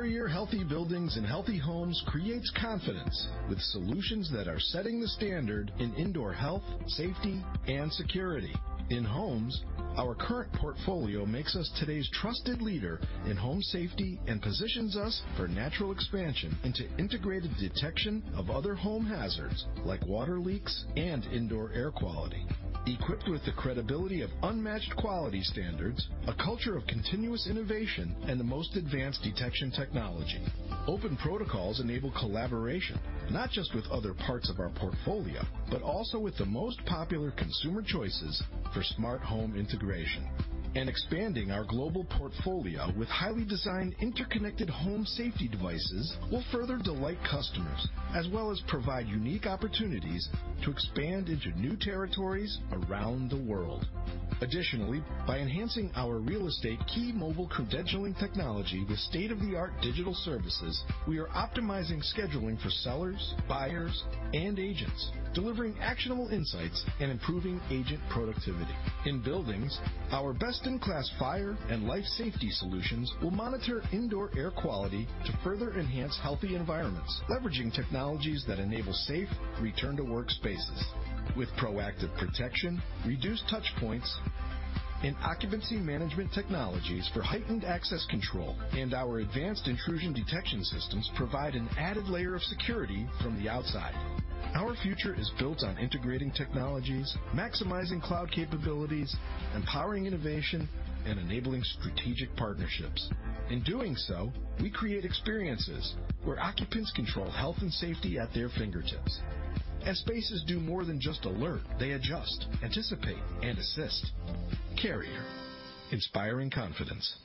Carrier Healthy Buildings and Healthy Homes creates confidence with solutions that are setting the standard in indoor health, safety, and security. In homes, our current portfolio makes us today's trusted leader in home safety and positions us for natural expansion into integrated detection of other home hazards, like water leaks and indoor air quality, equipped with the credibility of unmatched quality standards, a culture of continuous innovation, and the most advanced detection technology. Open protocols enable collaboration, not just with other parts of our portfolio, but also with the most popular consumer choices for smart home integration. Expanding our global portfolio with highly designed interconnected home safety devices will further delight customers, as well as provide unique opportunities to expand into new territories around the world. Additionally, by enhancing our real estate key mobile credentialing technology with state-of-the-art digital services, we are optimizing scheduling for sellers, buyers, and agents, delivering actionable insights and improving agent productivity. In buildings, our best-in-class fire and life safety solutions will monitor indoor air quality to further enhance healthy environments, leveraging technologies that enable safe return to work spaces. With proactive protection, reduced touch points, and occupancy management technologies for heightened access control. Our advanced intrusion detection systems provide an added layer of security from the outside. Our future is built on integrating technologies, maximizing cloud capabilities, empowering innovation, and enabling strategic partnerships. In doing so, we create experiences where occupants control health and safety at their fingertips. As spaces do more than just alert, they adjust, anticipate, and assist. Carrier, inspiring confidence.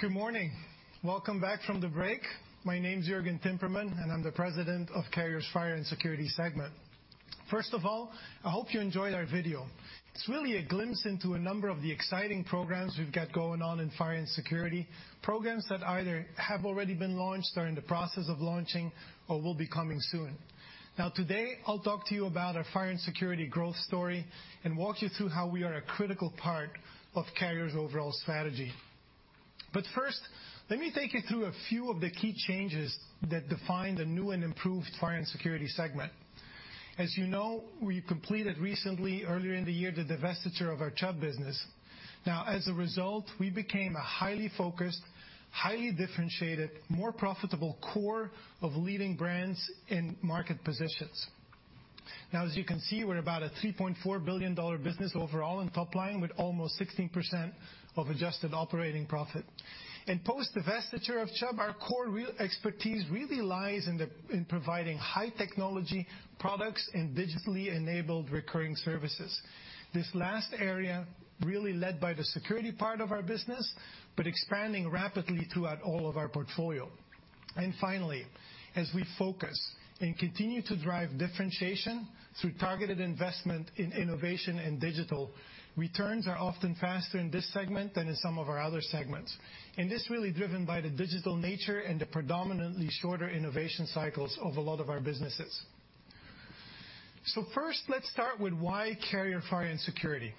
Good morning. Welcome back from the break. My name's Jurgen Timmermann, and I'm the president of Carrier's Fire and Security segment. First of all, I hope you enjoyed our video. It's really a glimpse into a number of the exciting programs we've got going on in Fire and Security, programs that either have already been launched, are in the process of launching, or will be coming soon. Now today, I'll talk to you about our Fire and Security growth story and walk you through how we are a critical part of Carrier's overall strategy. First, let me take you through a few of the key changes that define the new and improved Fire and Security segment. As you know, we completed recently, earlier in the year, the divestiture of our Chubb business. Now, as a result, we became a highly focused, highly differentiated, more profitable core of leading brands in market positions. Now, as you can see, we're about a $3.4 billion business overall in top line, with almost 16% of adjusted operating profit. In post divestiture of Chubb, our core real expertise really lies in providing high technology products and digitally enabled recurring services. This last area really led by the security part of our business, but expanding rapidly throughout all of our portfolio. Finally, as we focus and continue to drive differentiation through targeted investment in innovation and digital, returns are often faster in this segment than in some of our other segments. This is really driven by the digital nature and the predominantly shorter innovation cycles of a lot of our businesses. First, let's start with why Carrier Fire and Security.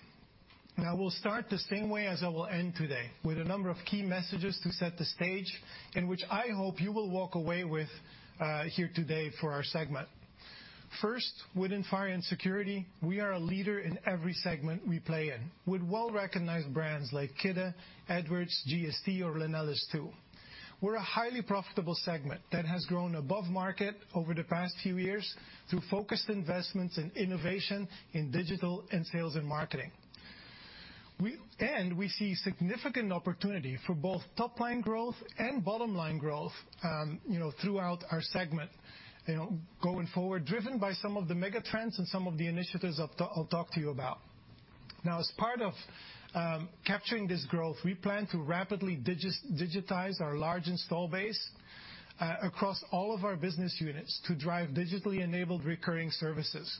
Now we'll start the same way as I will end today, with a number of key messages to set the stage and which I hope you will walk away with here today for our segment. First, within Fire and Security, we are a leader in every segment we play in. With well-recognized brands like Kidde, Edwards, GST, or LenelS2. We're a highly profitable segment that has grown above market over the past few years through focused investments in innovation in digital and sales and marketing. We see significant opportunity for both top-line growth and bottom-line growth, you know, throughout our segment, you know, going forward, driven by some of the mega trends and some of the initiatives I'll talk to you about. Now, as part of capturing this growth, we plan to rapidly digitize our large install base across all of our business units to drive digitally enabled recurring services.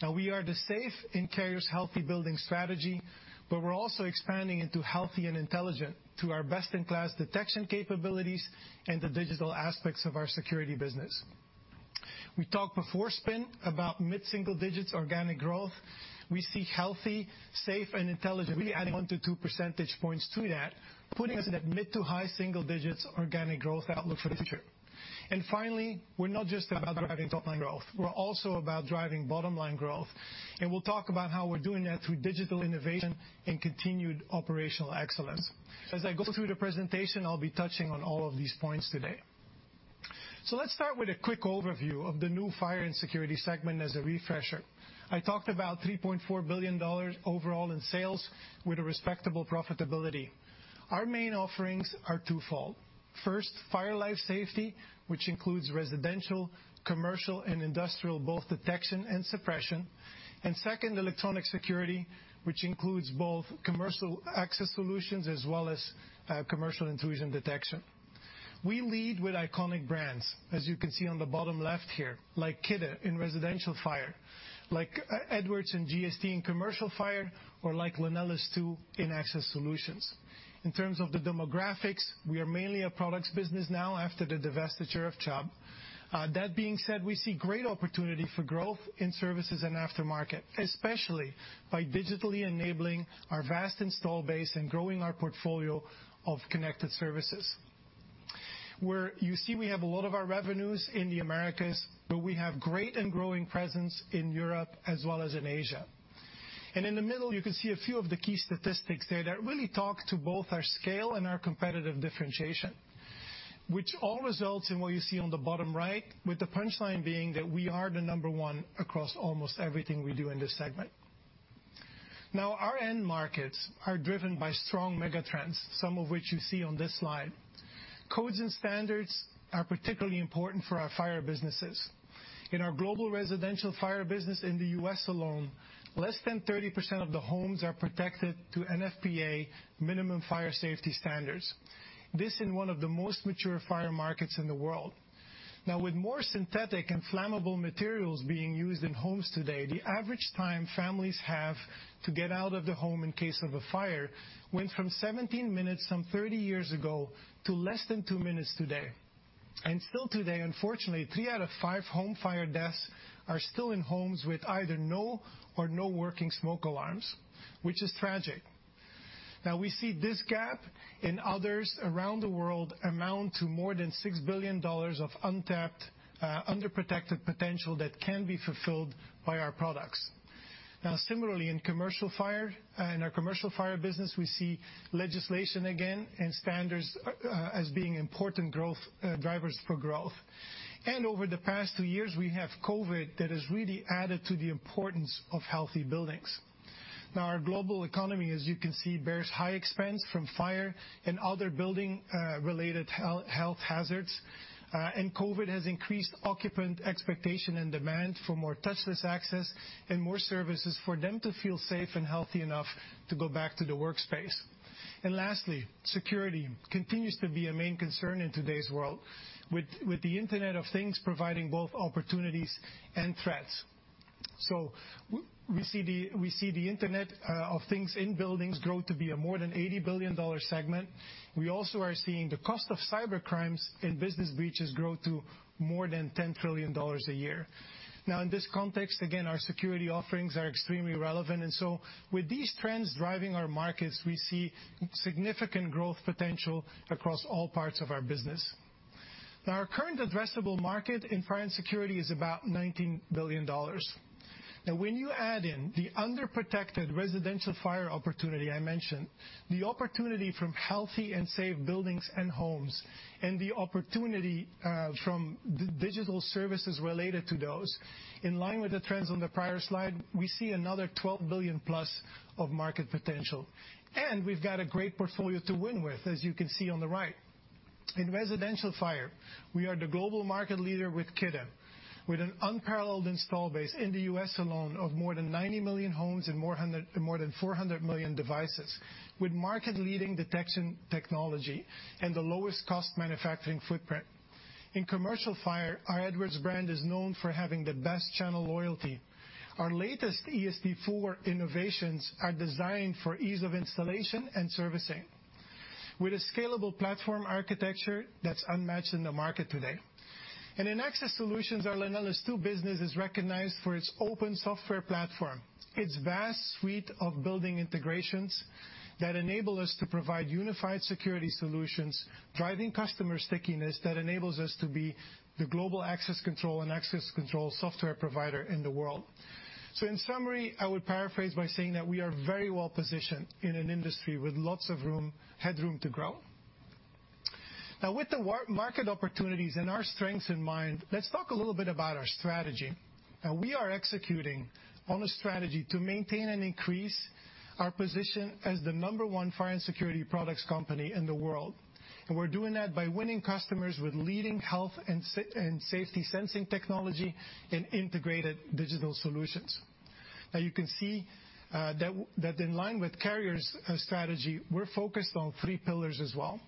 Now, we are safe in Carrier's healthy building strategy, but we're also expanding into healthy and intelligent to our best-in-class detection capabilities and the digital aspects of our security business. We talked before Spin about mid-single digits organic growth. We see healthy, safe, and intelligent really adding one to two percentage points to that, putting us in that mid- to high-single-digits organic growth outlook for the future. Finally, we're not just about driving top-line growth, we're also about driving bottom-line growth. We'll talk about how we're doing that through digital innovation and continued operational excellence. As I go through the presentation, I'll be touching on all of these points today. Let's start with a quick overview of the new Fire and Security segment as a refresher. I talked about $3.4 billion overall in sales with a respectable profitability. Our main offerings are twofold. First, fire and life safety, which includes residential, commercial, and industrial, both detection and suppression. Second, electronic security, which includes both commercial access solutions as well as commercial intrusion detection. We lead with iconic brands, as you can see on the bottom left here, like Kidde in residential fire, like Edwards and GST in commercial fire, or like LenelS2 in access solutions. In terms of the dynamics, we are mainly a products business now after the divestiture of Chubb. That being said, we see great opportunity for growth in services and aftermarket, especially by digitally enabling our vast install base and growing our portfolio of connected services. Where you see we have a lot of our revenues in the Americas, but we have great and growing presence in Europe as well as in Asia. In the middle, you can see a few of the key statistics there that really talk to both our scale and our competitive differentiation, which all results in what you see on the bottom right, with the punch line being that we are the number one across almost everything we do in this segment. Now, our end markets are driven by strong mega trends, some of which you see on this slide. Codes and standards are particularly important for our fire businesses. In our global residential fire business in the U.S. alone, less than 30% of the homes are protected to NFPA minimum fire safety standards. This is in one of the most mature fire markets in the world. Now, with more synthetic and flammable materials being used in homes today, the average time families have to get out of the home in case of a fire went from 17 minutes some 30 years ago to less than two minutes today. Still today, unfortunately, three out of five home fire deaths are still in homes with either no or nonworking smoke alarms, which is tragic. Now, we see this gap and others around the world amount to more than $6 billion of untapped, underprotected potential that can be fulfilled by our products. Now, similarly, in our commercial fire business, we see legislation again and standards as being important growth drivers for growth. Over the past two years, we have COVID that has really added to the importance of healthy buildings. Now, our global economy, as you can see, bears high expense from fire and other building related health hazards. COVID has increased occupant expectation and demand for more touchless access and more services for them to feel safe and healthy enough to go back to the workspace. Lastly, security continues to be a main concern in today's world, with the Internet of Things providing both opportunities and threats. We see the Internet of Things in buildings grow to be a more than $80 billion segment. We also are seeing the cost of cybercrimes and business breaches grow to more than $10 trillion a year. Now, in this context, again, our security offerings are extremely relevant. With these trends driving our markets, we see significant growth potential across all parts of our business. Now, our current addressable market in fire and security is about $19 billion. Now, when you add in the underprotected residential fire opportunity I mentioned, the opportunity from healthy and safe buildings and homes, and the opportunity from digital services related to those, in line with the trends on the prior slide, we see another $12 billion plus of market potential. We've got a great portfolio to win with, as you can see on the right. In residential fire, we are the global market leader with Kidde, with an unparalleled installed base in the U.S. alone of more than 90 million homes and more than 400 million devices, with market-leading detection technology and the lowest cost manufacturing footprint. In commercial fire, our Edwards brand is known for having the best channel loyalty. Our latest EST4 innovations are designed for ease of installation and servicing with a scalable platform architecture that's unmatched in the market today. In access solutions, our LenelS2 business is recognized for its open software platform, its vast suite of building integrations that enable us to provide unified security solutions, driving customer stickiness that enables us to be the global access control and access control software provider in the world. In summary, I would paraphrase by saying that we are very well positioned in an industry with lots of headroom to grow. Now, with the market opportunities and our strengths in mind, let's talk a little bit about our strategy. We are executing on a strategy to maintain and increase our position as the number one fire and security products company in the world. We're doing that by winning customers with leading health and safety sensing technology and integrated digital solutions. Now you can see that in line with Carrier's strategy, we're focused on three pillars as well.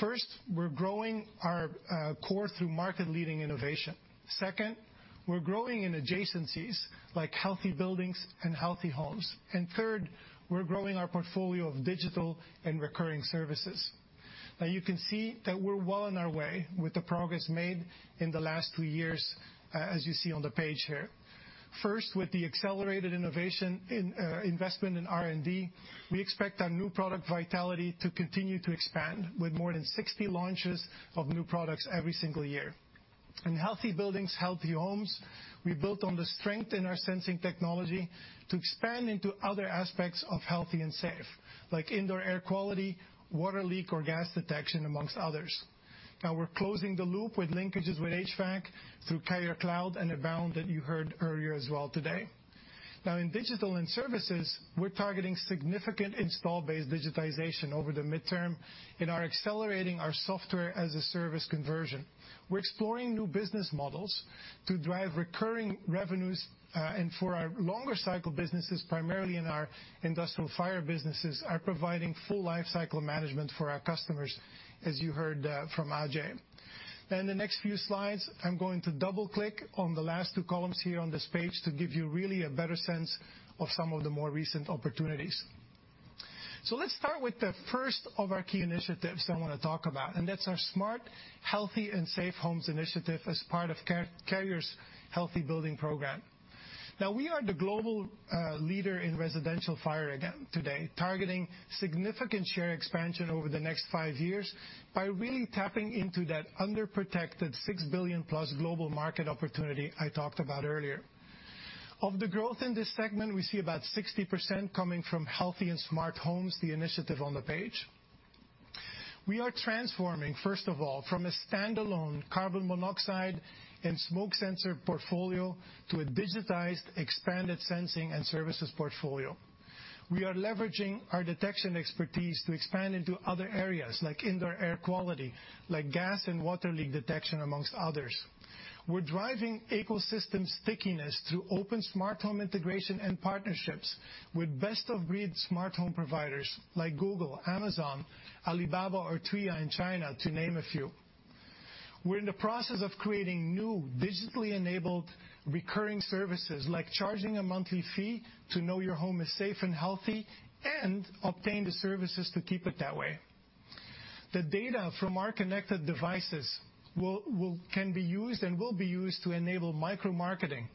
First, we're growing our core through market-leading innovation. Second, we're growing in adjacencies like healthy buildings and healthy homes. Third, we're growing our portfolio of digital and recurring services. Now, you can see that we're well on our way with the progress made in the last two years, as you see on the page here. First, with the accelerated innovation in investment in R&D, we expect our new product vitality to continue to expand with more than 60 launches of new products every single year. In healthy buildings, healthy homes, we built on the strength in our sensing technology to expand into other aspects of healthy and safe, like indoor air quality, water leak, or gas detection, among others. Now we're closing the loop with linkages with HVAC through Carrier Cloud and Abound that you heard earlier as well today. Now in digital and services, we're targeting significant install-based digitization over the midterm and are accelerating our software-as-a-service conversion. We're exploring new business models to drive recurring revenues, and for our longer cycle businesses, primarily in our industrial fire businesses, are providing full life cycle management for our customers, as you heard, from Ajay. Now in the next few slides, I'm going to double-click on the last two columns here on this page to give you really a better sense of some of the more recent opportunities. Let's start with the first of our key initiatives I wanna talk about, and that's our smart, healthy, and safe homes initiative as part of Carrier's Healthy Building Program. Now we are the global leader in residential fire safety today, targeting significant share expansion over the next five years by really tapping into that underprotected 6 billion-plus global market opportunity I talked about earlier. Of the growth in this segment, we see about 60% coming from healthy and smart homes, the initiative on the page. We are transforming, first of all, from a standalone carbon monoxide and smoke sensor portfolio to a digitized, expanded sensing and services portfolio. We are leveraging our detection expertise to expand into other areas like indoor air quality, like gas and water leak detection, among others. We're driving ecosystem stickiness through open smart home integration and partnerships with best-of-breed smart home providers like Google, Amazon, Alibaba or Tuya in China, to name a few. We're in the process of creating new digitally enabled recurring services, like charging a monthly fee to know your home is safe and healthy, and obtain the services to keep it that way. The data from our connected devices can be used and will be used to enable micro-marketing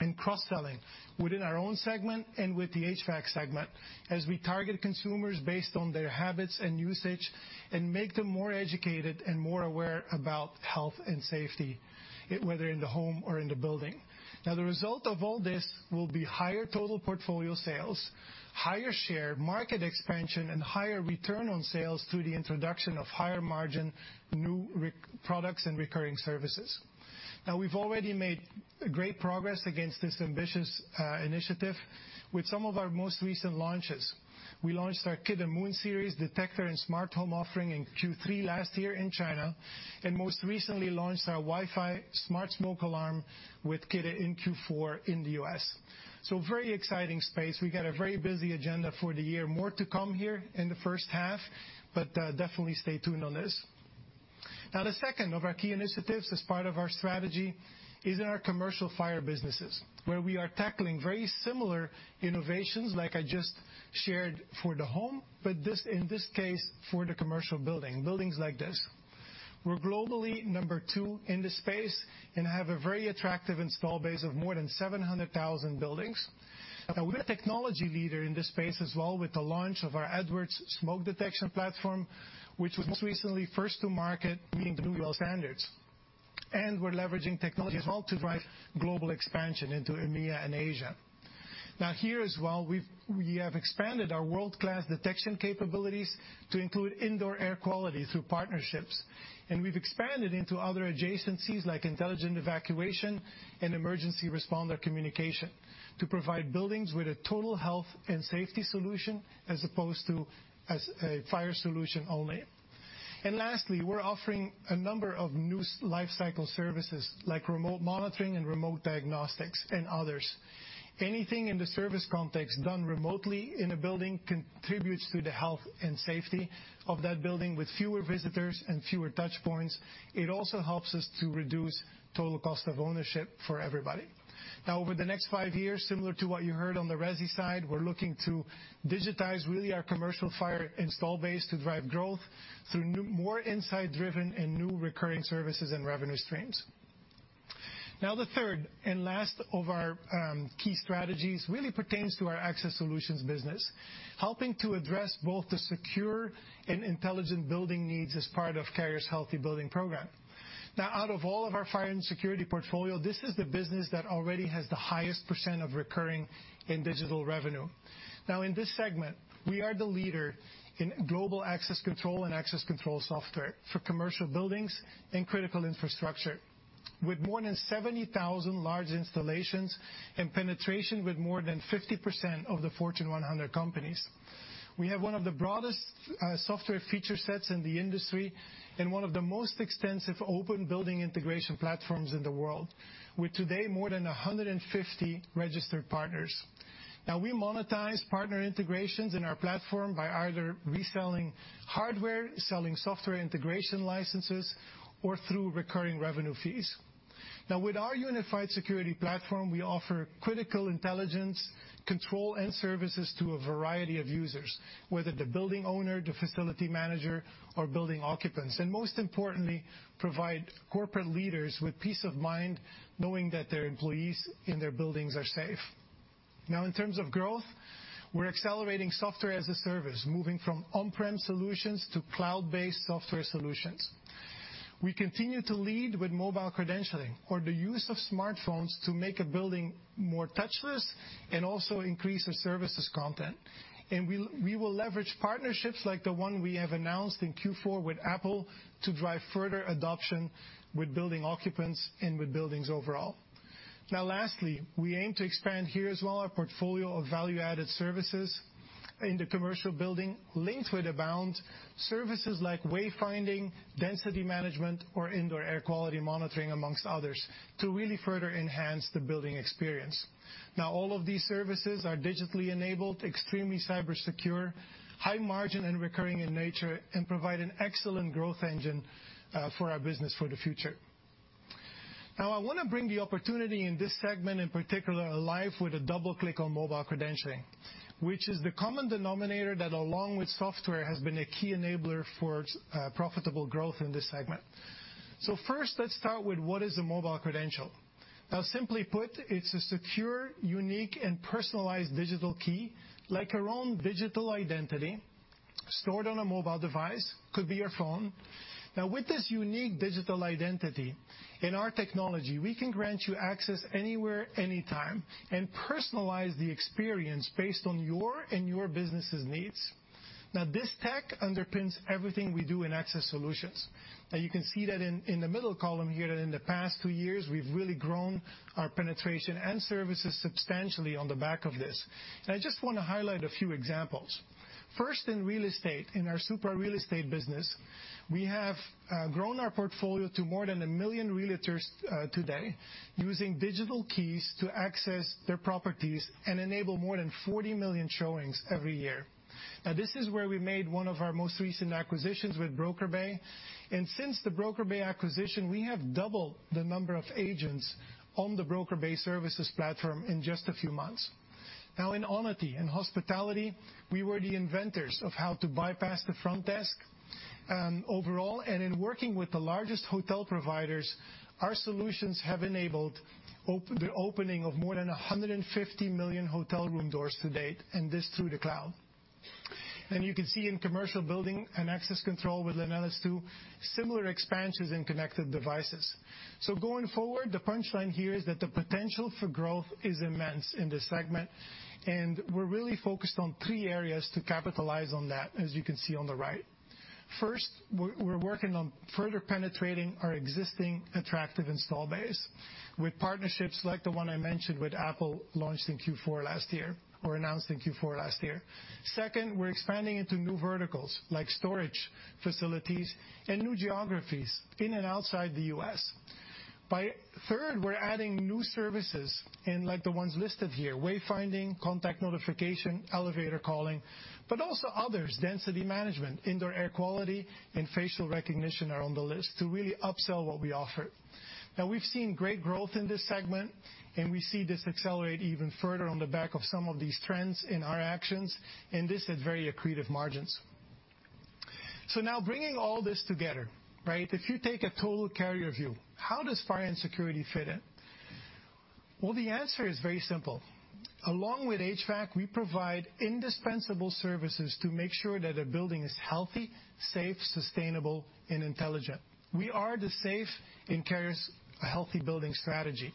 and cross-selling within our own segment and with the HVAC segment, as we target consumers based on their habits and usage and make them more educated and more aware about health and safety, whether in the home or in the building. Now the result of all this will be higher total portfolio sales, higher share, market expansion, and higher return on sales through the introduction of higher margin, new products and recurring services. Now we've already made great progress against this ambitious initiative with some of our most recent launches. We launched our Kidde MOON series detector and smart home offering in Q3 last year in China, and most recently launched our Wi-Fi smart smoke alarm with Kidde in Q4 in the US. Very exciting space. We got a very busy agenda for the year. More to come here in the first half, but definitely stay tuned on this. Now the second of our key initiatives as part of our strategy is in our commercial fire businesses, where we are tackling very similar innovations like I just shared for the home, but in this case, for the commercial building, buildings like this. We're globally number two in this space and have a very attractive installed base of more than 700,000 buildings. Now we're a technology leader in this space as well with the launch of our Edwards smoke detection platform, which was most recently first to market meeting the new WELL standards. We're leveraging technology as well to drive global expansion into EMEA and Asia. Now here as well, we have expanded our world-class detection capabilities to include indoor air quality through partnerships. We've expanded into other adjacencies like intelligent evacuation and emergency responder communication to provide buildings with a total health and safety solution as opposed to a fire solution only. Lastly, we're offering a number of new life cycle services like remote monitoring and remote diagnostics and others. Anything in the service context done remotely in a building contributes to the health and safety of that building with fewer visitors and fewer touchpoints. It also helps us to reduce total cost of ownership for everybody. Now over the next five years, similar to what you heard on the resi side, we're looking to digitize really our commercial fire installed base to drive growth through more insight-driven and new recurring services and revenue streams. Now the third and last of our key strategies really pertains to our access solutions business, helping to address both the secure and intelligent building needs as part of Carrier's Healthy Building Program. Now out of all of our fire and security portfolio, this is the business that already has the highest percent of recurring and digital revenue. Now in this segment, we are the leader in global access control and access control software for commercial buildings and critical infrastructure with more than 70,000 large installations and penetration with more than 50% of the Fortune 100 companies. We have one of the broadest software feature sets in the industry and one of the most extensive open building integration platforms in the world, with today more than 150 registered partners. Now we monetize partner integrations in our platform by either reselling hardware, selling software integration licenses, or through recurring revenue fees. Now with our unified security platform, we offer critical intelligence, control, and services to a variety of users, whether the building owner, the facility manager, or building occupants, and most importantly, provide corporate leaders with peace of mind knowing that their employees in their buildings are safe. Now in terms of growth, we're accelerating software-as-a-service, moving from on-prem solutions to cloud-based software solutions. We continue to lead with mobile credentialing or the use of smartphones to make a building more touchless and also increase our services content. We'll leverage partnerships like the one we have announced in Q4 with Apple to drive further adoption with building occupants and with buildings overall. Now lastly, we aim to expand here as well our portfolio of value-added services in the commercial building linked with Abound services like way finding, density management or indoor air quality monitoring among others to really further enhance the building experience. Now all of these services are digitally enabled, extremely cyber secure, high margin and recurring in nature and provide an excellent growth engine for our business for the future. Now I wanna bring the opportunity in this segment in particular alive with a double click on mobile credentialing. Which is the common denominator that along with software has been a key enabler for profitable growth in this segment. First let's start with what is a mobile credential? Simply put, it's a secure, unique and personalized digital key like our own digital identity stored on a mobile device, could be your phone. With this unique digital identity in our technology, we can grant you access anywhere, anytime and personalize the experience based on your and your business' needs. This tech underpins everything we do in access solutions. You can see that in the middle column here that in the past two years we've really grown our penetration and services substantially on the back of this. I just wanna highlight a few examples. First in real estate, in our Supra real estate business we have grown our portfolio to more than 1 million realtors today using digital keys to access their properties and enable more than 40 million showings every year. Now this is where we made one of our most recent acquisitions with BrokerBay. Since the BrokerBay acquisition we have doubled the number of agents on the BrokerBay services platform in just a few months. Now in Onity, in hospitality we were the inventors of how to bypass the front desk. Overall and in working with the largest hotel providers our solutions have enabled the opening of more than 150 million hotel room doors to date and this through the cloud. You can see in commercial building and access control with LenelS2 similar expansions in connected devices. Going forward the punchline here is that the potential for growth is immense in this segment and we're really focused on three areas to capitalize on that as you can see on the right. First we're working on further penetrating our existing attractive install base with partnerships like the one I mentioned with Apple launched in Q4 last year or announced in Q4 last year. Second, we're expanding into new verticals like storage facilities and new geographies in and outside the U.S. Third, we're adding new services like the ones listed here, way finding, contact notification, elevator calling. But also others, density management, indoor air quality and facial recognition are on the list to really upsell what we offer. Now we've seen great growth in this segment and we see this accelerate even further on the back of some of these trends in our actions and this at very accretive margins. Now bringing all this together, right? If you take a total Carrier view how does fire and security fit in? Well the answer is very simple. Along with HVAC we provide indispensable services to make sure that a building is healthy, safe, sustainable and intelligent. We are the safety in Carrier's healthy building strategy.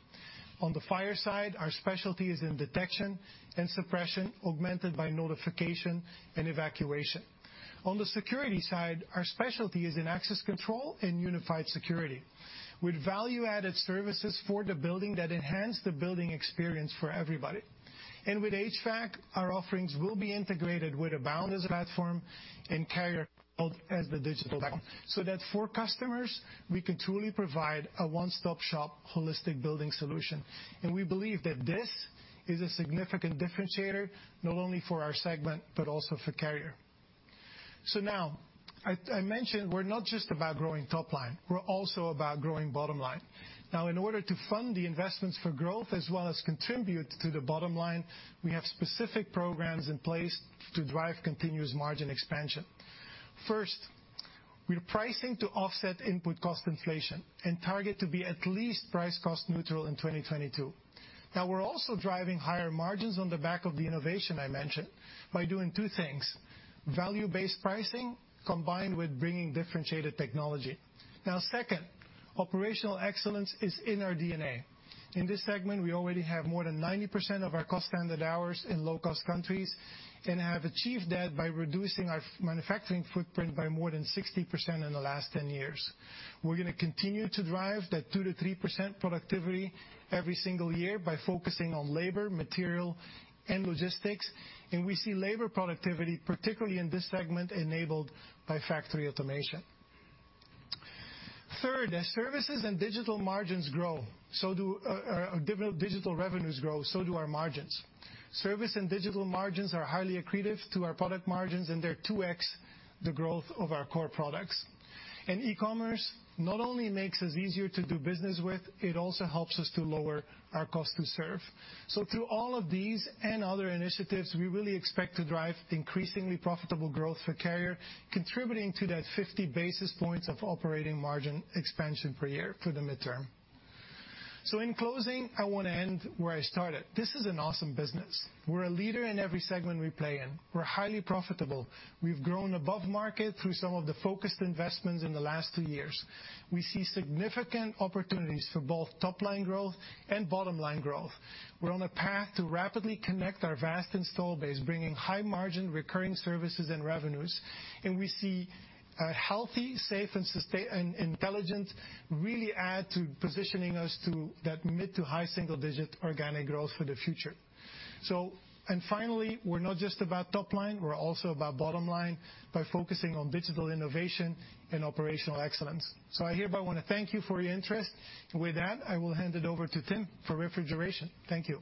On the fire side our specialty is in detection and suppression augmented by notification and evacuation. On the security side our specialty is in access control and unified security with value-added services for the building that enhance the building experience for everybody. With HVAC our offerings will be integrated with Abound as a platform and Carrier Cloud as the digital platform so that for customers we can truly provide a one-stop shop holistic building solution. We believe that this is a significant differentiator not only for our segment but also for Carrier. Now I mentioned we're not just about growing top line, we're also about growing bottom line. Now in order to fund the investments for growth as well as contribute to the bottom line we have specific programs in place to drive continuous margin expansion. First we're pricing to offset input cost inflation and target to be at least price cost neutral in 2022. Now we're also driving higher margins on the back of the innovation I mentioned by doing two things, value-based pricing combined with bringing differentiated technology. Now second, operational excellence is in our DNA. In this segment we already have more than 90% of our cost standard hours in low cost countries and have achieved that by reducing our manufacturing footprint by more than 60% in the last 10 years. We're gonna continue to drive that 2%-3% productivity every single year by focusing on labor, material and logistics and we see labor productivity particularly in this segment enabled by factory automation. Third, as services and digital margins grow so do digital revenues grow so do our margins. Service and digital margins are highly accretive to our product margins and they're 2x the growth of our core products. E-commerce not only makes us easier to do business with it also helps us to lower our cost to serve. Through all of these and other initiatives we really expect to drive increasingly profitable growth for Carrier contributing to that 50 basis points of operating margin expansion per year for the midterm. In closing I wanna end where I started. This is an awesome business. We're a leader in every segment we play in. We're highly profitable. We've grown above market through some of the focused investments in the last two years. We see significant opportunities for both top line growth and bottom line growth. We're on a path to rapidly connect our vast install base bringing high margin recurring services and revenues and we see a healthy, safe and sustainable and intelligent really add to positioning us to that mid- to high-single-digit organic growth for the future. Finally, we're not just about top line, we're also about bottom line by focusing on digital innovation and operational excellence. I hereby want to thank you for your interest. With that, I will hand it over to Tim for refrigeration. Thank you.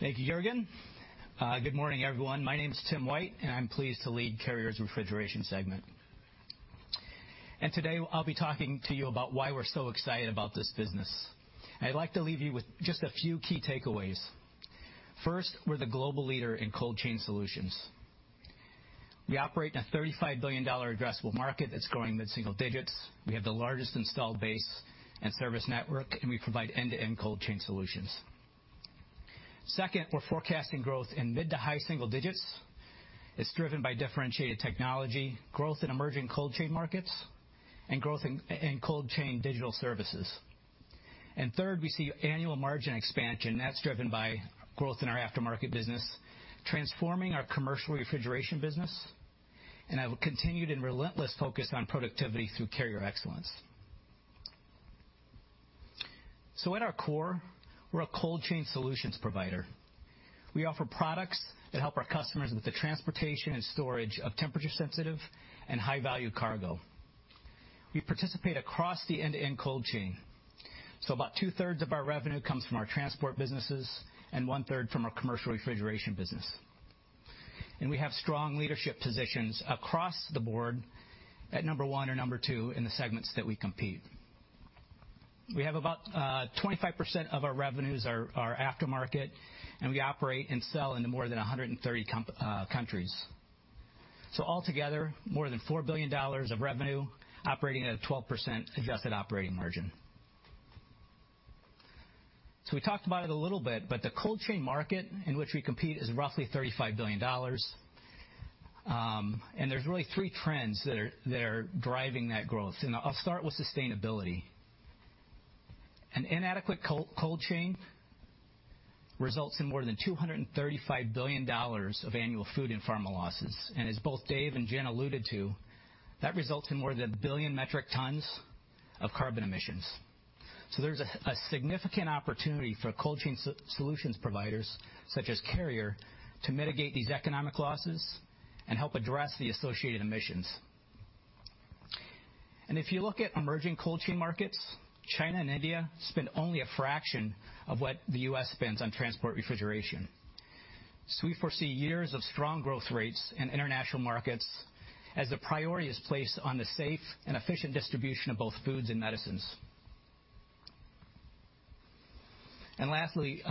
Thank you, Jurgen. Good morning, everyone. My name is Tim White, and I'm pleased to lead Carrier's Refrigeration segment. Today I'll be talking to you about why we're so excited about this business. I'd like to leave you with just a few key takeaways. First, we're the global leader in cold chain solutions. We operate in a $35 billion addressable market that's growing mid-single digits%. We have the largest installed base and service network, and we provide end-to-end cold chain solutions. Second, we're forecasting growth in mid- to high-single digits%. It's driven by differentiated technology, growth in emerging cold chain markets, and growth in cold chain digital services. Third, we see annual margin expansion that's driven by growth in our aftermarket business, transforming our commercial refrigeration business, and a continued and relentless focus on productivity through Carrier Excellence. At our core, we're a cold chain solutions provider. We offer products that help our customers with the transportation and storage of temperature-sensitive and high-value cargo. We participate across the end-to-end cold chain. About two-thirds of our revenue comes from our transport businesses and one-third from our commercial refrigeration business. We have strong leadership positions across the board at number one or number two in the segments that we compete. We have about 25% of our revenues are aftermarket, and we operate and sell in more than 130 countries. Altogether, more than $4 billion of revenue operating at a 12% adjusted operating margin. We talked about it a little bit, but the cold chain market in which we compete is roughly $35 billion. There's really three trends that are driving that growth. I'll start with sustainability. An inadequate cold chain results in more than $235 billion of annual food and pharma losses. As both Dave and Jen alluded to, that results in more than 1 billion metric tons of carbon emissions. There's a significant opportunity for cold chain solutions providers such as Carrier to mitigate these economic losses and help address the associated emissions. If you look at emerging cold chain markets, China and India spend only a fraction of what the U.S. spends on transport refrigeration. We foresee years of strong growth rates in international markets as the priority is placed on the safe and efficient distribution of both foods and medicines. Lastly,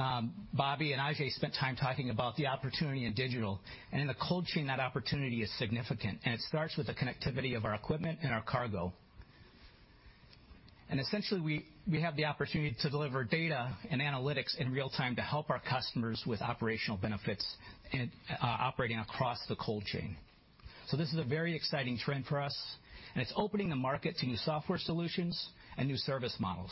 Bobby and Ajay spent time talking about the opportunity in digital. In the cold chain that opportunity is significant, and it starts with the connectivity of our equipment and our cargo. Essentially, we have the opportunity to deliver data and analytics in real time to help our customers with operational benefits and operating across the cold chain. This is a very exciting trend for us, and it's opening the market to new software solutions and new service models.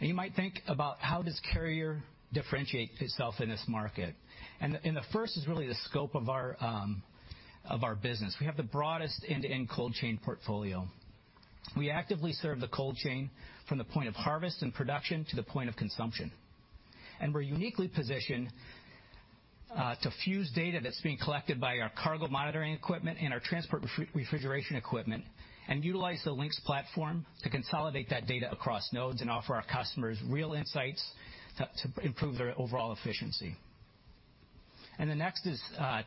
You might think about how does Carrier differentiate itself in this market. The first is really the scope of our business. We have the broadest end-to-end cold chain portfolio. We actively serve the cold chain from the point of harvest and production to the point of consumption. We're uniquely positioned to fuse data that's being collected by our cargo monitoring equipment and our transport refrigeration equipment and utilize the Lynx platform to consolidate that data across nodes and offer our customers real insights to improve their overall efficiency. The next is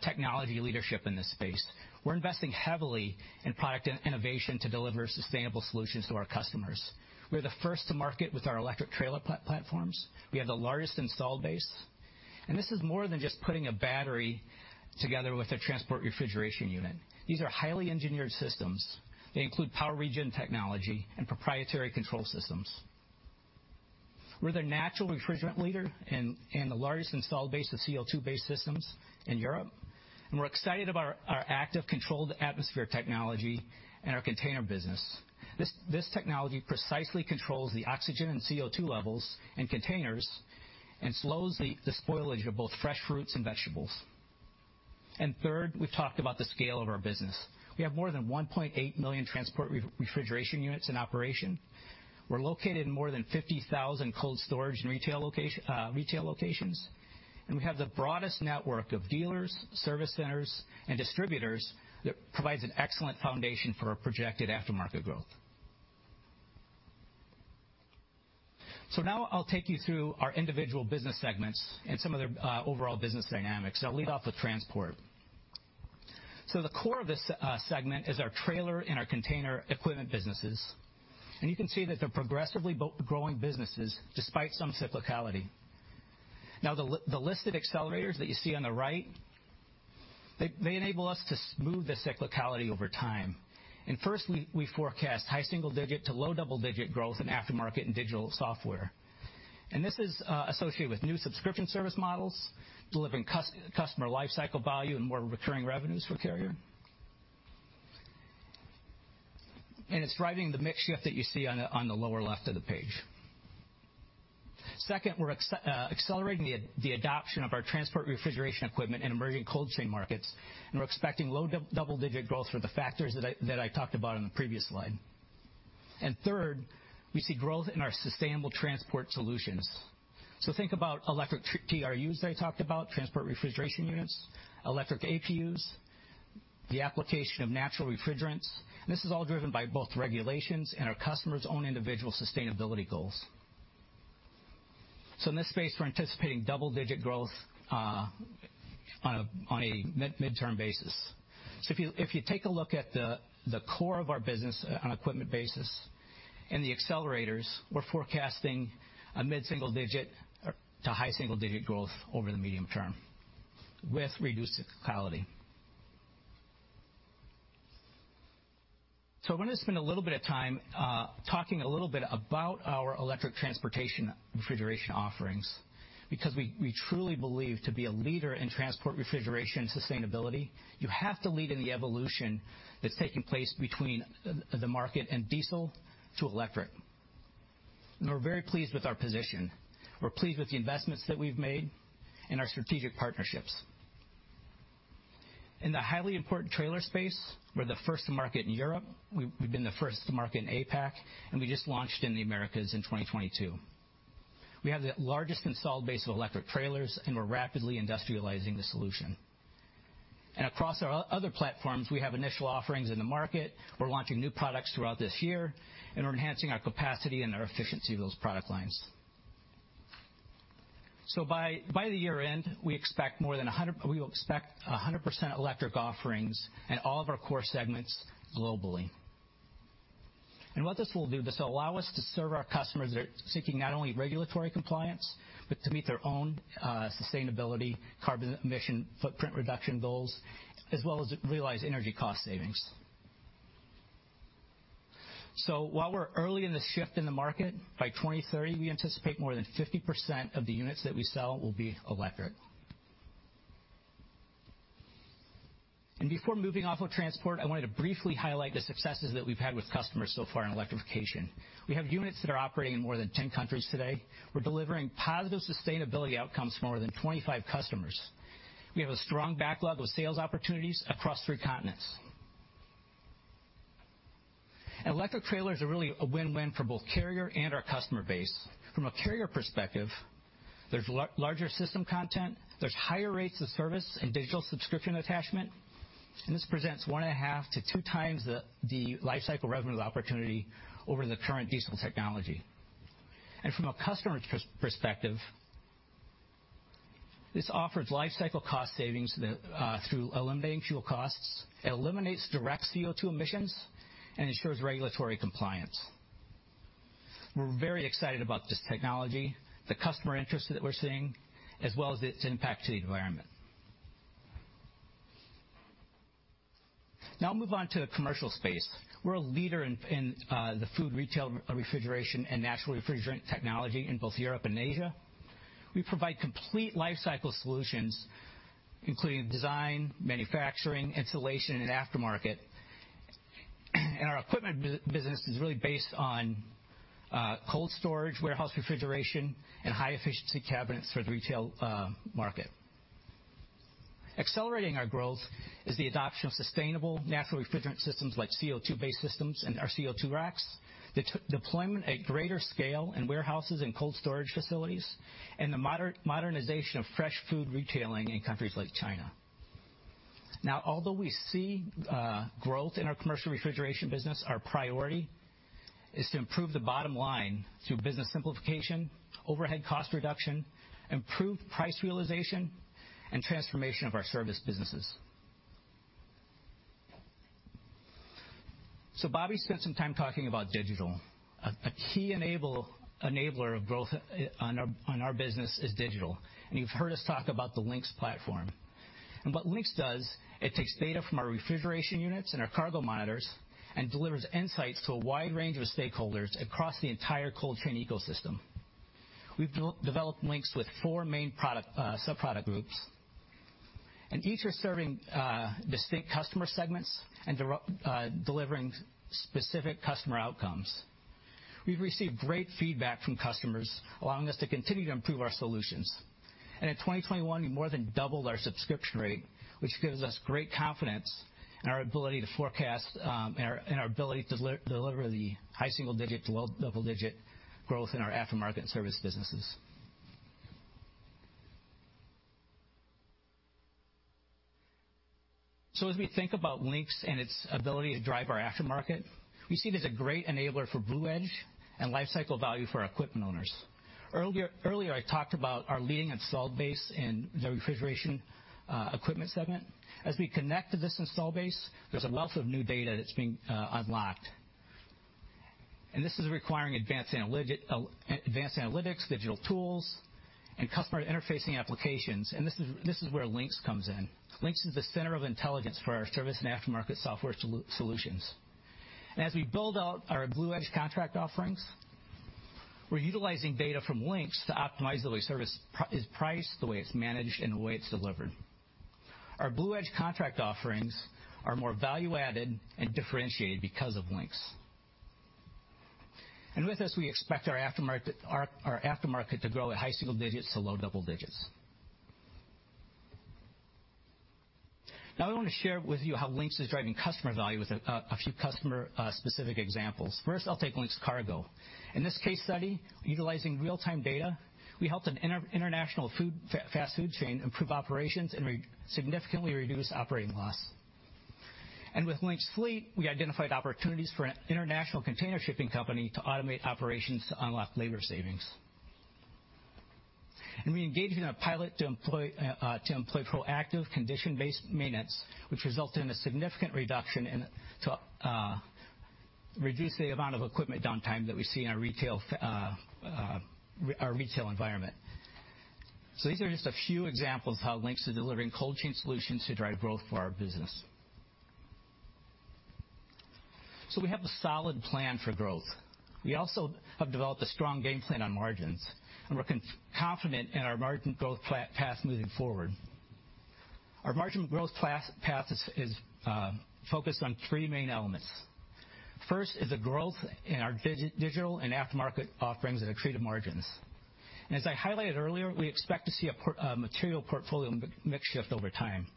technology leadership in this space. We're investing heavily in product innovation to deliver sustainable solutions to our customers. We're the first to market with our electric trailer platforms. We have the largest installed base, and this is more than just putting a battery together with a transport refrigeration unit. These are highly engineered systems. They include power regeneration technology and proprietary control systems. We're the natural refrigerant leader and the largest installed base of CO2-based systems in Europe. We're excited about our active controlled atmosphere technology and our container business. This technology precisely controls the oxygen and CO₂ levels in containers and slows the spoilage of both fresh fruits and vegetables. Third, we've talked about the scale of our business. We have more than 1.8 million transport refrigeration units in operation. We're located in more than 50,000 cold storage and retail locations, and we have the broadest network of dealers, service centers, and distributors that provides an excellent foundation for our projected aftermarket growth. Now I'll take you through our individual business segments and some of their overall business dynamics. I'll lead off with transport. The core of this segment is our trailer and our container equipment businesses. You can see that they're progressively growing businesses despite some cyclicality. Now, the listed accelerators that you see on the right, they enable us to smooth the cyclicality over time. First, we forecast high single-digit to low double-digit growth in aftermarket and digital software. This is associated with new subscription service models, delivering customer lifecycle value and more recurring revenues for Carrier. It's driving the mix shift that you see on the lower left of the page. Second, we're accelerating the adoption of our transport refrigeration equipment in emerging cold chain markets, and we're expecting low double-digit growth for the factors that I talked about on the previous slide. Third, we see growth in our sustainable transport solutions. Think about electric TRUs that I talked about, transport refrigeration units, electric APUs, the application of natural refrigerants. This is all driven by both regulations and our customers' own individual sustainability goals. In this space, we're anticipating double-digit growth on a midterm basis. If you take a look at the core of our business on equipment basis and the accelerators, we're forecasting a mid-single-digit or to high single-digit growth over the medium term with reduced cyclicality. I wanna spend a little bit of time talking a little bit about our electric transportation refrigeration offerings, because we truly believe to be a leader in transport refrigeration and sustainability, you have to lead in the evolution that's taking place between the market and diesel to electric. We're very pleased with our position. We're pleased with the investments that we've made and our strategic partnerships. In the highly important trailer space, we're the first to market in Europe. We've been the first to market in APAC, and we just launched in the Americas in 2022. We have the largest installed base of electric trailers, and we're rapidly industrializing the solution. Across our other platforms, we have initial offerings in the market. We're launching new products throughout this year, and we're enhancing our capacity and our efficiency of those product lines. By the year-end, we will expect 100% electric offerings in all of our core segments globally. What this will do, this will allow us to serve our customers that are seeking not only regulatory compliance, but to meet their own sustainability, carbon emission footprint reduction goals, as well as realize energy cost savings. While we're early in this shift in the market, by 2030, we anticipate more than 50% of the units that we sell will be electric. Before moving off of transport, I wanted to briefly highlight the successes that we've had with customers so far in electrification. We have units that are operating in more than 10 countries today. We're delivering positive sustainability outcomes for more than 25 customers. We have a strong backlog with sales opportunities across three continents. An electric trailer is really a win-win for both Carrier and our customer base. From a Carrier perspective, there's larger system content, there's higher rates of service and digital subscription attachment, and this presents 1.5-2x the lifecycle revenue opportunity over the current diesel technology. From a customer's perspective, this offers lifecycle cost savings through eliminating fuel costs. It eliminates direct CO₂ emissions and ensures regulatory compliance. We're very excited about this technology, the customer interest that we're seeing, as well as its impact to the environment. Now I'll move on to the commercial space. We're a leader in the food retail refrigeration and natural refrigerant technology in both Europe and Asia. We provide complete lifecycle solutions, including design, manufacturing, installation, and aftermarket. Our equipment business is really based on cold storage, warehouse refrigeration, and high-efficiency cabinets for the retail market. Accelerating our growth is the adoption of sustainable natural refrigerant systems like CO₂-based systems and our CO₂ racks, deployment at greater scale in warehouses and cold storage facilities, and the modernization of fresh food retailing in countries like China. Now, although we see growth in our commercial refrigeration business, our priority is to improve the bottom line through business simplification, overhead cost reduction, improved price realization, and transformation of our service businesses. Bobby spent some time talking about digital. A key enabler of growth on our business is digital, and you've heard us talk about the Lynx platform. What Lynx does, it takes data from our refrigeration units and our cargo monitors and delivers insights to a wide range of stakeholders across the entire cold chain ecosystem. We've developed Lynx with four main product subproduct groups, and each are serving distinct customer segments and delivering specific customer outcomes. We've received great feedback from customers, allowing us to continue to improve our solutions. In 2021, we more than doubled our subscription rate, which gives us great confidence in our ability to forecast, and our ability to deliver the high single-digit% to low double-digit% growth in our aftermarket service businesses. As we think about Lynx and its ability to drive our aftermarket, we see it as a great enabler for BluEdge and lifecycle value for our equipment owners. Earlier I talked about our leading installed base in the refrigeration equipment segment. As we connect to this installed base, there's a wealth of new data that's being unlocked. This is requiring advanced analytics, digital tools, and customer interfacing applications. This is where Lynx comes in. Lynx is the center of intelligence for our service and aftermarket software solutions. As we build out our BluEdge contract offerings, we're utilizing data from Lynx to optimize the way service is priced, the way it's managed, and the way it's delivered. Our BluEdge contract offerings are more value-added and differentiated because of Lynx. With this, we expect our aftermarket to grow at high single digits to low double digits. Now I wanna share with you how Lynx is driving customer value with a few customer-specific examples. First, I'll take Lynx Cargo. In this case study, utilizing real-time data, we helped an international fast food chain improve operations and significantly reduce operating loss. With Lynx Fleet, we identified opportunities for an international container shipping company to automate operations to unlock labor savings. We engaged in a pilot to employ proactive condition-based maintenance, which resulted in a significant reduction in the amount of equipment downtime that we see in our retail environment. These are just a few examples of how Lynx is delivering cold chain solutions to drive growth for our business. We have a solid plan for growth. We also have developed a strong game plan on margins, and we're confident in our margin growth path moving forward. Our margin growth path is focused on three main elements. First is the growth in our digital and aftermarket offerings at accretive margins. As I highlighted earlier, we expect to see a material portfolio mix shift over time.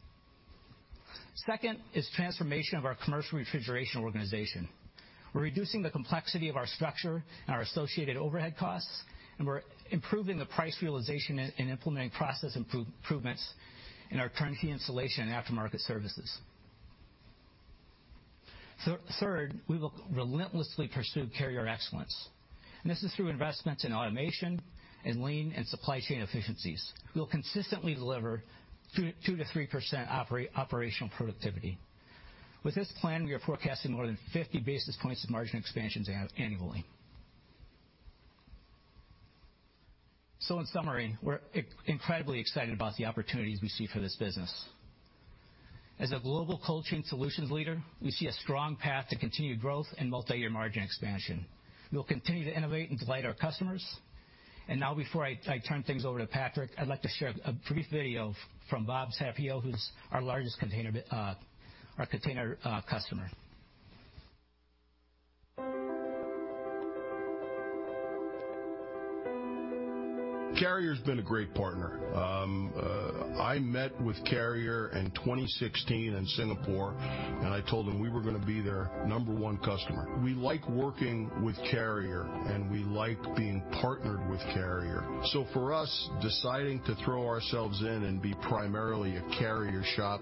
Second is transformation of our commercial refrigeration organization. We're reducing the complexity of our structure and our associated overhead costs, and we're improving the price realization and implementing process improvements in our turnkey installation and aftermarket services. Third, we will relentlessly pursue Carrier Excellence, and this is through investments in automation, in lean, and supply chain efficiencies. We'll consistently deliver 2%-3% operational productivity. With this plan, we are forecasting more than 50 basis points of margin expansions annually. In summary, we're incredibly excited about the opportunities we see for this business. As a global cold-chain solutions leader, we see a strong path to continued growth and multiyear margin expansion. We will continue to innovate and delight our customers. Now before I turn things over to Patrick, I'd like to share a brief video from Bob Sappio, who's our largest container customer. Carrier's been a great partner. I met with Carrier in 2016 in Singapore, and I told them we were gonna be their number one customer. We like working with Carrier, and we like being partnered with Carrier. For us, deciding to throw ourselves in and be primarily a Carrier shop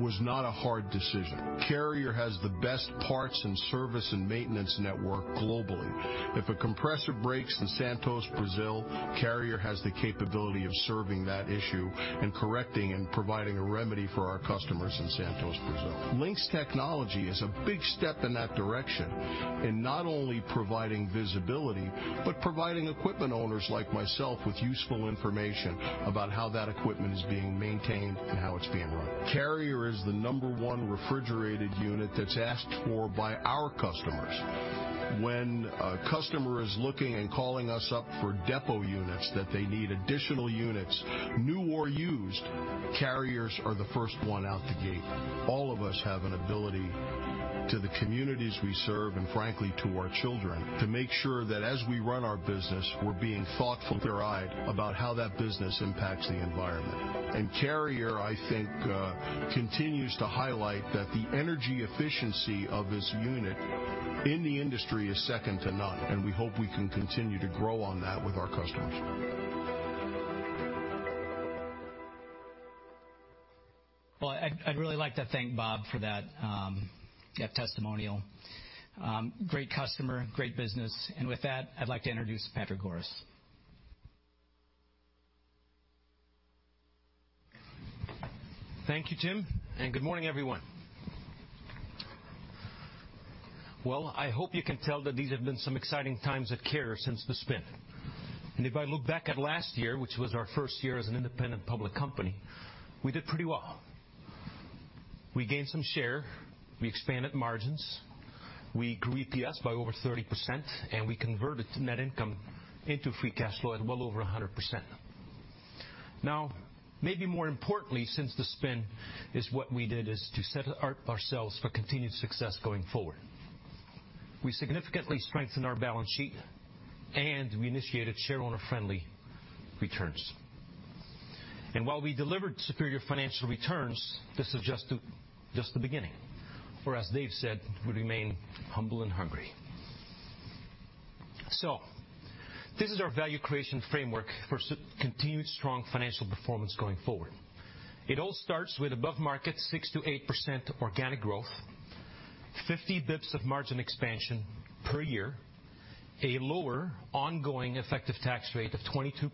was not a hard decision. Carrier has the best parts and service and maintenance network globally. If a compressor breaks in Santos, Brazil, Carrier has the capability of serving that issue and correcting and providing a remedy for our customers in Santos, Brazil. Lynx Technology is a big step in that direction in not only providing visibility, but providing equipment owners like myself with useful information about how that equipment is being maintained and how it's being run. Carrier is the number one refrigerated unit that's asked for by our customers. When a customer is looking and calling us up for depot units, that they need additional units, new or used, Carrier is the first one out the gate. All of us have a responsibility to the communities we serve, and frankly, to our children, to make sure that as we run our business, we're being thoughtful and right about how that business impacts the environment. Carrier, I think, continues to highlight that the energy efficiency of this unit in the industry is second to none, and we hope we can continue to grow on that with our customers. Well, I'd really like to thank Bob for that testimonial. Great customer, great business. With that, I'd like to introduce Patrick Goris. Thank you, Tim, and good morning, everyone. Well, I hope you can tell that these have been some exciting times at Carrier since the spin. If I look back at last year, which was our first year as an independent public company, we did pretty well. We gained some share, we expanded margins, we grew EPS by over 30%, and we converted net income into free cash flow at well over 100%. Now, maybe more importantly, since the spin is what we did is to set ourselves for continued success going forward. We significantly strengthened our balance sheet, and we initiated shareholder-friendly returns. While we delivered superior financial returns, this is just the beginning. Or as Dave said, we remain humble and hungry. This is our value creation framework for continued strong financial performance going forward. It all starts with above-market 6%-8% organic growth, 50 basis points of margin expansion per year, a lower ongoing effective tax rate of 22%,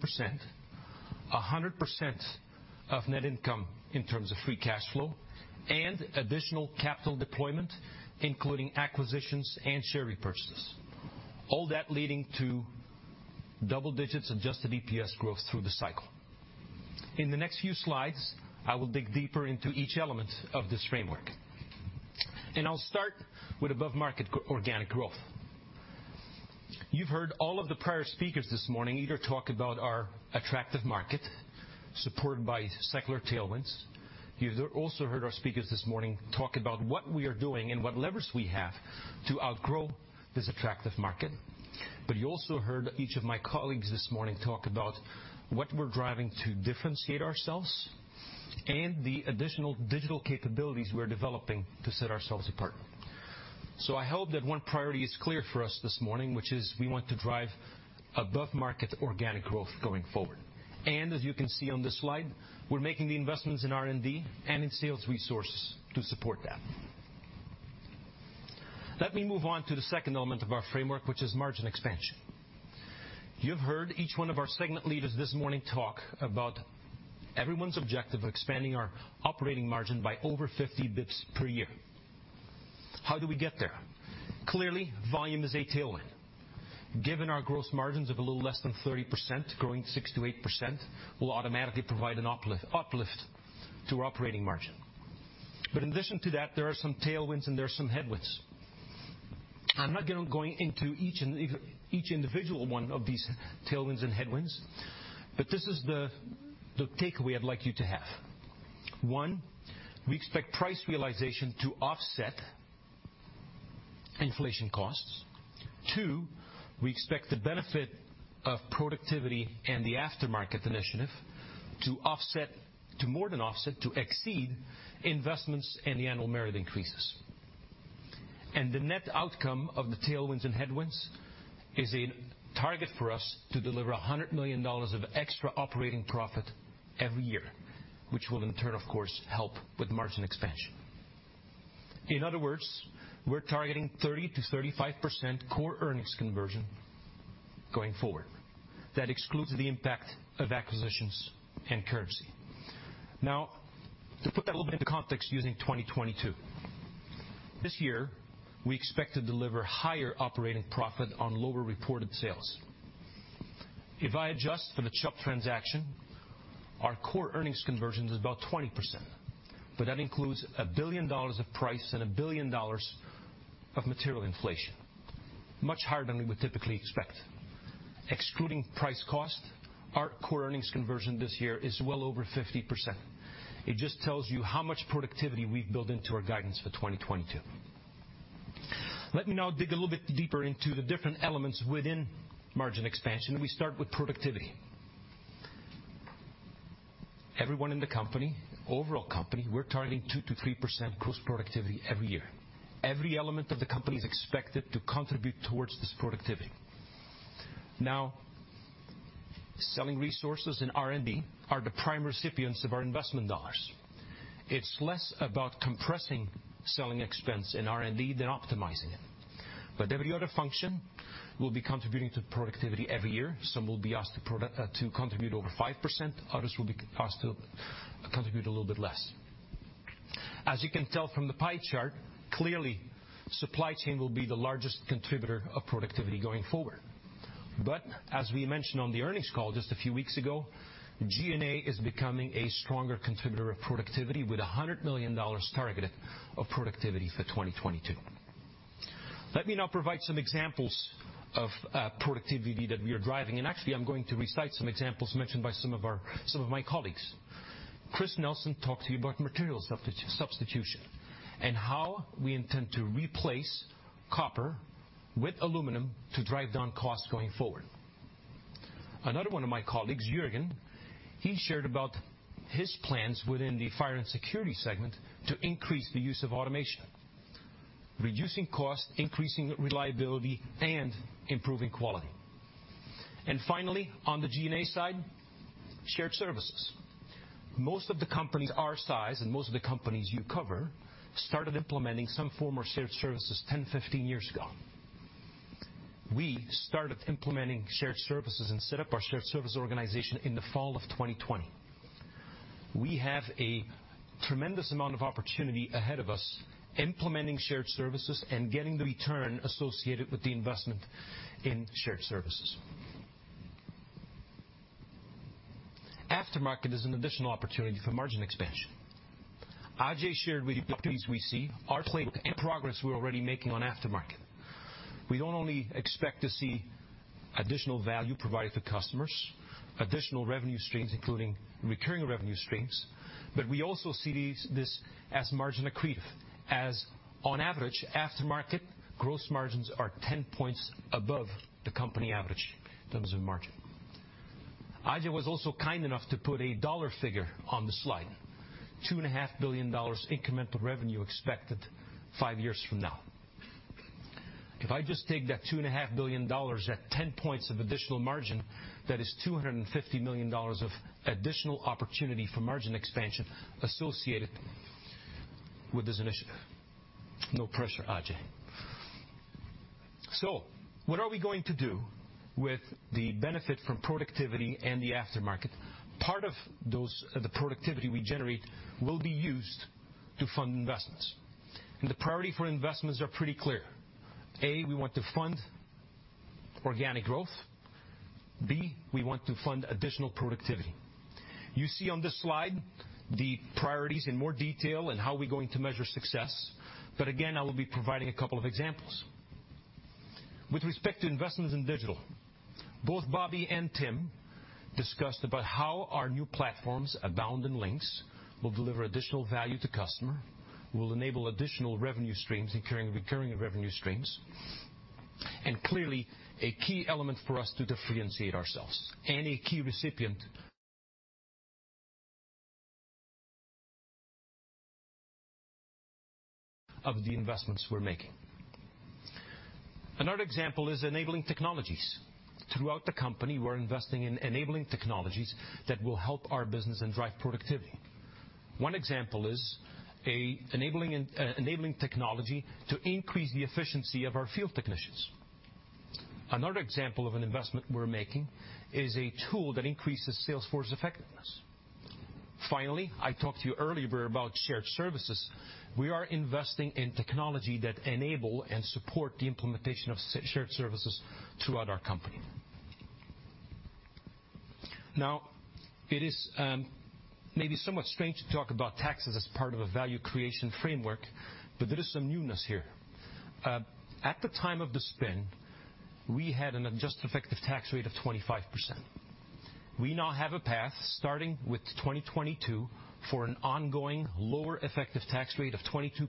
100% of net income in terms of free cash flow, and additional capital deployment, including acquisitions and share repurchases. All that leading to double-digit adjusted EPS growth through the cycle. In the next few slides, I will dig deeper into each element of this framework. I'll start with above-market organic growth. You've heard all of the prior speakers this morning either talk about our attractive market supported by secular tailwinds. You've also heard our speakers this morning talk about what we are doing and what levers we have to outgrow this attractive market. You also heard each of my colleagues this morning talk about what we're driving to differentiate ourselves and the additional digital capabilities we're developing to set ourselves apart. I hope that one priority is clear for us this morning, which is we want to drive above-market organic growth going forward. As you can see on this slide, we're making the investments in R&D and in sales resources to support that. Let me move on to the second element of our framework, which is margin expansion. You've heard each one of our segment leaders this morning talk about everyone's objective of expanding our operating margin by over 50 basis points per year. How do we get there? Clearly, volume is a tailwind. Given our gross margins of a little less than 30%, growing 6%-8% will automatically provide an uplift to our operating margin. In addition to that, there are some tailwinds and there are some headwinds. I'm not gonna go into each and each individual one of these tailwinds and headwinds, but this is the takeaway I'd like you to have. One, we expect price realization to offset inflation costs. Two, we expect the benefit of productivity and the aftermarket initiative to offset, to more than offset, to exceed investments and the annual merit increases. The net outcome of the tailwinds and headwinds is a target for us to deliver $100 million of extra operating profit every year, which will in turn, of course, help with margin expansion. In other words, we're targeting 30%-35% core earnings conversion going forward. That excludes the impact of acquisitions and currency. Now, to put that a little bit into context using 2022. This year, we expect to deliver higher operating profit on lower reported sales. If I adjust for the Chubb transaction, our core earnings conversion is about 20%, but that includes $1 billion of price and $1 billion of material inflation, much higher than we would typically expect. Excluding price cost, our core earnings conversion this year is well over 50%. It just tells you how much productivity we've built into our guidance for 2022. Let me now dig a little bit deeper into the different elements within margin expansion. We start with productivity. Everyone in the company, overall company, we're targeting 2%-3% cost productivity every year. Every element of the company is expected to contribute towards this productivity. Now, selling resources in R&D are the prime recipients of our investment dollars. It's less about compressing selling expense in R&D than optimizing it. Every other function will be contributing to productivity every year. Some will be asked to contribute over 5%. Others will be asked to contribute a little bit less. As you can tell from the pie chart, clearly, supply chain will be the largest contributor of productivity going forward. As we mentioned on the earnings call just a few weeks ago, G&A is becoming a stronger contributor of productivity with $100 million targeted of productivity for 2022. Let me now provide some examples of productivity that we are driving. Actually, I'm going to recite some examples mentioned by some of my colleagues. Chris Nelson talked to you about material substitution and how we intend to replace copper with aluminum to drive down costs going forward. Another one of my colleagues, Jurgen, he shared about his plans within the fire and security segment to increase the use of automation, reducing cost, increasing reliability, and improving quality. Finally, on the G&A side, shared services. Most of the companies our size and most of the companies you cover started implementing some form of shared services 10, 15 years ago. We started implementing shared services and set up our shared service organization in the fall of 2020. We have a tremendous amount of opportunity ahead of us implementing shared services and getting the return associated with the investment in shared services. Aftermarket is an additional opportunity for margin expansion. Ajay shared with you the opportunities we see, our playbook, and progress we're already making on aftermarket. We don't only expect to see additional value provided for customers, additional revenue streams, including recurring revenue streams, but we also see this as margin accretive, as on average, aftermarket gross margins are 10 points above the company average in terms of margin. Ajay was also kind enough to put a dollar figure on the slide. $2.5 billion incremental revenue expected 5 years from now. If I just take that $2.5 billion at 10 points of additional margin, that is $250 million of additional opportunity for margin expansion associated with this initiative. No pressure, Ajay. What are we going to do with the benefit from productivity and the aftermarket? Part of those, the productivity we generate will be used to fund investments. The priority for investments are pretty clear. A, we want to fund organic growth. B, we want to fund additional productivity. You see on this slide the priorities in more detail and how we're going to measure success. Again, I will be providing a couple of examples. With respect to investments in digital, both Bobby and Tim discussed about how our new platforms, Abound and Lynx, will deliver additional value to customers, will enable additional revenue streams, ensuring recurring revenue streams, and clearly a key element for us to differentiate ourselves, and a key recipient of the investments we're making. Another example is enabling technologies. Throughout the company, we're investing in enabling technologies that will help our business and drive productivity. One example is an enabling technology to increase the efficiency of our field technicians. Another example of an investment we're making is a tool that increases sales force effectiveness. Finally, I talked to you earlier about shared services. We are investing in technology that enable and support the implementation of shared services throughout our company. Now, it is maybe somewhat strange to talk about taxes as part of a value creation framework, but there is some newness here. At the time of the spin, we had an adjusted effective tax rate of 25%. We now have a path, starting with 2022, for an ongoing lower effective tax rate of 22%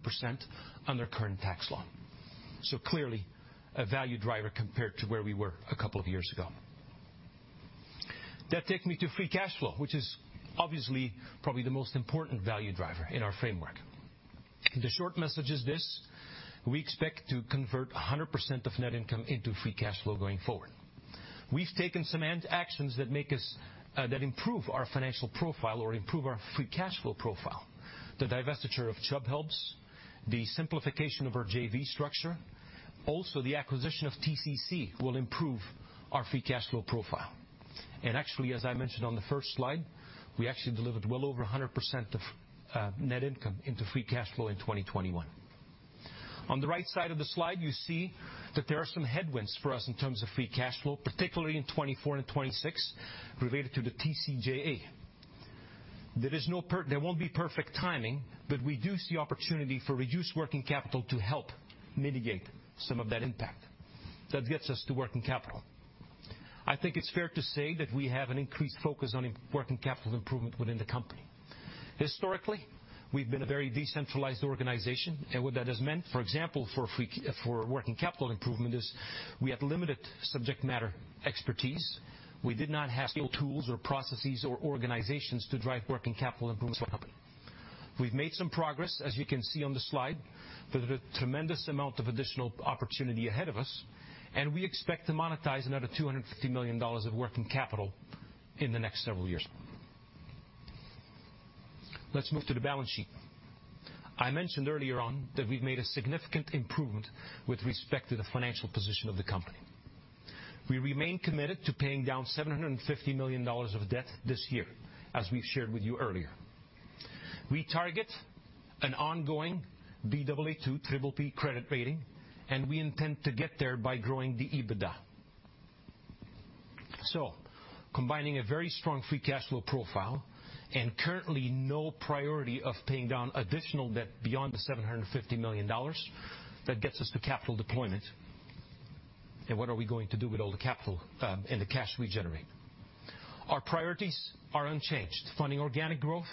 under current tax law. Clearly, a value driver compared to where we were a couple of years ago. That takes me to free cash flow, which is obviously probably the most important value driver in our framework. The short message is this. We expect to convert 100% of net income into free cash flow going forward. We've taken some proactive actions that make us, that improve our financial profile or improve our free cash flow profile. The divestiture of Chubb helps. The simplification of our JV structure. Also, the acquisition of TCC will improve our free cash flow profile. Actually, as I mentioned on the first slide, we actually delivered well over 100% of net income into free cash flow in 2021. On the right side of the slide, you see that there are some headwinds for us in terms of free cash flow, particularly in 2024 and 2026 related to the TCJA. There won't be perfect timing, but we do see opportunity for reduced working capital to help mitigate some of that impact. That gets us to working capital. I think it's fair to say that we have an increased focus on working capital improvement within the company. Historically, we've been a very decentralized organization, and what that has meant, for example, for working capital improvement is we have limited subject matter expertise. We did not have scale tools or processes or organizations to drive working capital improvements for our company. We've made some progress, as you can see on the slide. There's a tremendous amount of additional opportunity ahead of us, and we expect to monetize another $250 million of working capital in the next several years. Let's move to the balance sheet. I mentioned earlier on that we've made a significant improvement with respect to the financial position of the company. We remain committed to paying down $750 million of debt this year, as we shared with you earlier. We target an ongoing Baa2 / BBB credit rating, and we intend to get there by growing the EBITDA. Combining a very strong free cash flow profile and currently no priority of paying down additional debt beyond the $750 million, that gets us to capital deployment. What are we going to do with all the capital and the cash we generate? Our priorities are unchanged, funding organic growth,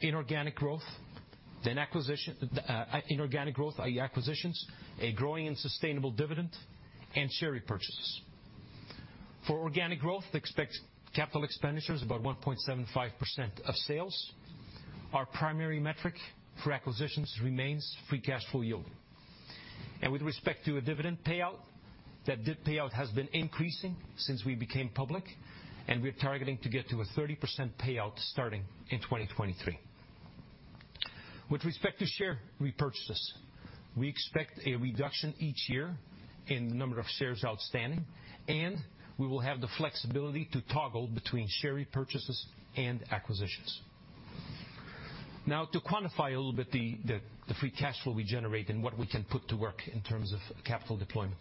inorganic growth, i.e. acquisitions, a growing and sustainable dividend, and share repurchases. For organic growth, expect capital expenditures about 1.75% of sales. Our primary metric for acquisitions remains free cash flow yield. With respect to a dividend payout, that dividend payout has been increasing since we became public, and we're targeting to get to a 30% payout starting in 2023. With respect to share repurchases, we expect a reduction each year in the number of shares outstanding, and we will have the flexibility to toggle between share repurchases and acquisitions. Now, to quantify a little bit the free cash flow we generate and what we can put to work in terms of capital deployment.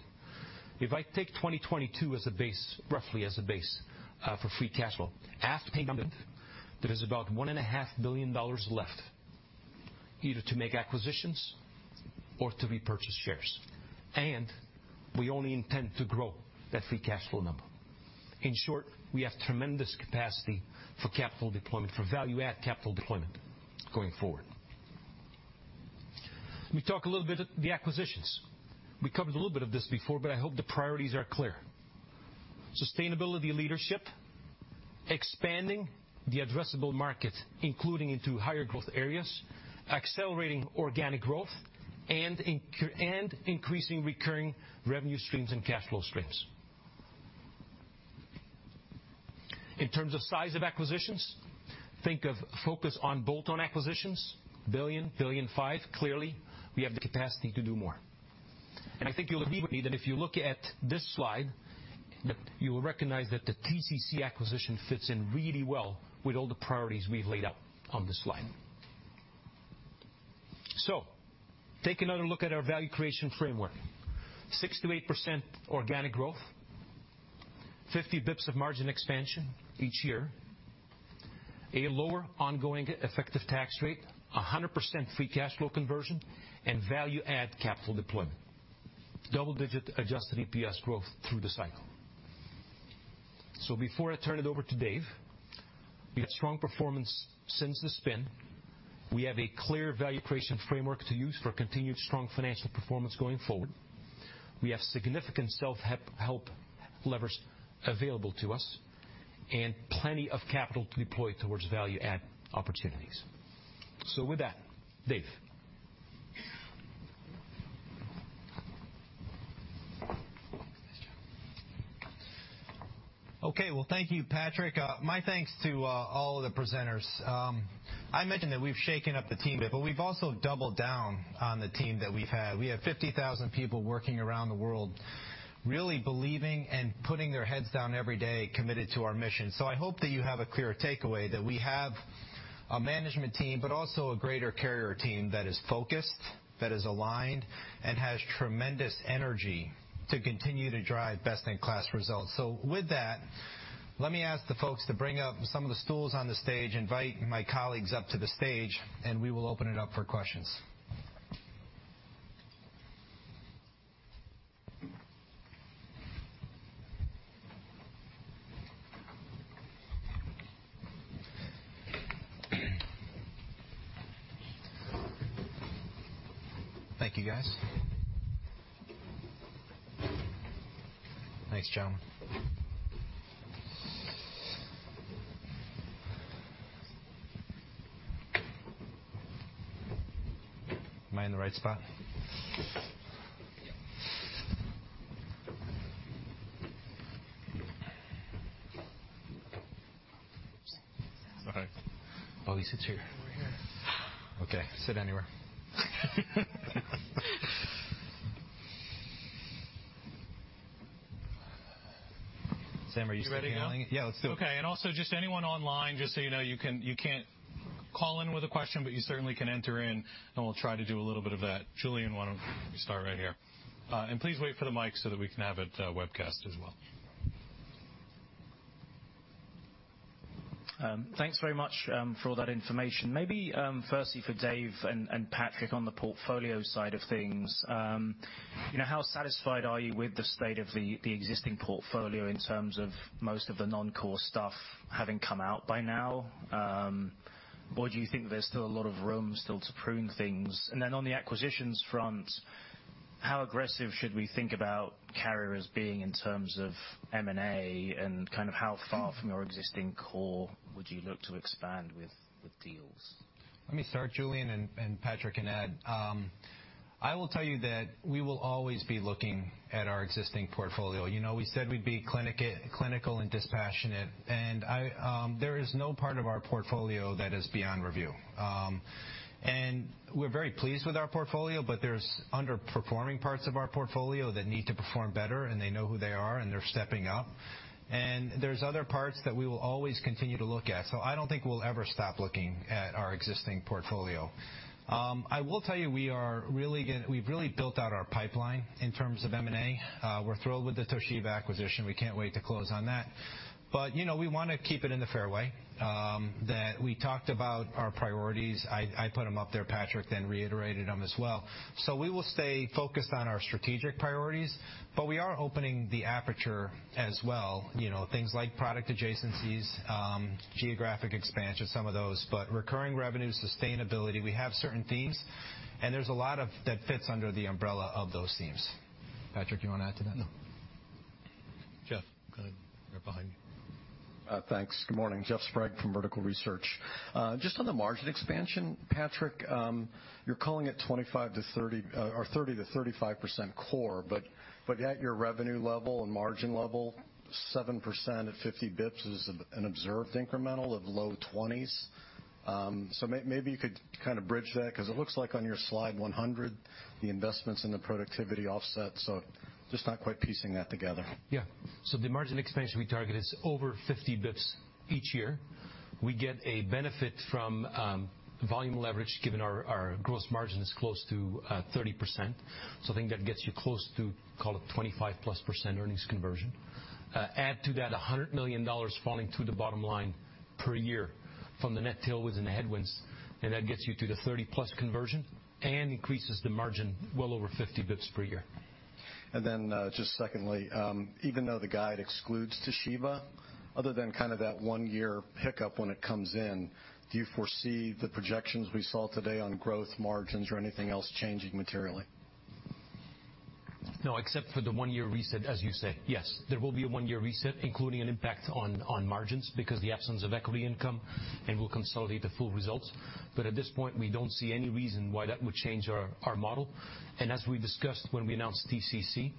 If I take 2022 as a base, roughly as a base, for free cash flow, after payment, there is about $1.5 billion left either to make acquisitions or to repurchase shares. We only intend to grow that free cash flow number. In short, we have tremendous capacity for capital deployment, for value-add capital deployment going forward. Let me talk a little bit about the acquisitions. We covered a little bit of this before, but I hope the priorities are clear. Sustainability leadership, expanding the addressable market, including into higher growth areas, accelerating organic growth, and incurring, and increasing recurring revenue streams and cash flow streams. In terms of size of acquisitions, think of focus on bolt-on acquisitions, $1 billion-$1.5 billion. Clearly, we have the capacity to do more. I think you'll agree with me that if you look at this slide, you will recognize that the TCC acquisition fits in really well with all the priorities we've laid out on this slide. Take another look at our value creation framework. 6%-8% organic growth, 50 basis points of margin expansion each year, a lower ongoing effective tax rate, 100% free cash flow conversion, and value-add capital deployment. Double-digit adjusted EPS growth through the cycle. Before I turn it over to Dave, we have strong performance since the spin. We have a clear value creation framework to use for continued strong financial performance going forward. We have significant self-help levers available to us and plenty of capital to deploy towards value-add opportunities. With that, Dave. Okay. Well, thank you, Patrick. My thanks to all the presenters. I mentioned that we've shaken up the team a bit, but we've also doubled down on the team that we've had. We have 50,000 people working around the world really believing and putting their heads down every day, committed to our mission. I hope that you have a clear takeaway that we have a management team, but also a greater Carrier team that is focused, that is aligned, and has tremendous energy to continue to drive best-in-class results. With that, let me ask the folks to bring up some of the stools on the stage, invite my colleagues up to the stage, and we will open it up for questions. Thank you, guys. Thanks, gentlemen. Am I in the right spot? Yeah. Sorry. Oh, he sits here. Over here. Okay. Sit anywhere. Sam, are you still handling? You ready to go? Yeah, let's do it. Okay. And also just anyone online, just so you know, you can, you can't call in with a question, but you certainly can enter in and we'll try to do a little bit of that. Julian, why don't you start right here? Please wait for the mic so that we can have it webcast as well. Thanks very much for all that information. Maybe firstly for Dave and Patrick on the portfolio side of things, you know, how satisfied are you with the state of the existing portfolio in terms of most of the non-core stuff having come out by now? Or do you think there's still a lot of room to prune things? Then on the acquisitions front, how aggressive should we think about Carrier as being in terms of M&A and kind of how far from your existing core would you look to expand with deals? Let me start, Julian, and Patrick can add. I will tell you that we will always be looking at our existing portfolio. You know, we said we'd be clinical and dispassionate, and there is no part of our portfolio that is beyond review. We're very pleased with our portfolio, but there's underperforming parts of our portfolio that need to perform better, and they know who they are, and they're stepping up. There's other parts that we will always continue to look at. I don't think we'll ever stop looking at our existing portfolio. I will tell you, we've really built out our pipeline in terms of M&A. We're thrilled with the Toshiba acquisition. We can't wait to close on that. You know, we wanna keep it in the fairway that we talked about our priorities. I put them up there. Patrick then reiterated them as well. We will stay focused on our strategic priorities, but we are opening the aperture as well, you know, things like product adjacencies, geographic expansion, some of those. Recurring revenue, sustainability, we have certain themes, and there's a lot that fits under the umbrella of those themes. Patrick, you wanna add to that? No. Jeff, go ahead, right behind you. Thanks. Good morning. Jeff Sprague from Vertical Research Partners. Just on the margin expansion, Patrick, you're calling it 25-30 or 30-35% core, but yet your revenue level and margin level, 7% at 50 basis points is an observed incremental of low 20s. So maybe you could kinda bridge that, 'cause it looks like on your slide 100, the investments and the productivity offset, so just not quite piecing that together. Yeah. The margin expansion we target is over 50 basis points each year. We get a benefit from volume leverage given our gross margin is close to 30%. I think that gets you close to, call it, 25%+ earnings conversion. Add to that $100 million falling through the bottom line per year from the net tailwinds and the headwinds, and that gets you to the 30%+ conversion and increases the margin well over 50 basis points per year. Just secondly, even though the guide excludes Toshiba, other than kind of that one-year pickup when it comes in, do you foresee the projections we saw today on growth margins or anything else changing materially? No, except for the one-year reset, as you say, yes. There will be a one-year reset, including an impact on margins because the absence of equity income, and we'll consolidate the full results. But at this point, we don't see any reason why that would change our model. As we discussed when we announced TCC,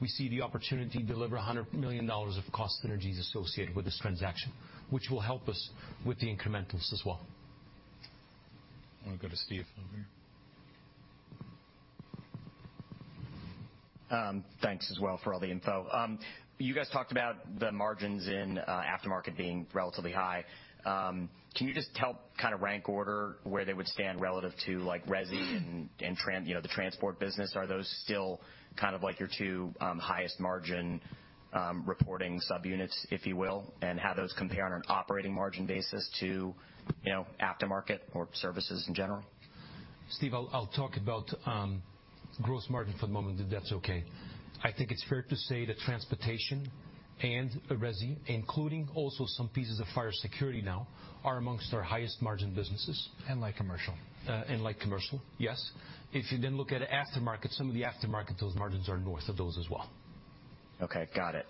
we see the opportunity to deliver $100 million of cost synergies associated with this transaction, which will help us with the incrementals as well. I wanna go to Steve over here. Thanks as well for all the info. You guys talked about the margins in aftermarket being relatively high. Can you just help kind of rank order where they would stand relative to like resi and transport business? Are those still kind of like your two highest margin reporting subunits, if you will, and how those compare on an operating margin basis to aftermarket or services in general? Steve, I'll talk about gross margin for the moment, if that's okay. I think it's fair to say that transportation and resi, including also some pieces of fire security now, are among our highest margin businesses. Light commercial. Light commercial, yes. If you then look at aftermarket, some of those margins are north of those as well. Okay, got it.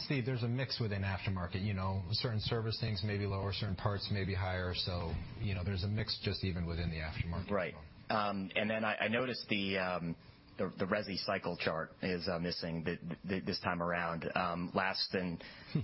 Steve, there's a mix within aftermarket. You know, certain service things may be lower, certain parts may be higher. You know, there's a mix just even within the aftermarket. Right. Then I noticed the resi cycle chart is missing this time around. Last year in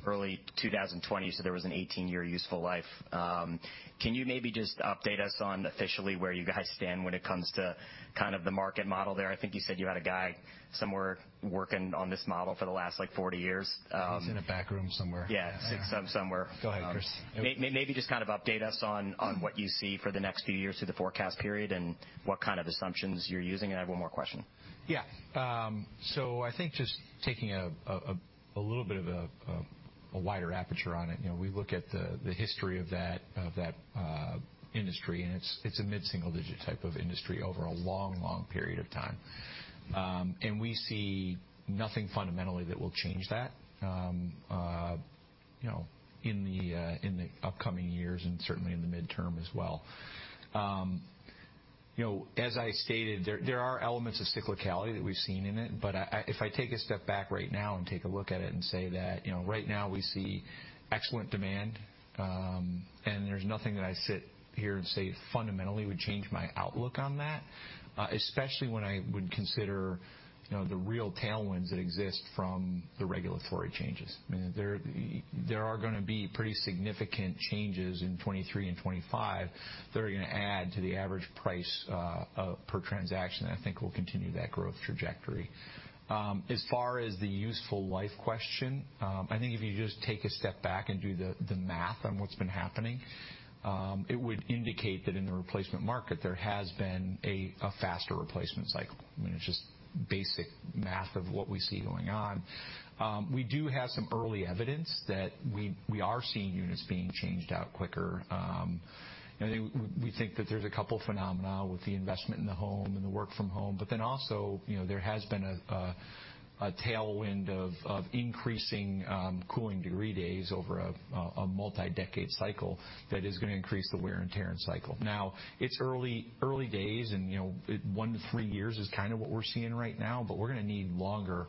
early 2020 you said there was an 18-year useful life. Can you maybe just update us, officially, where you guys stand when it comes to kind of the market model there? I think you said you had a guy somewhere working on this model for the last like 40 years. He's in a back room somewhere. Yeah, some somewhere. Go ahead, Chris. Maybe just kind of update us on what you see for the next few years through the forecast period and what kind of assumptions you're using. I have one more question. Yeah. I think just taking a little bit of a wider aperture on it, you know, we look at the history of that industry, and it's a mid-single digit type of industry over a long period of time. We see nothing fundamentally that will change that, you know, in the upcoming years and certainly in the midterm as well. You know, as I stated, there are elements of cyclicality that we've seen in it, If I take a step back right now and take a look at it and say that, you know, right now we see excellent demand, and there's nothing that I sit here and say fundamentally would change my outlook on that, especially when I would consider, you know, the real tailwinds that exist from the regulatory changes. I mean, there are gonna be pretty significant changes in 2023 and 2025 that are gonna add to the average price per transaction, I think will continue that growth trajectory. As far as the useful life question, I think if you just take a step back and do the math on what's been happening, it would indicate that in the replacement market, there has been a faster replacement cycle. I mean, it's just basic math of what we see going on. We do have some early evidence that we are seeing units being changed out quicker. You know, we think that there's a couple phenomena with the investment in the home and the work from home, but then also, you know, there has been a tailwind of increasing cooling degree days over a multi-decade cycle that is gonna increase the wear and tear and cycle. Now, it's early days and, you know, one to three years is kind of what we're seeing right now, but we're gonna need longer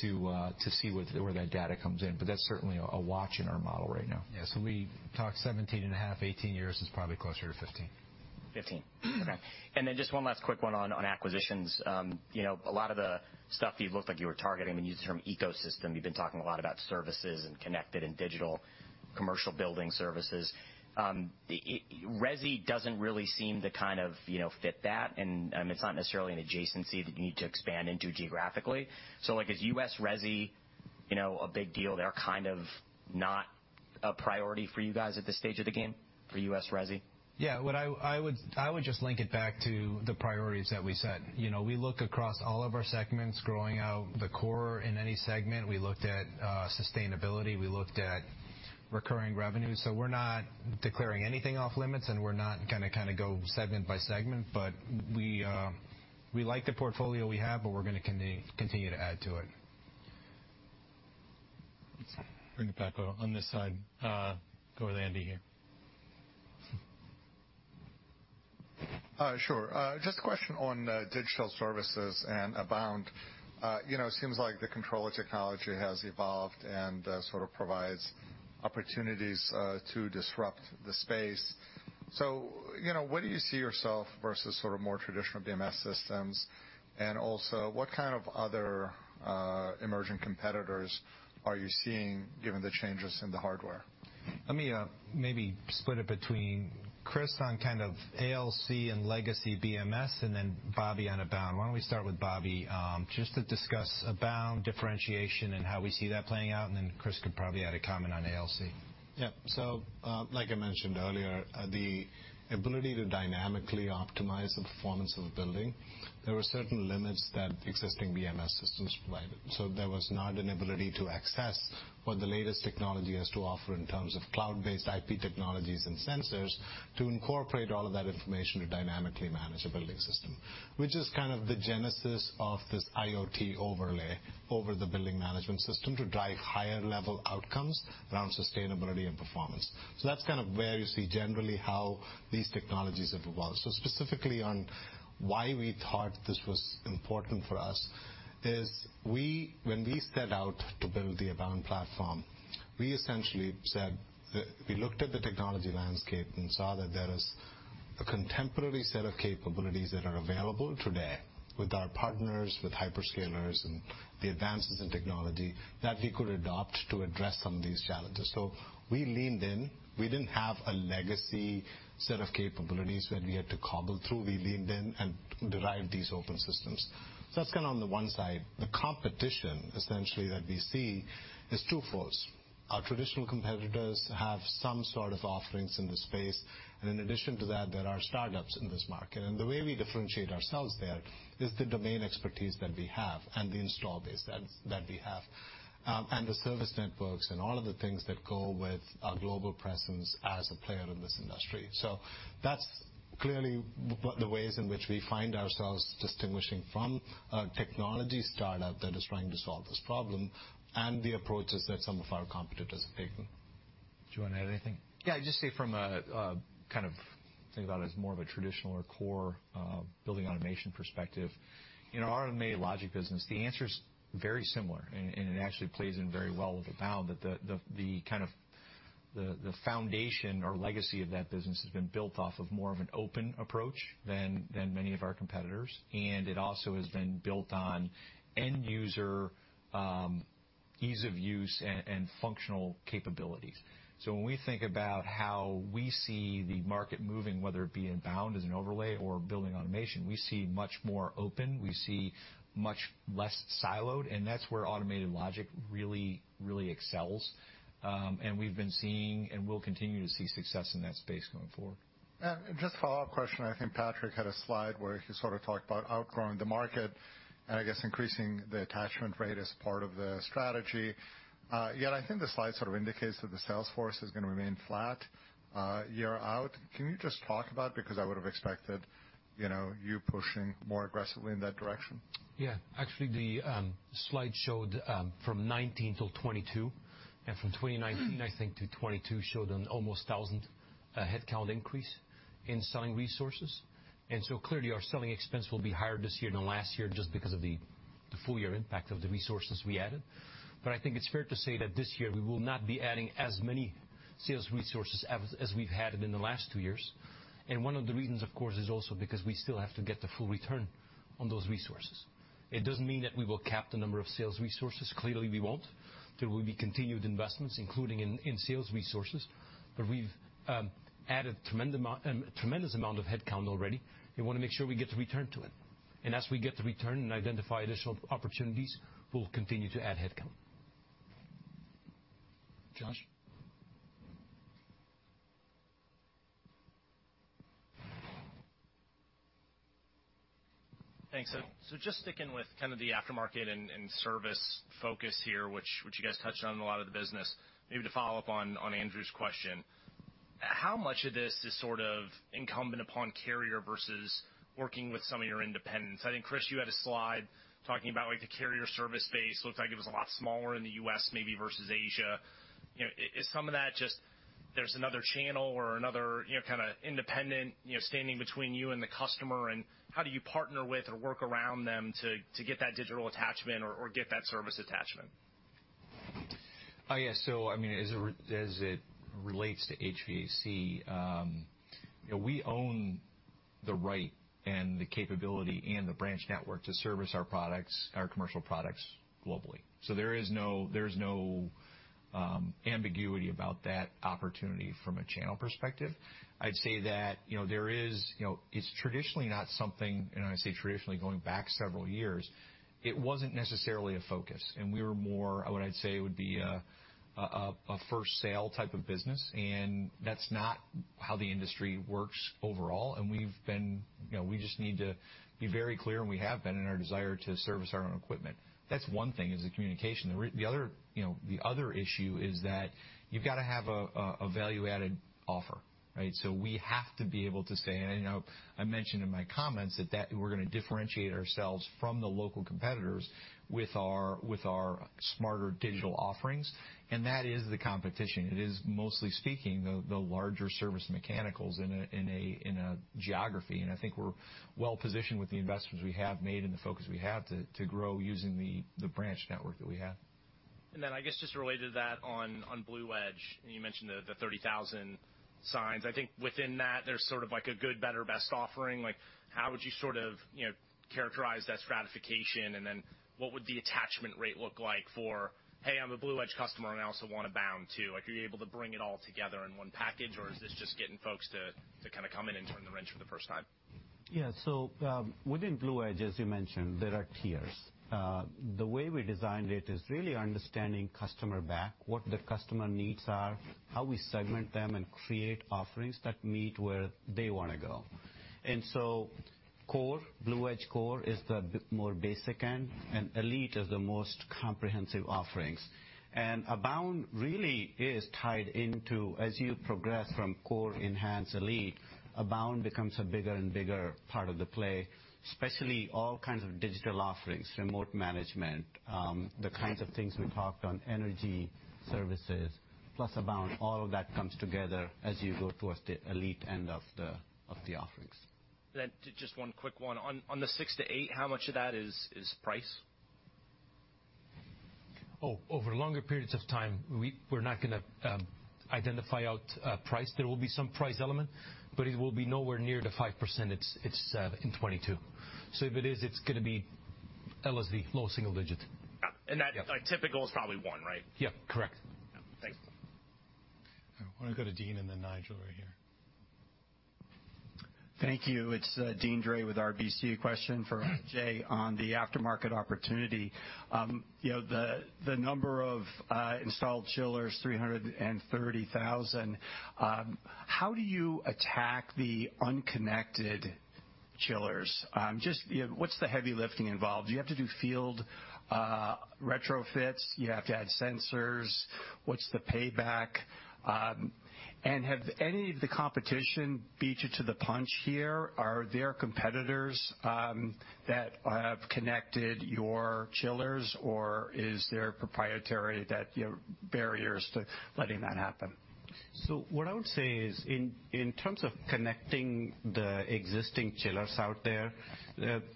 to see where that data comes in. But that's certainly a watch in our model right now. Yeah. We talked 17.5, 18 years, it's probably closer to 15. 15. Okay. Then just one last quick one on acquisitions. You know, a lot of the stuff you looked like you were targeting, when you use the term ecosystem, you've been talking a lot about services and connected and digital commercial building services. Resi doesn't really seem to kind of, you know, fit that. I mean, it's not necessarily an adjacency that you need to expand into geographically. Like, is U.S. resi, you know, a big deal there, kind of not a priority for you guys at this stage of the game for U.S. resi? What I would just link it back to the priorities that we set. You know, we look across all of our segments, growing the core in any segment. We looked at sustainability, we looked at recurring revenue. We're not declaring anything off limits, and we're not gonna kinda go segment by segment. We like the portfolio we have, but we're gonna continue to add to it. Let's bring it back on this side. Go with Andy here. Sure. Just a question on digital services and Abound. You know, it seems like the controller technology has evolved and sort of provides opportunities to disrupt the space. You know, where do you see yourself versus sort of more traditional BMS systems? Also, what kind of other emerging competitors are you seeing given the changes in the hardware? Let me maybe split it between Chris on kind of ALC and legacy BMS, and then Bobby on Abound. Why don't we start with Bobby, just to discuss Abound differentiation and how we see that playing out, and then Chris could probably add a comment on ALC. Yeah. Like I mentioned earlier, the ability to dynamically optimize the performance of a building. There were certain limits that existing BMS systems provided. There was not an ability to access what the latest technology has to offer in terms of cloud-based IP technologies and sensors to incorporate all of that information to dynamically manage a building system, which is kind of the genesis of this IoT overlay over the building management system to drive higher level outcomes around sustainability and performance. That's kind of where you see generally how these technologies have evolved. Specifically on why we thought this was important for us is when we set out to build the Abound platform, we essentially said, we looked at the technology landscape and saw that there is a contemporary set of capabilities that are available today with our partners, with hyperscalers, the advances in technology that we could adopt to address some of these challenges. We leaned in. We didn't have a legacy set of capabilities that we had to cobble through. We leaned in and derived these open systems. That's kind of on the one side. The competition essentially that we see is twofold. Our traditional competitors have some sort of offerings in the space, and in addition to that, there are startups in this market. The way we differentiate ourselves there is the domain expertise that we have and the install base that we have, and the service networks and all of the things that go with our global presence as a player in this industry. That's clearly what the ways in which we find ourselves distinguishing from a technology startup that is trying to solve this problem and the approaches that some of our competitors have taken. Do you wanna add anything? Yeah. Think about it as more of a traditional or core building automation perspective. In our Automated Logic business, the answer is very similar, and it actually plays in very well with Abound. The foundation or legacy of that business has been built off of more of an open approach than many of our competitors, and it also has been built on end user ease of use and functional capabilities. When we think about how we see the market moving, whether it be in Abound as an overlay or building automation, we see much more open, we see much less siloed, and that's where Automated Logic really excels. We've been seeing, and will continue to see success in that space going forward. Just a follow-up question. I think Patrick had a slide where he sort of talked about outgrowing the market and I guess increasing the attachment rate as part of the strategy. Yet I think the slide sort of indicates that the sales force is gonna remain flat year out. Can you just talk about it? Because I would have expected, you know, you pushing more aggressively in that direction. Actually, the slide showed from 2019 till 2022, and from 2019, I think, to 2022 showed an almost 1,000 headcount increase in selling resources. Clearly, our selling expense will be higher this year than last year just because of the full year impact of the resources we added. I think it's fair to say that this year we will not be adding as many sales resources as we've had in the last two years. One of the reasons, of course, is also because we still have to get the full return on those resources. It doesn't mean that we will cap the number of sales resources. Clearly, we won't. There will be continued investments, including in sales resources. We've added a tremendous amount of headcount already, and wanna make sure we get the return on it. As we get the return on and identify additional opportunities, we'll continue to add headcount. Josh. Thanks. Just sticking with kind of the aftermarket and service focus here, which you guys touched on in a lot of the business. Maybe to follow up on Andrew's question, how much of this is sort of incumbent upon Carrier versus working with some of your independents? I think, Chris, you had a slide talking about, like, the Carrier service space. Looked like it was a lot smaller in the U.S. maybe versus Asia. You know, is some of that just that there's another channel or another, you know, kinda independent, you know, standing between you and the customer? And how do you partner with or work around them to get that digital attachment or get that service attachment? Yeah. I mean, as it relates to HVAC, you know, we own the right and the capability and the branch network to service our products, our commercial products globally. There is no ambiguity about that opportunity from a channel perspective. I'd say that, you know, there is, you know, it's traditionally not something, and I say traditionally going back several years, it wasn't necessarily a focus, and we were more what I'd say would be a first sale type of business. That's not how the industry works overall. We've been, you know, we just need to be very clear, and we have been in our desire to service our own equipment. That's one thing, the communication. The other issue, you know, is that you've gotta have a value-added offer, right? We have to be able to say, and I know I mentioned in my comments that we're gonna differentiate ourselves from the local competitors with our smarter digital offerings, and that is the competition. It is, mostly speaking, the larger service mechanicals in a geography. I think we're well positioned with the investments we have made and the focus we have to grow using the branch network that we have. Then I guess just related to that on BluEdge, and you mentioned the 30,000 sites. I think within that, there's sort of like a good, better, best offering. Like, how would you sort of, you know, characterize that stratification? And then what would the attachment rate look like for, "Hey, I'm a BluEdge customer, and I also want Abound too." Like, are you able to bring it all together in one package, or is this just getting folks to kinda come in and turn the wrench for the first time? Yeah. Within BluEdge, as you mentioned, there are tiers. The way we designed it is really understanding customer base, what the customer needs are, how we segment them and create offerings that meet where they wanna go. Core, BluEdge Core is the more basic end, and Elite is the most comprehensive offerings. Abound really is tied into, as you progress from Core, Enhance, Elite, Abound becomes a bigger and bigger part of the play, especially all kinds of digital offerings, remote management, the kinds of things we talked about energy services, plus Abound, all of that comes together as you go towards the Elite end of the offerings. Just one quick one. On the six to eight, how much of that is price? Oh, over longer periods of time, we're not gonna call out price. There will be some price element, but it will be nowhere near the 5% it was in 2022. If it is, it's gonna be LSD, low single digit. And that- Yeah. Typical is probably one, right? Yeah. Correct. Thanks. All right. Why don't I go to Deane, and then Nigel right here. Thank you. It's Deane Dray with RBC. A question for Ajay on the aftermarket opportunity. You know, the number of installed chillers, 330,000. How do you attack the unconnected chillers? Just, you know, what's the heavy lifting involved? Do you have to do field retrofits? Do you have to add sensors? What's the payback? Have any of the competition beat you to the punch here? Are there competitors that have connected your chillers, or is there proprietary that, you know, barriers to letting that happen? What I would say is in terms of connecting the existing chillers out there,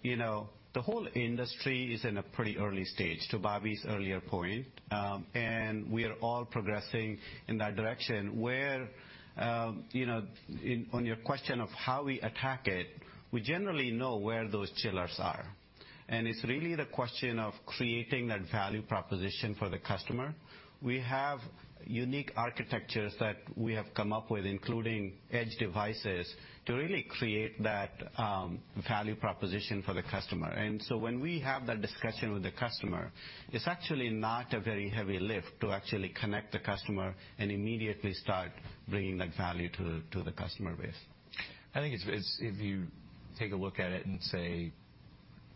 you know, the whole industry is in a pretty early stage, to Bobby's earlier point. We are all progressing in that direction. You know, on your question of how we attack it, we generally know where those chillers are, and it's really the question of creating that value proposition for the customer. We have unique architectures that we have come up with, including edge devices, to really create that value proposition for the customer. When we have that discussion with the customer, it's actually not a very heavy lift to actually connect the customer and immediately start bringing that value to the customer base. I think it's if you take a look at it and say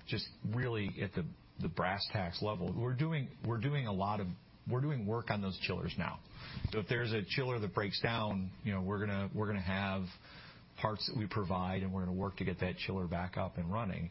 just really at the brass tacks level, we're doing work on those chillers now. If there's a chiller that breaks down, you know, we're gonna have parts that we provide, and we're gonna work to get that chiller back up and running.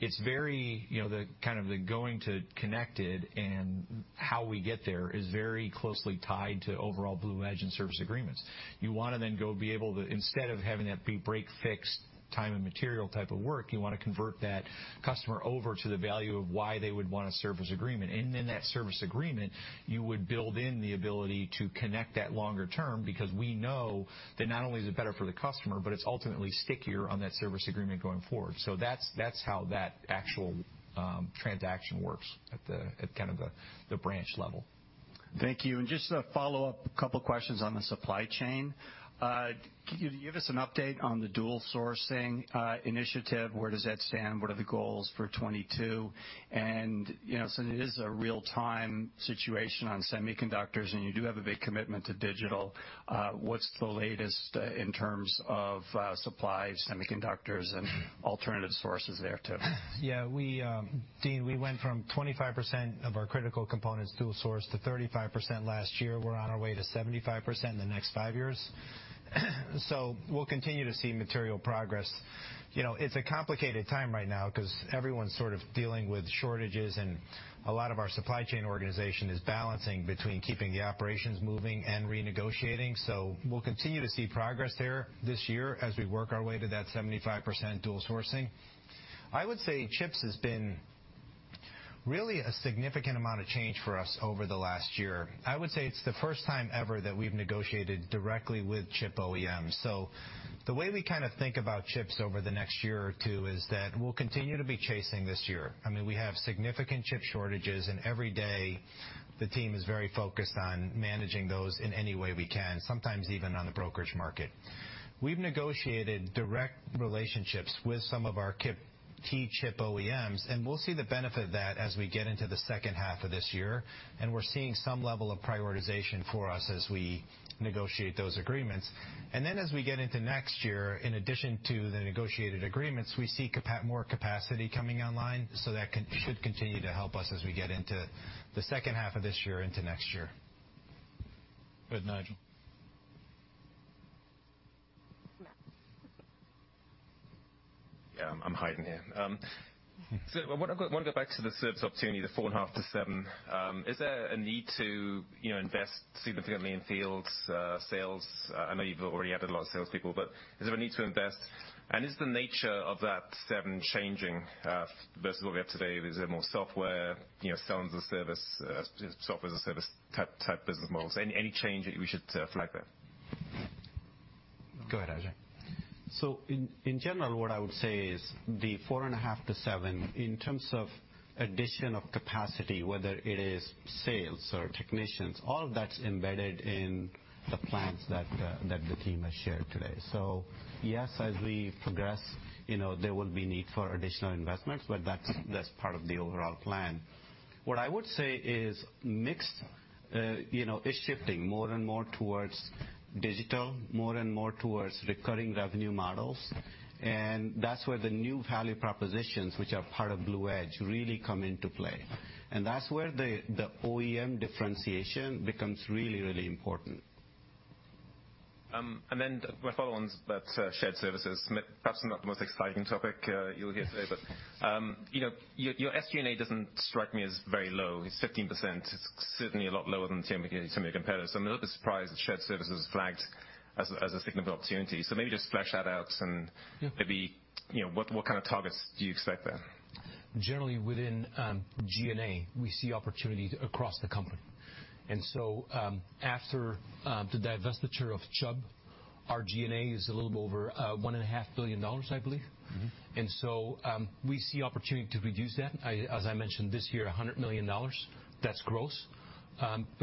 It's very, you know, the kind of going to connected and how we get there is very closely tied to overall BluEdge and service agreements. You wanna then go be able to instead of having that be break, fix, time and material type of work, you wanna convert that customer over to the value of why they would want a service agreement. In that service agreement, you would build in the ability to connect that longer term because we know that not only is it better for the customer, but it's ultimately stickier on that service agreement going forward. That's how that actual transaction works at kind of the branch level. Thank you. Just a follow-up, a couple questions on the supply chain. Can you give us an update on the dual sourcing initiative? Where does that stand? What are the goals for 2022? You know, since it is a real-time situation on semiconductors, and you do have a big commitment to digital, what's the latest in terms of supply of semiconductors and alternative sources there, too? Yeah. We, Deane, we went from 25% of our critical components dual source to 35% last year. We're on our way to 75% in the next five years. We'll continue to see material progress. You know, it's a complicated time right now 'cause everyone's sort of dealing with shortages, and a lot of our supply chain organization is balancing between keeping the operations moving and renegotiating. We'll continue to see progress there this year as we work our way to that 75% dual sourcing. I would say chips has been really a significant amount of change for us over the last year. I would say it's the first time ever that we've negotiated directly with chip OEMs. The way we kind of think about chips over the next year or two is that we'll continue to be chasing this year. I mean, we have significant chip shortages, and every day the team is very focused on managing those in any way we can, sometimes even on the brokerage market. We've negotiated direct relationships with some of our key chip OEMs, and we'll see the benefit of that as we get into the second half of this year, and we're seeing some level of prioritization for us as we negotiate those agreements. As we get into next year, in addition to the negotiated agreements, we see more capacity coming online, so that should continue to help us as we get into the second half of this year into next year. Go ahead, Nigel. Yeah. I'm hiding here. So I wanna go back to the service opportunity, the 4.5-7. Is there a need to, you know, invest significantly in field sales? I know you've already added a lot of salespeople, but is there a need to invest? Is the nature of that seven changing versus what we have today? Is there more software, you know, SaaS, software as a service type business models? Any change that we should flag there? Go ahead, Ajay. In general, what I would say is the 4.5-7, in terms of addition of capacity, whether it is sales or technicians, all of that's embedded in the plans that the team has shared today. Yes, as we progress, you know, there will be need for additional investments, but that's part of the overall plan. What I would say is mix, you know, is shifting more and more towards digital, more and more towards recurring revenue models, and that's where the new value propositions, which are part of BluEdge, really come into play. That's where the OEM differentiation becomes really, really important. My follow-on's about shared services. Perhaps not the most exciting topic you'll hear today, but you know, your SG&A doesn't strike me as very low. It's 15%. It's certainly a lot lower than some of your competitors, so I'm a little bit surprised that shared services was flagged as a significant opportunity. Maybe just flesh that out. Yeah. Maybe, you know, what kind of targets do you expect there? Generally within G&A, we see opportunities across the company. After the divestiture of Chubb, our G&A is a little over $1.5 billion, I believe. Mm-hmm. We see opportunity to reduce that. As I mentioned this year, $100 million. That's gross.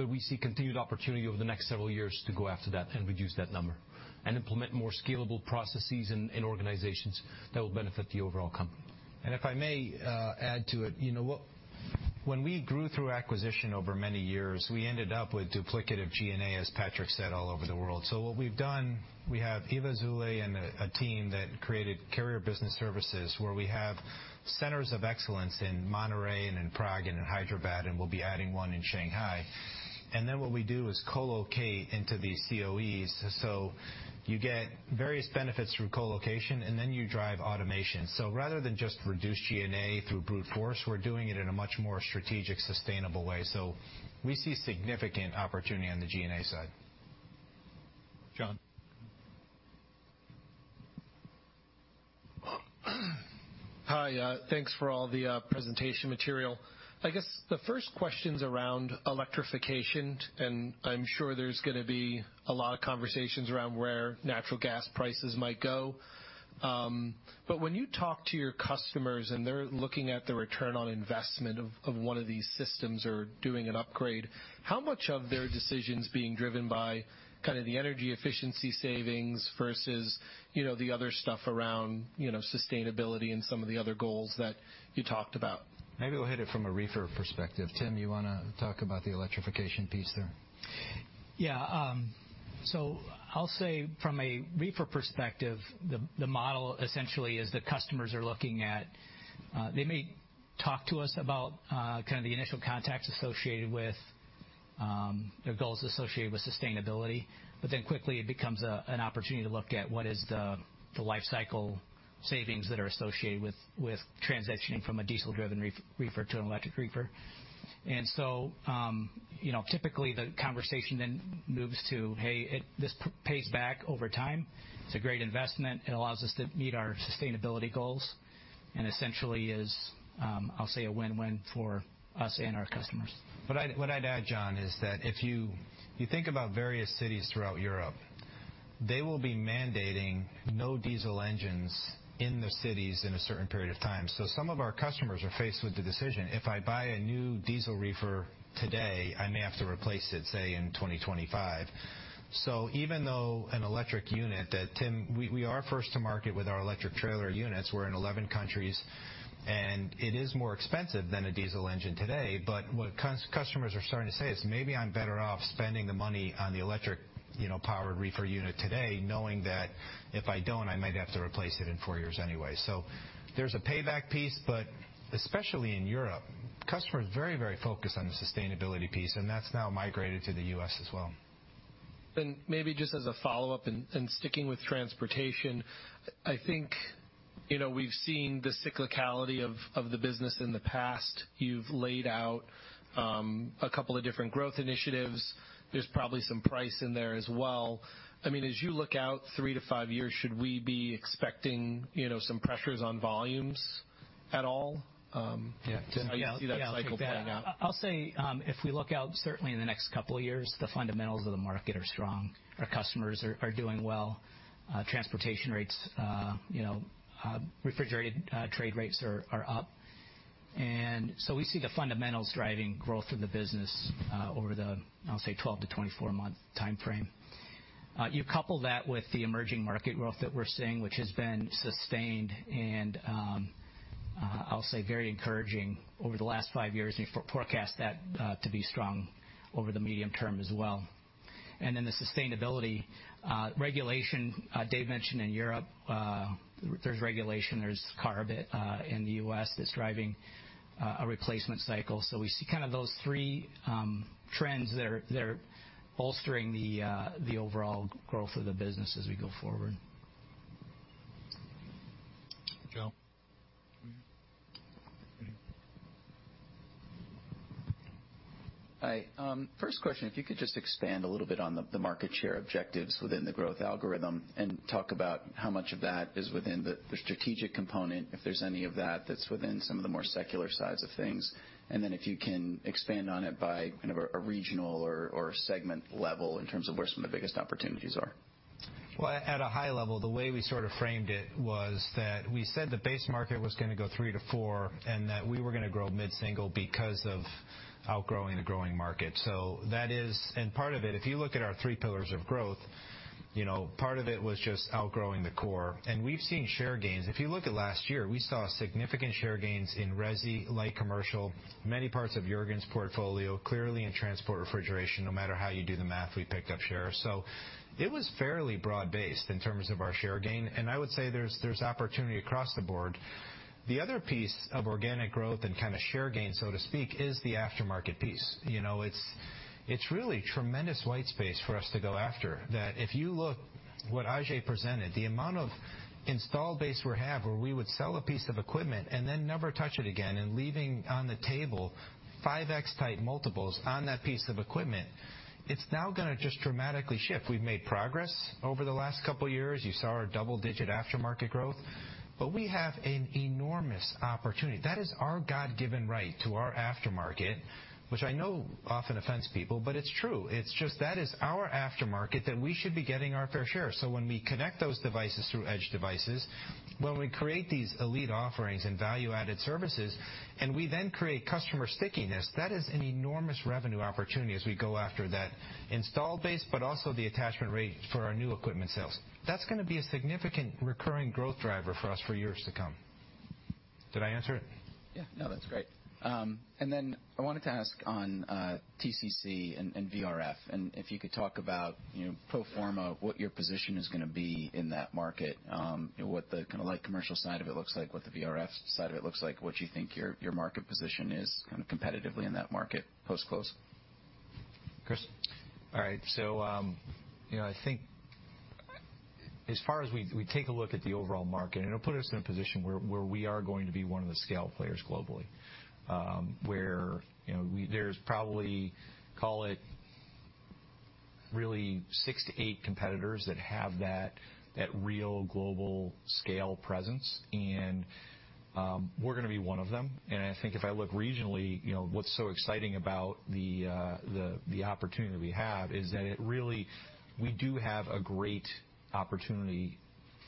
We see continued opportunity over the next several years to go after that and reduce that number and implement more scalable processes in organizations that will benefit the overall company. If I may add to it, you know, when we grew through acquisition over many years, we ended up with duplicative G&A, as Patrick said, all over the world. What we've done, we have Eva Azoulay and a team that created Carrier Business Services, where we have centers of excellence in Monterrey and in Prague and in Hyderabad, and we'll be adding one in Shanghai. What we do is co-locate into these COEs. You get various benefits through co-location, and then you drive automation. Rather than just reduce G&A through brute force, we're doing it in a much more strategic, sustainable way. We see significant opportunity on the G&A side. John? Hi. Thanks for all the presentation material. I guess the first question's around electrification, and I'm sure there's gonna be a lot of conversations around where natural gas prices might go. When you talk to your customers and they're looking at the return on investment of one of these systems or doing an upgrade, how much of their decisions being driven by kind of the energy efficiency savings versus, you know, the other stuff around, you know, sustainability and some of the other goals that you talked about? Maybe we'll hit it from a reefer perspective. Tim, you wanna talk about the electrification piece there? Yeah. So I'll say from a reefer perspective, the model essentially is the customers are looking at, they may talk to us about kind of the initial contacts associated with their goals associated with sustainability. Then quickly it becomes an opportunity to look at what is the life cycle savings that are associated with transitioning from a diesel-driven reefer to an electric reefer. You know, typically the conversation then moves to, "Hey, this pays back over time. It's a great investment. It allows us to meet our sustainability goals," and essentially is, I'll say a win-win for us and our customers. What I'd add, John, is that if you think about various cities throughout Europe, they will be mandating no diesel engines in the cities in a certain period of time. Some of our customers are faced with the decision, if I buy a new diesel reefer today, I may have to replace it, say, in 2025. Even though we are first to market with our electric trailer units, we're in 11 countries, and it is more expensive than a diesel engine today. What customers are starting to say is, "Maybe I'm better off spending the money on the electric, you know, powered reefer unit today, knowing that if I don't, I might have to replace it in four years anyway." There's a payback piece, but especially in Europe, customers are very, very focused on the sustainability piece, and that's now migrated to the U.S. as well. Maybe just as a follow-up and sticking with transportation, I think, you know, we've seen the cyclicality of the business in the past. You've laid out a couple of different growth initiatives. There's probably some price in there as well. I mean, as you look out three to five years, should we be expecting, you know, some pressures on volumes at all? Yeah. How do you see that cycle playing out? I'll say, if we look out certainly in the next couple of years, the fundamentals of the market are strong. Our customers are doing well. Transportation rates, you know, refrigerated trade rates are up. We see the fundamentals driving growth in the business, over the, I'll say, 12-24 month timeframe. You couple that with the emerging market growth that we're seeing, which has been sustained and, I'll say very encouraging over the last five years, and you forecast that to be strong over the medium term as well. The sustainability regulation Dave mentioned in Europe, there's regulation, there's CARB in the U.S. that's driving a replacement cycle. We see kind of those three trends that are bolstering the overall growth of the business as we go forward. Joe? Hi. First question, if you could just expand a little bit on the market share objectives within the growth algorithm and talk about how much of that is within the strategic component, if there's any of that that's within some of the more secular sides of things. Then if you can expand on it by kind of a regional or segment level in terms of where some of the biggest opportunities are? Well, at a high level, the way we sort of framed it was that we said the base market was gonna go 3%-4% and that we were gonna grow mid-single % because of outgrowing the growing market. That is part of it. If you look at our three pillars of growth, you know, part of it was just outgrowing the core. We've seen share gains. If you look at last year, we saw significant share gains in resi, light commercial, many parts of Jurgen's portfolio, clearly in transport refrigeration. No matter how you do the math, we picked up share. It was fairly broad-based in terms of our share gain, and I would say there's opportunity across the board. The other piece of organic growth and kind of share gain, so to speak, is the aftermarket piece. You know, it's really tremendous white space for us to go after, that if you look what Ajay presented, the amount of installed base we have where we would sell a piece of equipment and then never touch it again and leaving on the table. 5x type multiples on that piece of equipment, it's now gonna just dramatically shift. We've made progress over the last couple years. You saw our double-digit aftermarket growth. We have an enormous opportunity. That is our God-given right to our aftermarket, which I know often offends people, but it's true. It's just that is our aftermarket that we should be getting our fair share. When we connect those devices through edge devices, when we create these elite offerings and value-added services, and we then create customer stickiness, that is an enormous revenue opportunity as we go after that install base, but also the attachment rate for our new equipment sales. That's gonna be a significant recurring growth driver for us for years to come. Did I answer it? Yeah. No, that's great. I wanted to ask on TCC and VRF, and if you could talk about, you know, pro forma, what your position is gonna be in that market, what the kinda light commercial side of it looks like, what the VRF side of it looks like, what you think your market position is kind of competitively in that market post-close? Chris? All right. You know, I think as far as we take a look at the overall market, it'll put us in a position where we are going to be one of the scale players globally. You know, there's probably, call it really 6-8 competitors that have that real global scale presence, and we're gonna be one of them. I think if I look regionally, you know, what's so exciting about the opportunity we have is that it really. We do have a great opportunity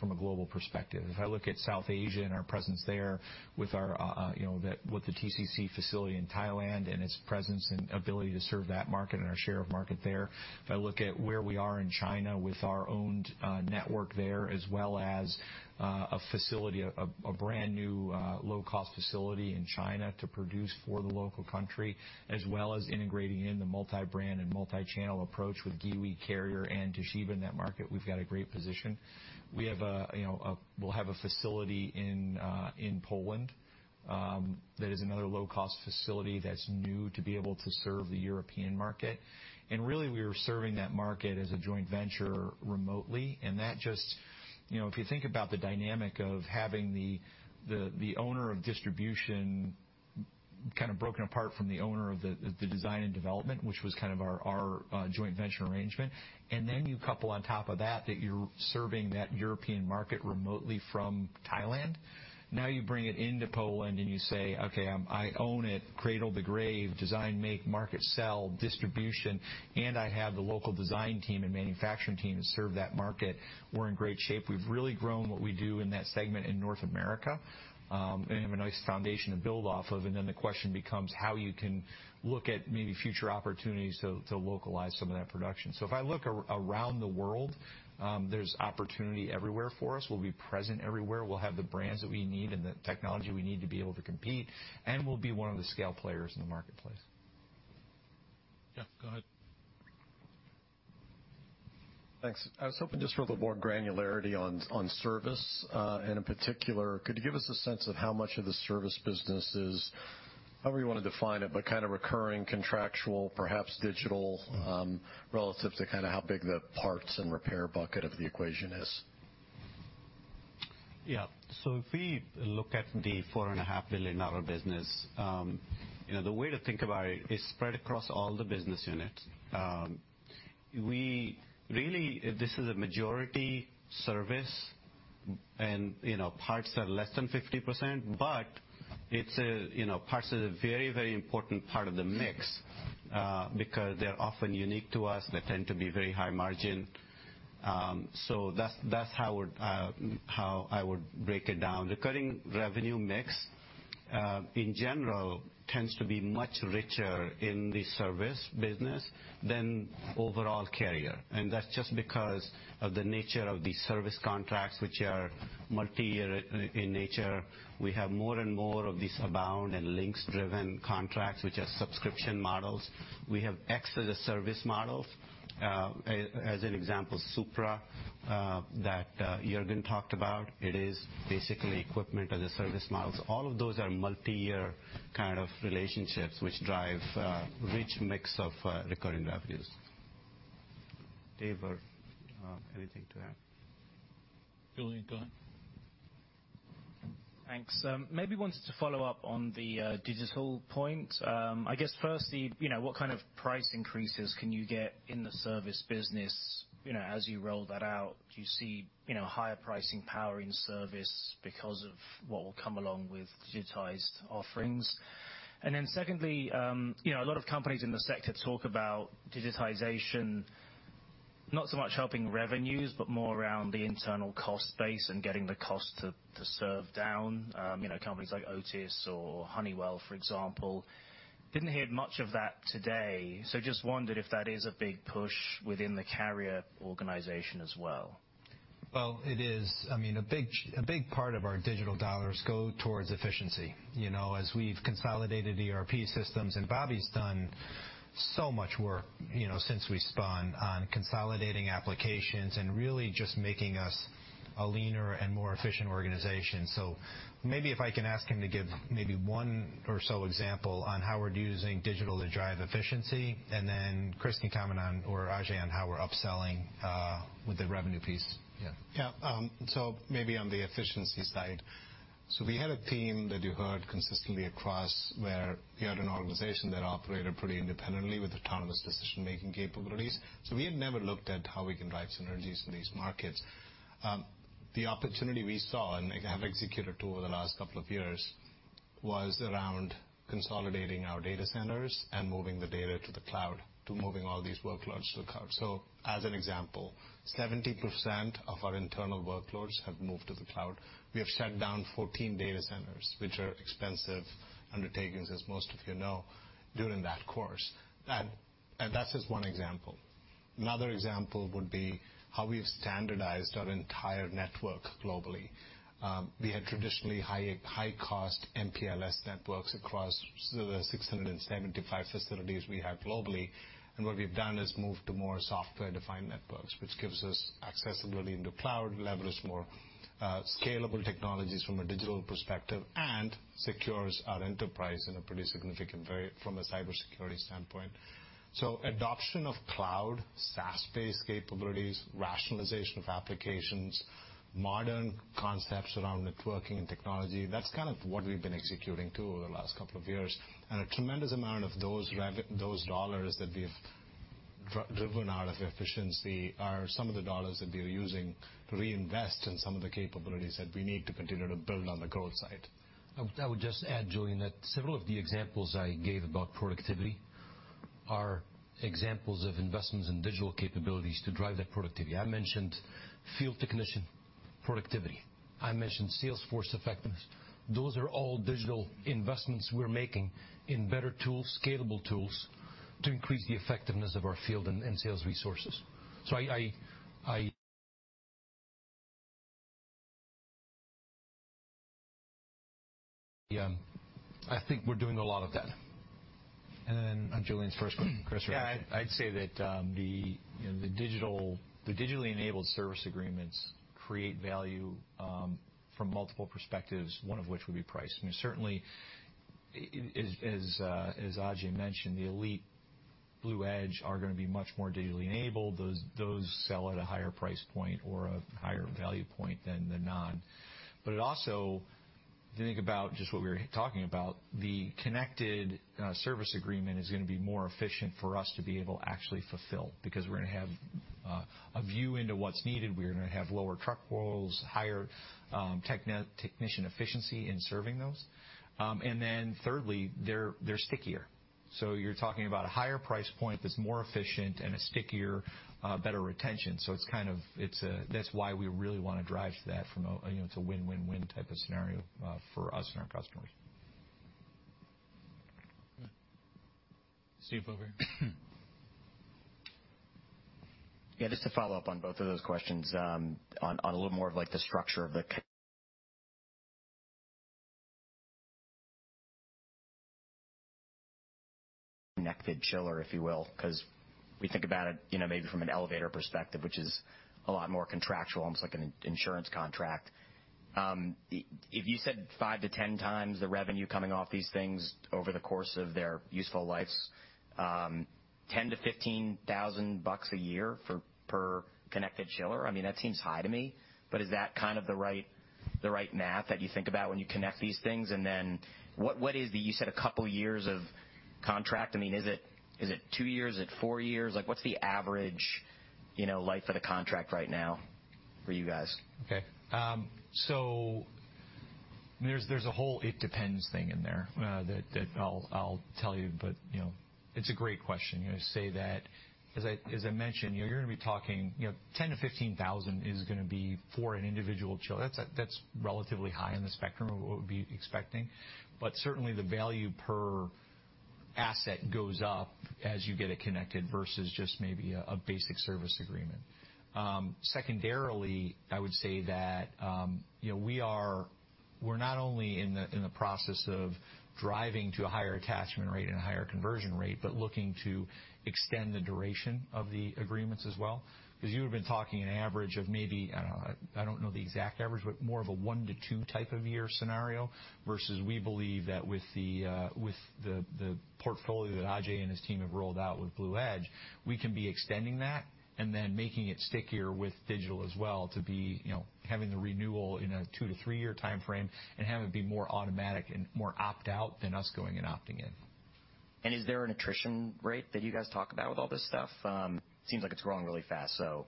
from a global perspective. If I look at South Asia and our presence there with our you know with the TCC facility in Thailand and its presence and ability to serve that market and our share of market there. If I look at where we are in China with our owned network there, as well as a brand new low-cost facility in China to produce for the local country, as well as integrating in the multi-brand and multi-channel approach with Giwee Carrier and Toshiba in that market. We've got a great position. We have, you know, we'll have a facility in Poland that is another low-cost facility that's new to be able to serve the European market. Really, we are serving that market as a joint venture remotely, and that just... You know, if you think about the dynamic of having the owner of distribution kind of broken apart from the owner of the design and development, which was kind of our joint venture arrangement, and then you couple on top of that you're serving that European market remotely from Thailand. Now you bring it into Poland, and you say, "Okay, I own it cradle to grave, design, make, market, sell, distribution, and I have the local design team and manufacturing team to serve that market." We're in great shape. We've really grown what we do in that segment in North America, and have a nice foundation to build off of. Then the question becomes how you can look at maybe future opportunities to localize some of that production. If I look around the world, there's opportunity everywhere for us. We'll be present everywhere. We'll have the brands that we need and the technology we need to be able to compete, and we'll be one of the scale players in the marketplace. Jeff, go ahead. Thanks. I was hoping just for a little more granularity on service. In particular, could you give us a sense of how much of the service business is however you wanna define it, but kind of recurring, contractual, perhaps digital, relative to kinda how big the parts and repair bucket of the equation is? Yeah. If we look at the $4.5 billion business, you know, the way to think about it's spread across all the business units. This is a majority service, and, you know, parts are less than 50%, but it's a, you know, parts is a very, very important part of the mix, because they're often unique to us. They tend to be very high margin. That's how I would break it down. Recurring revenue mix in general tends to be much richer in the service business than overall Carrier, and that's just because of the nature of the service contracts, which are multiyear in nature. We have more and more of these Abound and Lynx-driven contracts, which are subscription models. We have X-as-a-Service models. As an example, Supra, that Jurgen talked about, it is basically equipment-as-a-service models. All of those are multiyear kind of relationships which drive a rich mix of recurring revenues. Dave or anything to add? Julian, go ahead. Thanks. Maybe wanted to follow up on the digital point. I guess firstly, you know, what kind of price increases can you get in the service business, you know, as you roll that out? Do you see, you know, higher pricing power in service because of what will come along with digitized offerings? Secondly, you know, a lot of companies in the sector talk about digitization, not so much helping revenues, but more around the internal cost base and getting the cost to serve down. You know, companies like Otis or Honeywell, for example. Didn't hear much of that today, so just wondered if that is a big push within the Carrier organization as well. Well, it is. I mean, a big part of our digital dollars go towards efficiency. You know, as we've consolidated ERP systems, and Bobby's done so much work, you know, since we spun off on consolidating applications and really just making us a leaner and more efficient organization. Maybe if I can ask him to give maybe one or so example on how we're using digital to drive efficiency, and then Chris can comment on or Ajay on how we're upselling with the revenue piece. Yeah. Maybe on the efficiency side. We had a team that you heard consistently across where we had an organization that operated pretty independently with autonomous decision-making capabilities. We had never looked at how we can drive synergies in these markets. The opportunity we saw and have executed to over the last couple of years was around consolidating our data centers and moving the data to the cloud, to moving all these workloads to the cloud. As an example, 70% of our internal workloads have moved to the cloud. We have shut down 14 data centers, which are expensive undertakings, as most of you know, during that course. And that's just one example. Another example would be how we've standardized our entire network globally. We had traditionally high-cost MPLS networks across the 675 facilities we have globally. What we've done is move to more software-defined networks, which gives us accessibility into cloud, leverage more, scalable technologies from a digital perspective and secures our enterprise in a pretty significant way from a cybersecurity standpoint. Adoption of cloud, SaaS-based capabilities, rationalization of applications, modern concepts around networking and technology, that's kind of what we've been executing to over the last couple of years. A tremendous amount of those dollars that we've driven out of efficiency are some of the dollars that we are using to reinvest in some of the capabilities that we need to continue to build on the growth side. I would just add, Julian, that several of the examples I gave about productivity are examples of investments in digital capabilities to drive that productivity. I mentioned field technician productivity. I mentioned sales force effectiveness. Those are all digital investments we're making in better tools, scalable tools to increase the effectiveness of our field and sales resources. I think we're doing a lot of that. Then on Julian's first point, Chris or Ajay. Yeah, I'd say that you know, the digitally enabled service agreements create value from multiple perspectives, one of which would be price. I mean, certainly, as Ajay mentioned, the elite BluEdge are gonna be much more digitally enabled. Those sell at a higher price point or a higher value point than the non. It also, if you think about just what we were talking about, the connected service agreement is gonna be more efficient for us to be able to actually fulfill because we're gonna have a view into what's needed. We're gonna have lower truck rolls, higher technician efficiency in serving those. Thirdly, they're stickier. You're talking about a higher price point that's more efficient and a stickier better retention. That's why we really wanna drive that from a, you know, it's a win-win-win type of scenario for us and our customers. Steve, over here. Yeah, just to follow up on both of those questions, on a little more of like the structure of the connected chiller, if you will, 'cause we think about it, you know, maybe from an elevator perspective, which is a lot more contractual, almost like an insurance contract. If you said 5-10x the revenue coming off these things over the course of their useful lives, $10,000-$15,000 a year for per connected chiller, I mean, that seems high to me. But is that kind of the right math that you think about when you connect these things? And then what is the, you said a couple of years of contract. I mean, is it two years? Is it four years? Like, what's the average, you know, life of the contract right now for you guys? Okay. There's a whole it depends thing in there that I'll tell you, but you know, it's a great question. You say that, as I mentioned, you're gonna be talking, you know, $10,000-$15,000 is gonna be for an individual chiller. That's relatively high in the spectrum of what we'd be expecting. Certainly, the value per asset goes up as you get it connected versus just maybe a basic service agreement. Secondarily, I would say that, you know, we're not only in the process of driving to a higher attachment rate and a higher conversion rate, but looking to extend the duration of the agreements as well. 'Cause you have been talking an average of maybe, I don't know the exact average, but more of a one to two year scenario, versus we believe that with the portfolio that Ajay and his team have rolled out with BluEdge, we can be extending that and then making it stickier with digital as well to be, you know, having the renewal in a 2-3-year timeframe and have it be more automatic and more opt out than us going and opting in. Is there an attrition rate that you guys talk about with all this stuff? Seems like it's growing really fast, so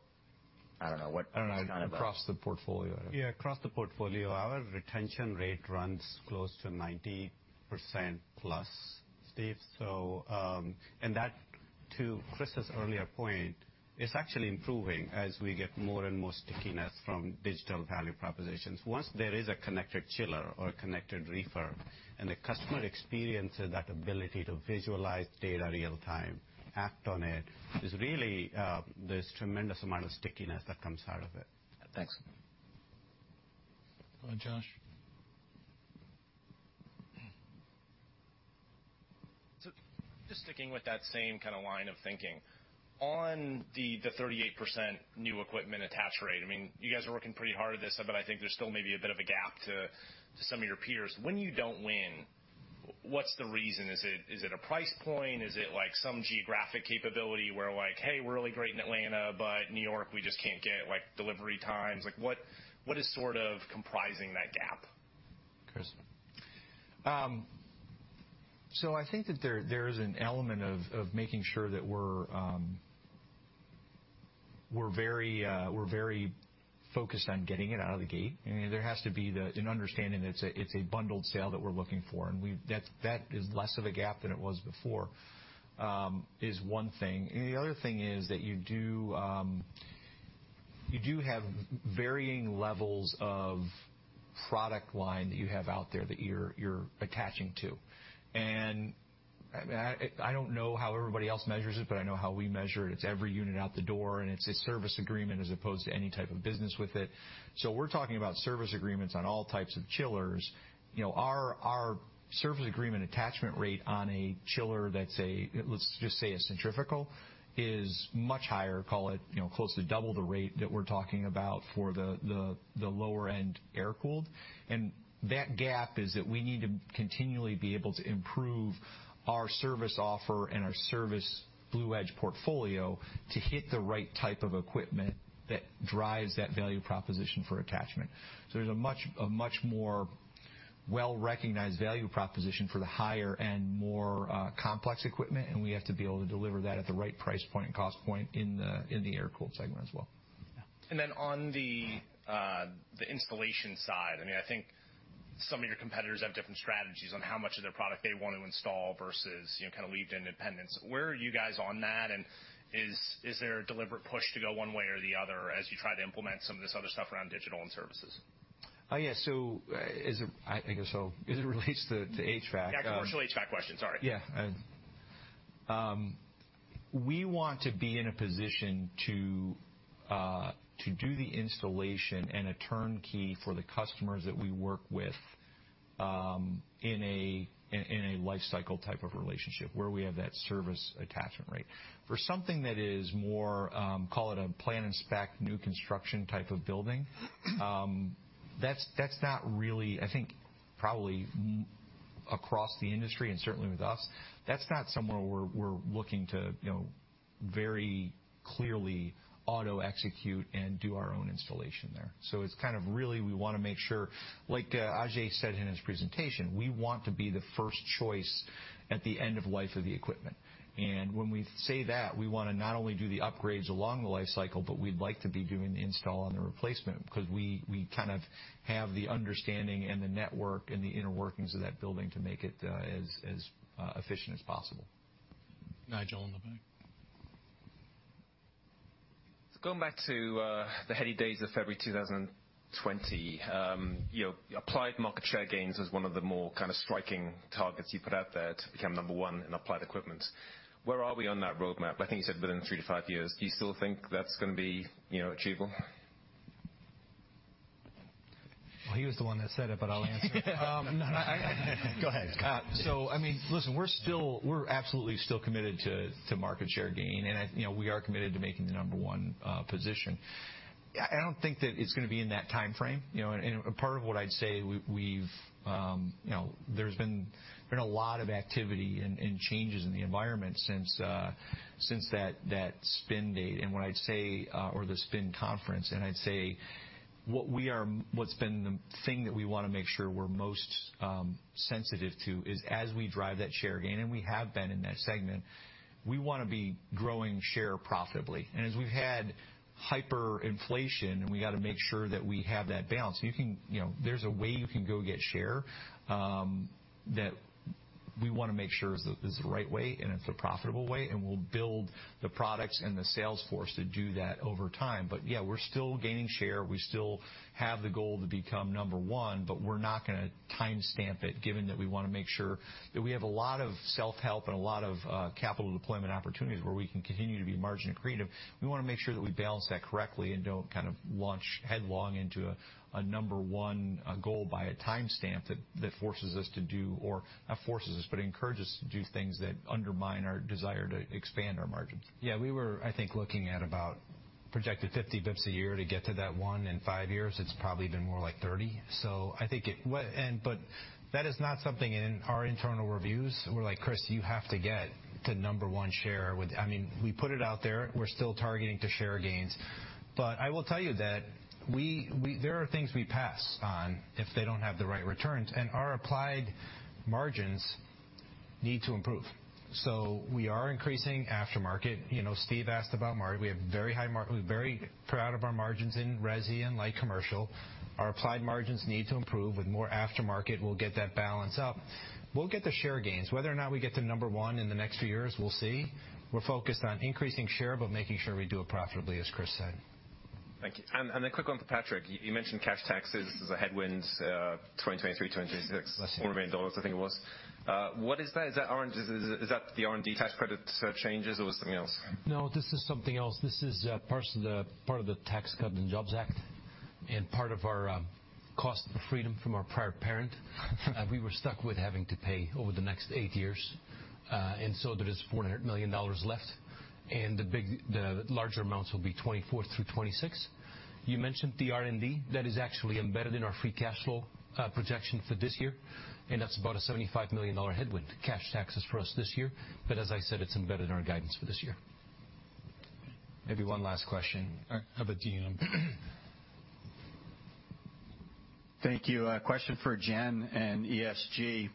I don't know what kind of I don't know. Across the portfolio. Yeah, across the portfolio, our retention rate runs close to 90% plus, Steve. And that to Chris's earlier point, it's actually improving as we get more and more stickiness from digital value propositions. Once there is a connected chiller or a connected reefer, and the customer experiences that ability to visualize data real time, act on it, there's really this tremendous amount of stickiness that comes out of it. Thanks. Go on, Josh. Just sticking with that same kinda line of thinking, on the 38% new equipment attach rate, I mean, you guys are working pretty hard at this, but I think there's still maybe a bit of a gap to some of your peers. When you don't win, what's the reason? Is it a price point? Is it like some geographic capability where like, "Hey, we're really great in Atlanta, but New York, we just can't get like delivery times." Like what is sort of comprising that gap? I think that there is an element of making sure that we're very focused on getting it out of the gate. There has to be an understanding that it's a bundled sale that we're looking for. That is less of a gap than it was before, is one thing. The other thing is that you do have varying levels of product line that you have out there that you're attaching to. I don't know how everybody else measures it, but I know how we measure it. It's every unit out the door, and it's a service agreement as opposed to any type of business with it. We're talking about service agreements on all types of chillers. You know, our service agreement attachment rate on a chiller that's a, let's just say, a centrifugal, is much higher, call it, you know, close to double the rate that we're talking about for the lower end air-cooled. That gap is that we need to continually be able to improve our service offer and our service BluEdge portfolio to hit the right type of equipment that drives that value proposition for attachment. There's a much more well-recognized value proposition for the higher end, more complex equipment, and we have to be able to deliver that at the right price point and cost point in the air-cooled segment as well. Then on the installation side, I mean, I think some of your competitors have different strategies on how much of their product they want to install versus, you know, kind of leave it independent. Where are you guys on that? Is there a deliberate push to go one way or the other as you try to implement some of this other stuff around digital and services? Oh, yeah. As it relates to HVAC. Yeah, commercial HVAC question, sorry. Yeah. We want to be in a position to do the installation and a turnkey for the customers that we work with, in a lifecycle type of relationship where we have that service attachment rate. For something that is more, call it a plan and spec new construction type of building, that's not really, I think, probably across the industry and certainly with us, that's not somewhere where we're looking to, you know, very clearly auto execute and do our own installation there. It's kind of really we want to make sure, like Ajay said in his presentation, we want to be the first choice at the end of life of the equipment. When we say that, we want to not only do the upgrades along the life cycle, but we'd like to be doing the install on the replacement because we kind of have the understanding and the network and the inner workings of that building to make it as efficient as possible. Nigel in the back. Going back to the heady days of February 2020, you know, applied market share gains was one of the more kind of striking targets you put out there to become number one in applied equipment. Where are we on that roadmap? I think you said within three to five years. Do you still think that's gonna be, you know, achievable? Well, he was the one that said it, but I'll answer it. Go ahead. I mean, listen, we're absolutely still committed to market share gain. You know, we are committed to making the number one position. I don't think that it's gonna be in that timeframe, you know. Part of what I'd say, we've, you know, there's been a lot of activity and changes in the environment since that spin date or the spin conference. I'd say what's been the thing that we wanna make sure we're most sensitive to is as we drive that share gain, and we have been in that segment, we wanna be growing share profitably. As we've had hyperinflation, we gotta make sure that we have that balance. You know, there's a way you can go get share that we wanna make sure is the right way, and it's a profitable way, and we'll build the products and the sales force to do that over time. Yeah, we're still gaining share. We still have the goal to become number one, but we're not gonna timestamp it, given that we wanna make sure that we have a lot of self-help and a lot of capital deployment opportunities where we can continue to be margin accretive. We wanna make sure that we balance that correctly and don't kind of launch headlong into a number one goal by a timestamp that forces us to do or, not forces us, but encourages us to do things that undermine our desire to expand our margins. Yeah, we were, I think, looking at about projected 50 basis points a year to get to that one in five years. It's probably been more like 30. That is not something in our internal reviews. We're like, "Chris, you have to get to number one share with..." I mean, we put it out there, we're still targeting to share gains. I will tell you that we there are things we pass on if they don't have the right returns, and our applied margins need to improve. We are increasing aftermarket. You know, Steve asked about margin. We have very high margin. We're very proud of our margins in resi and light commercial. Our applied margins need to improve. With more aftermarket, we'll get that balance up. We'll get the share gains. Whether or not we get to number one in the next few years, we'll see. We're focused on increasing share, but making sure we do it profitably, as Chris said. Thank you. A quick one for Patrick. You mentioned cash taxes as a headwind, 2023 to 2026. That's me. $400 million, I think it was. What is that? Is that R&D? Is that the R&D tax credit changes or something else? No, this is something else. This is part of the Tax Cuts and Jobs Act and part of our cost of freedom from our prior parent. We were stuck with having to pay over the next 8 years. There is $400 million left, and the larger amounts will be 2024 through 2026. You mentioned the R&D. That is actually embedded in our free cash flow projection for this year, and that's about a $75 million headwind cash taxes for us this year. As I said, it's embedded in our guidance for this year. Maybe one last question. Have it Deane. Thank you. A question for Jen and ESG.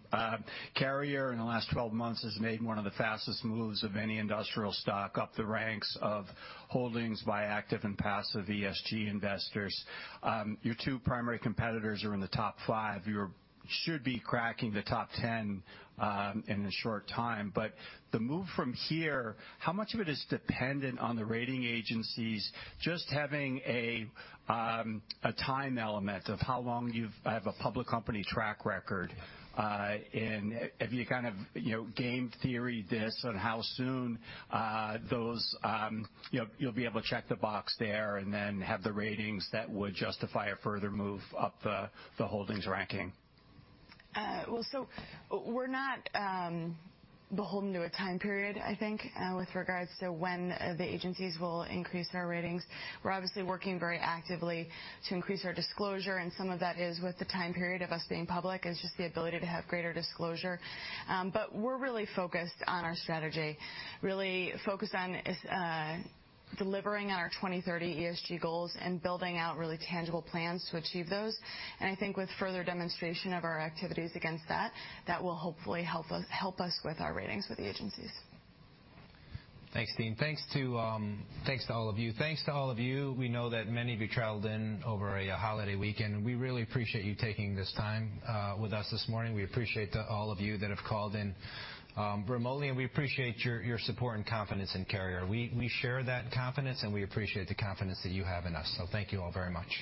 Carrier in the last 12 months has made one of the fastest moves of any industrial stock up the ranks of holdings by active and passive ESG investors. Your two primary competitors are in the top five. You should be cracking the top ten in a short time. The move from here, how much of it is dependent on the rating agencies just having a time element of how long you have a public company track record? And have you kind of, you know, game theory-ed this on how soon you'll be able to check the box there and then have the ratings that would justify a further move up the holdings ranking? Well, we're not beholden to a time period, I think, with regards to when the agencies will increase our ratings. We're obviously working very actively to increase our disclosure, and some of that is with the time period of us being public. It's just the ability to have greater disclosure. But we're really focused on our strategy, really focused on delivering on our 2030 ESG goals and building out really tangible plans to achieve those. I think with further demonstration of our activities against that will hopefully help us with our ratings with the agencies. Thanks, Deane. Thanks to all of you. We know that many of you traveled in over a holiday weekend, and we really appreciate you taking this time with us this morning. We appreciate all of you that have called in remotely, and we appreciate your support and confidence in Carrier. We share that confidence, and we appreciate the confidence that you have in us. Thank you all very much.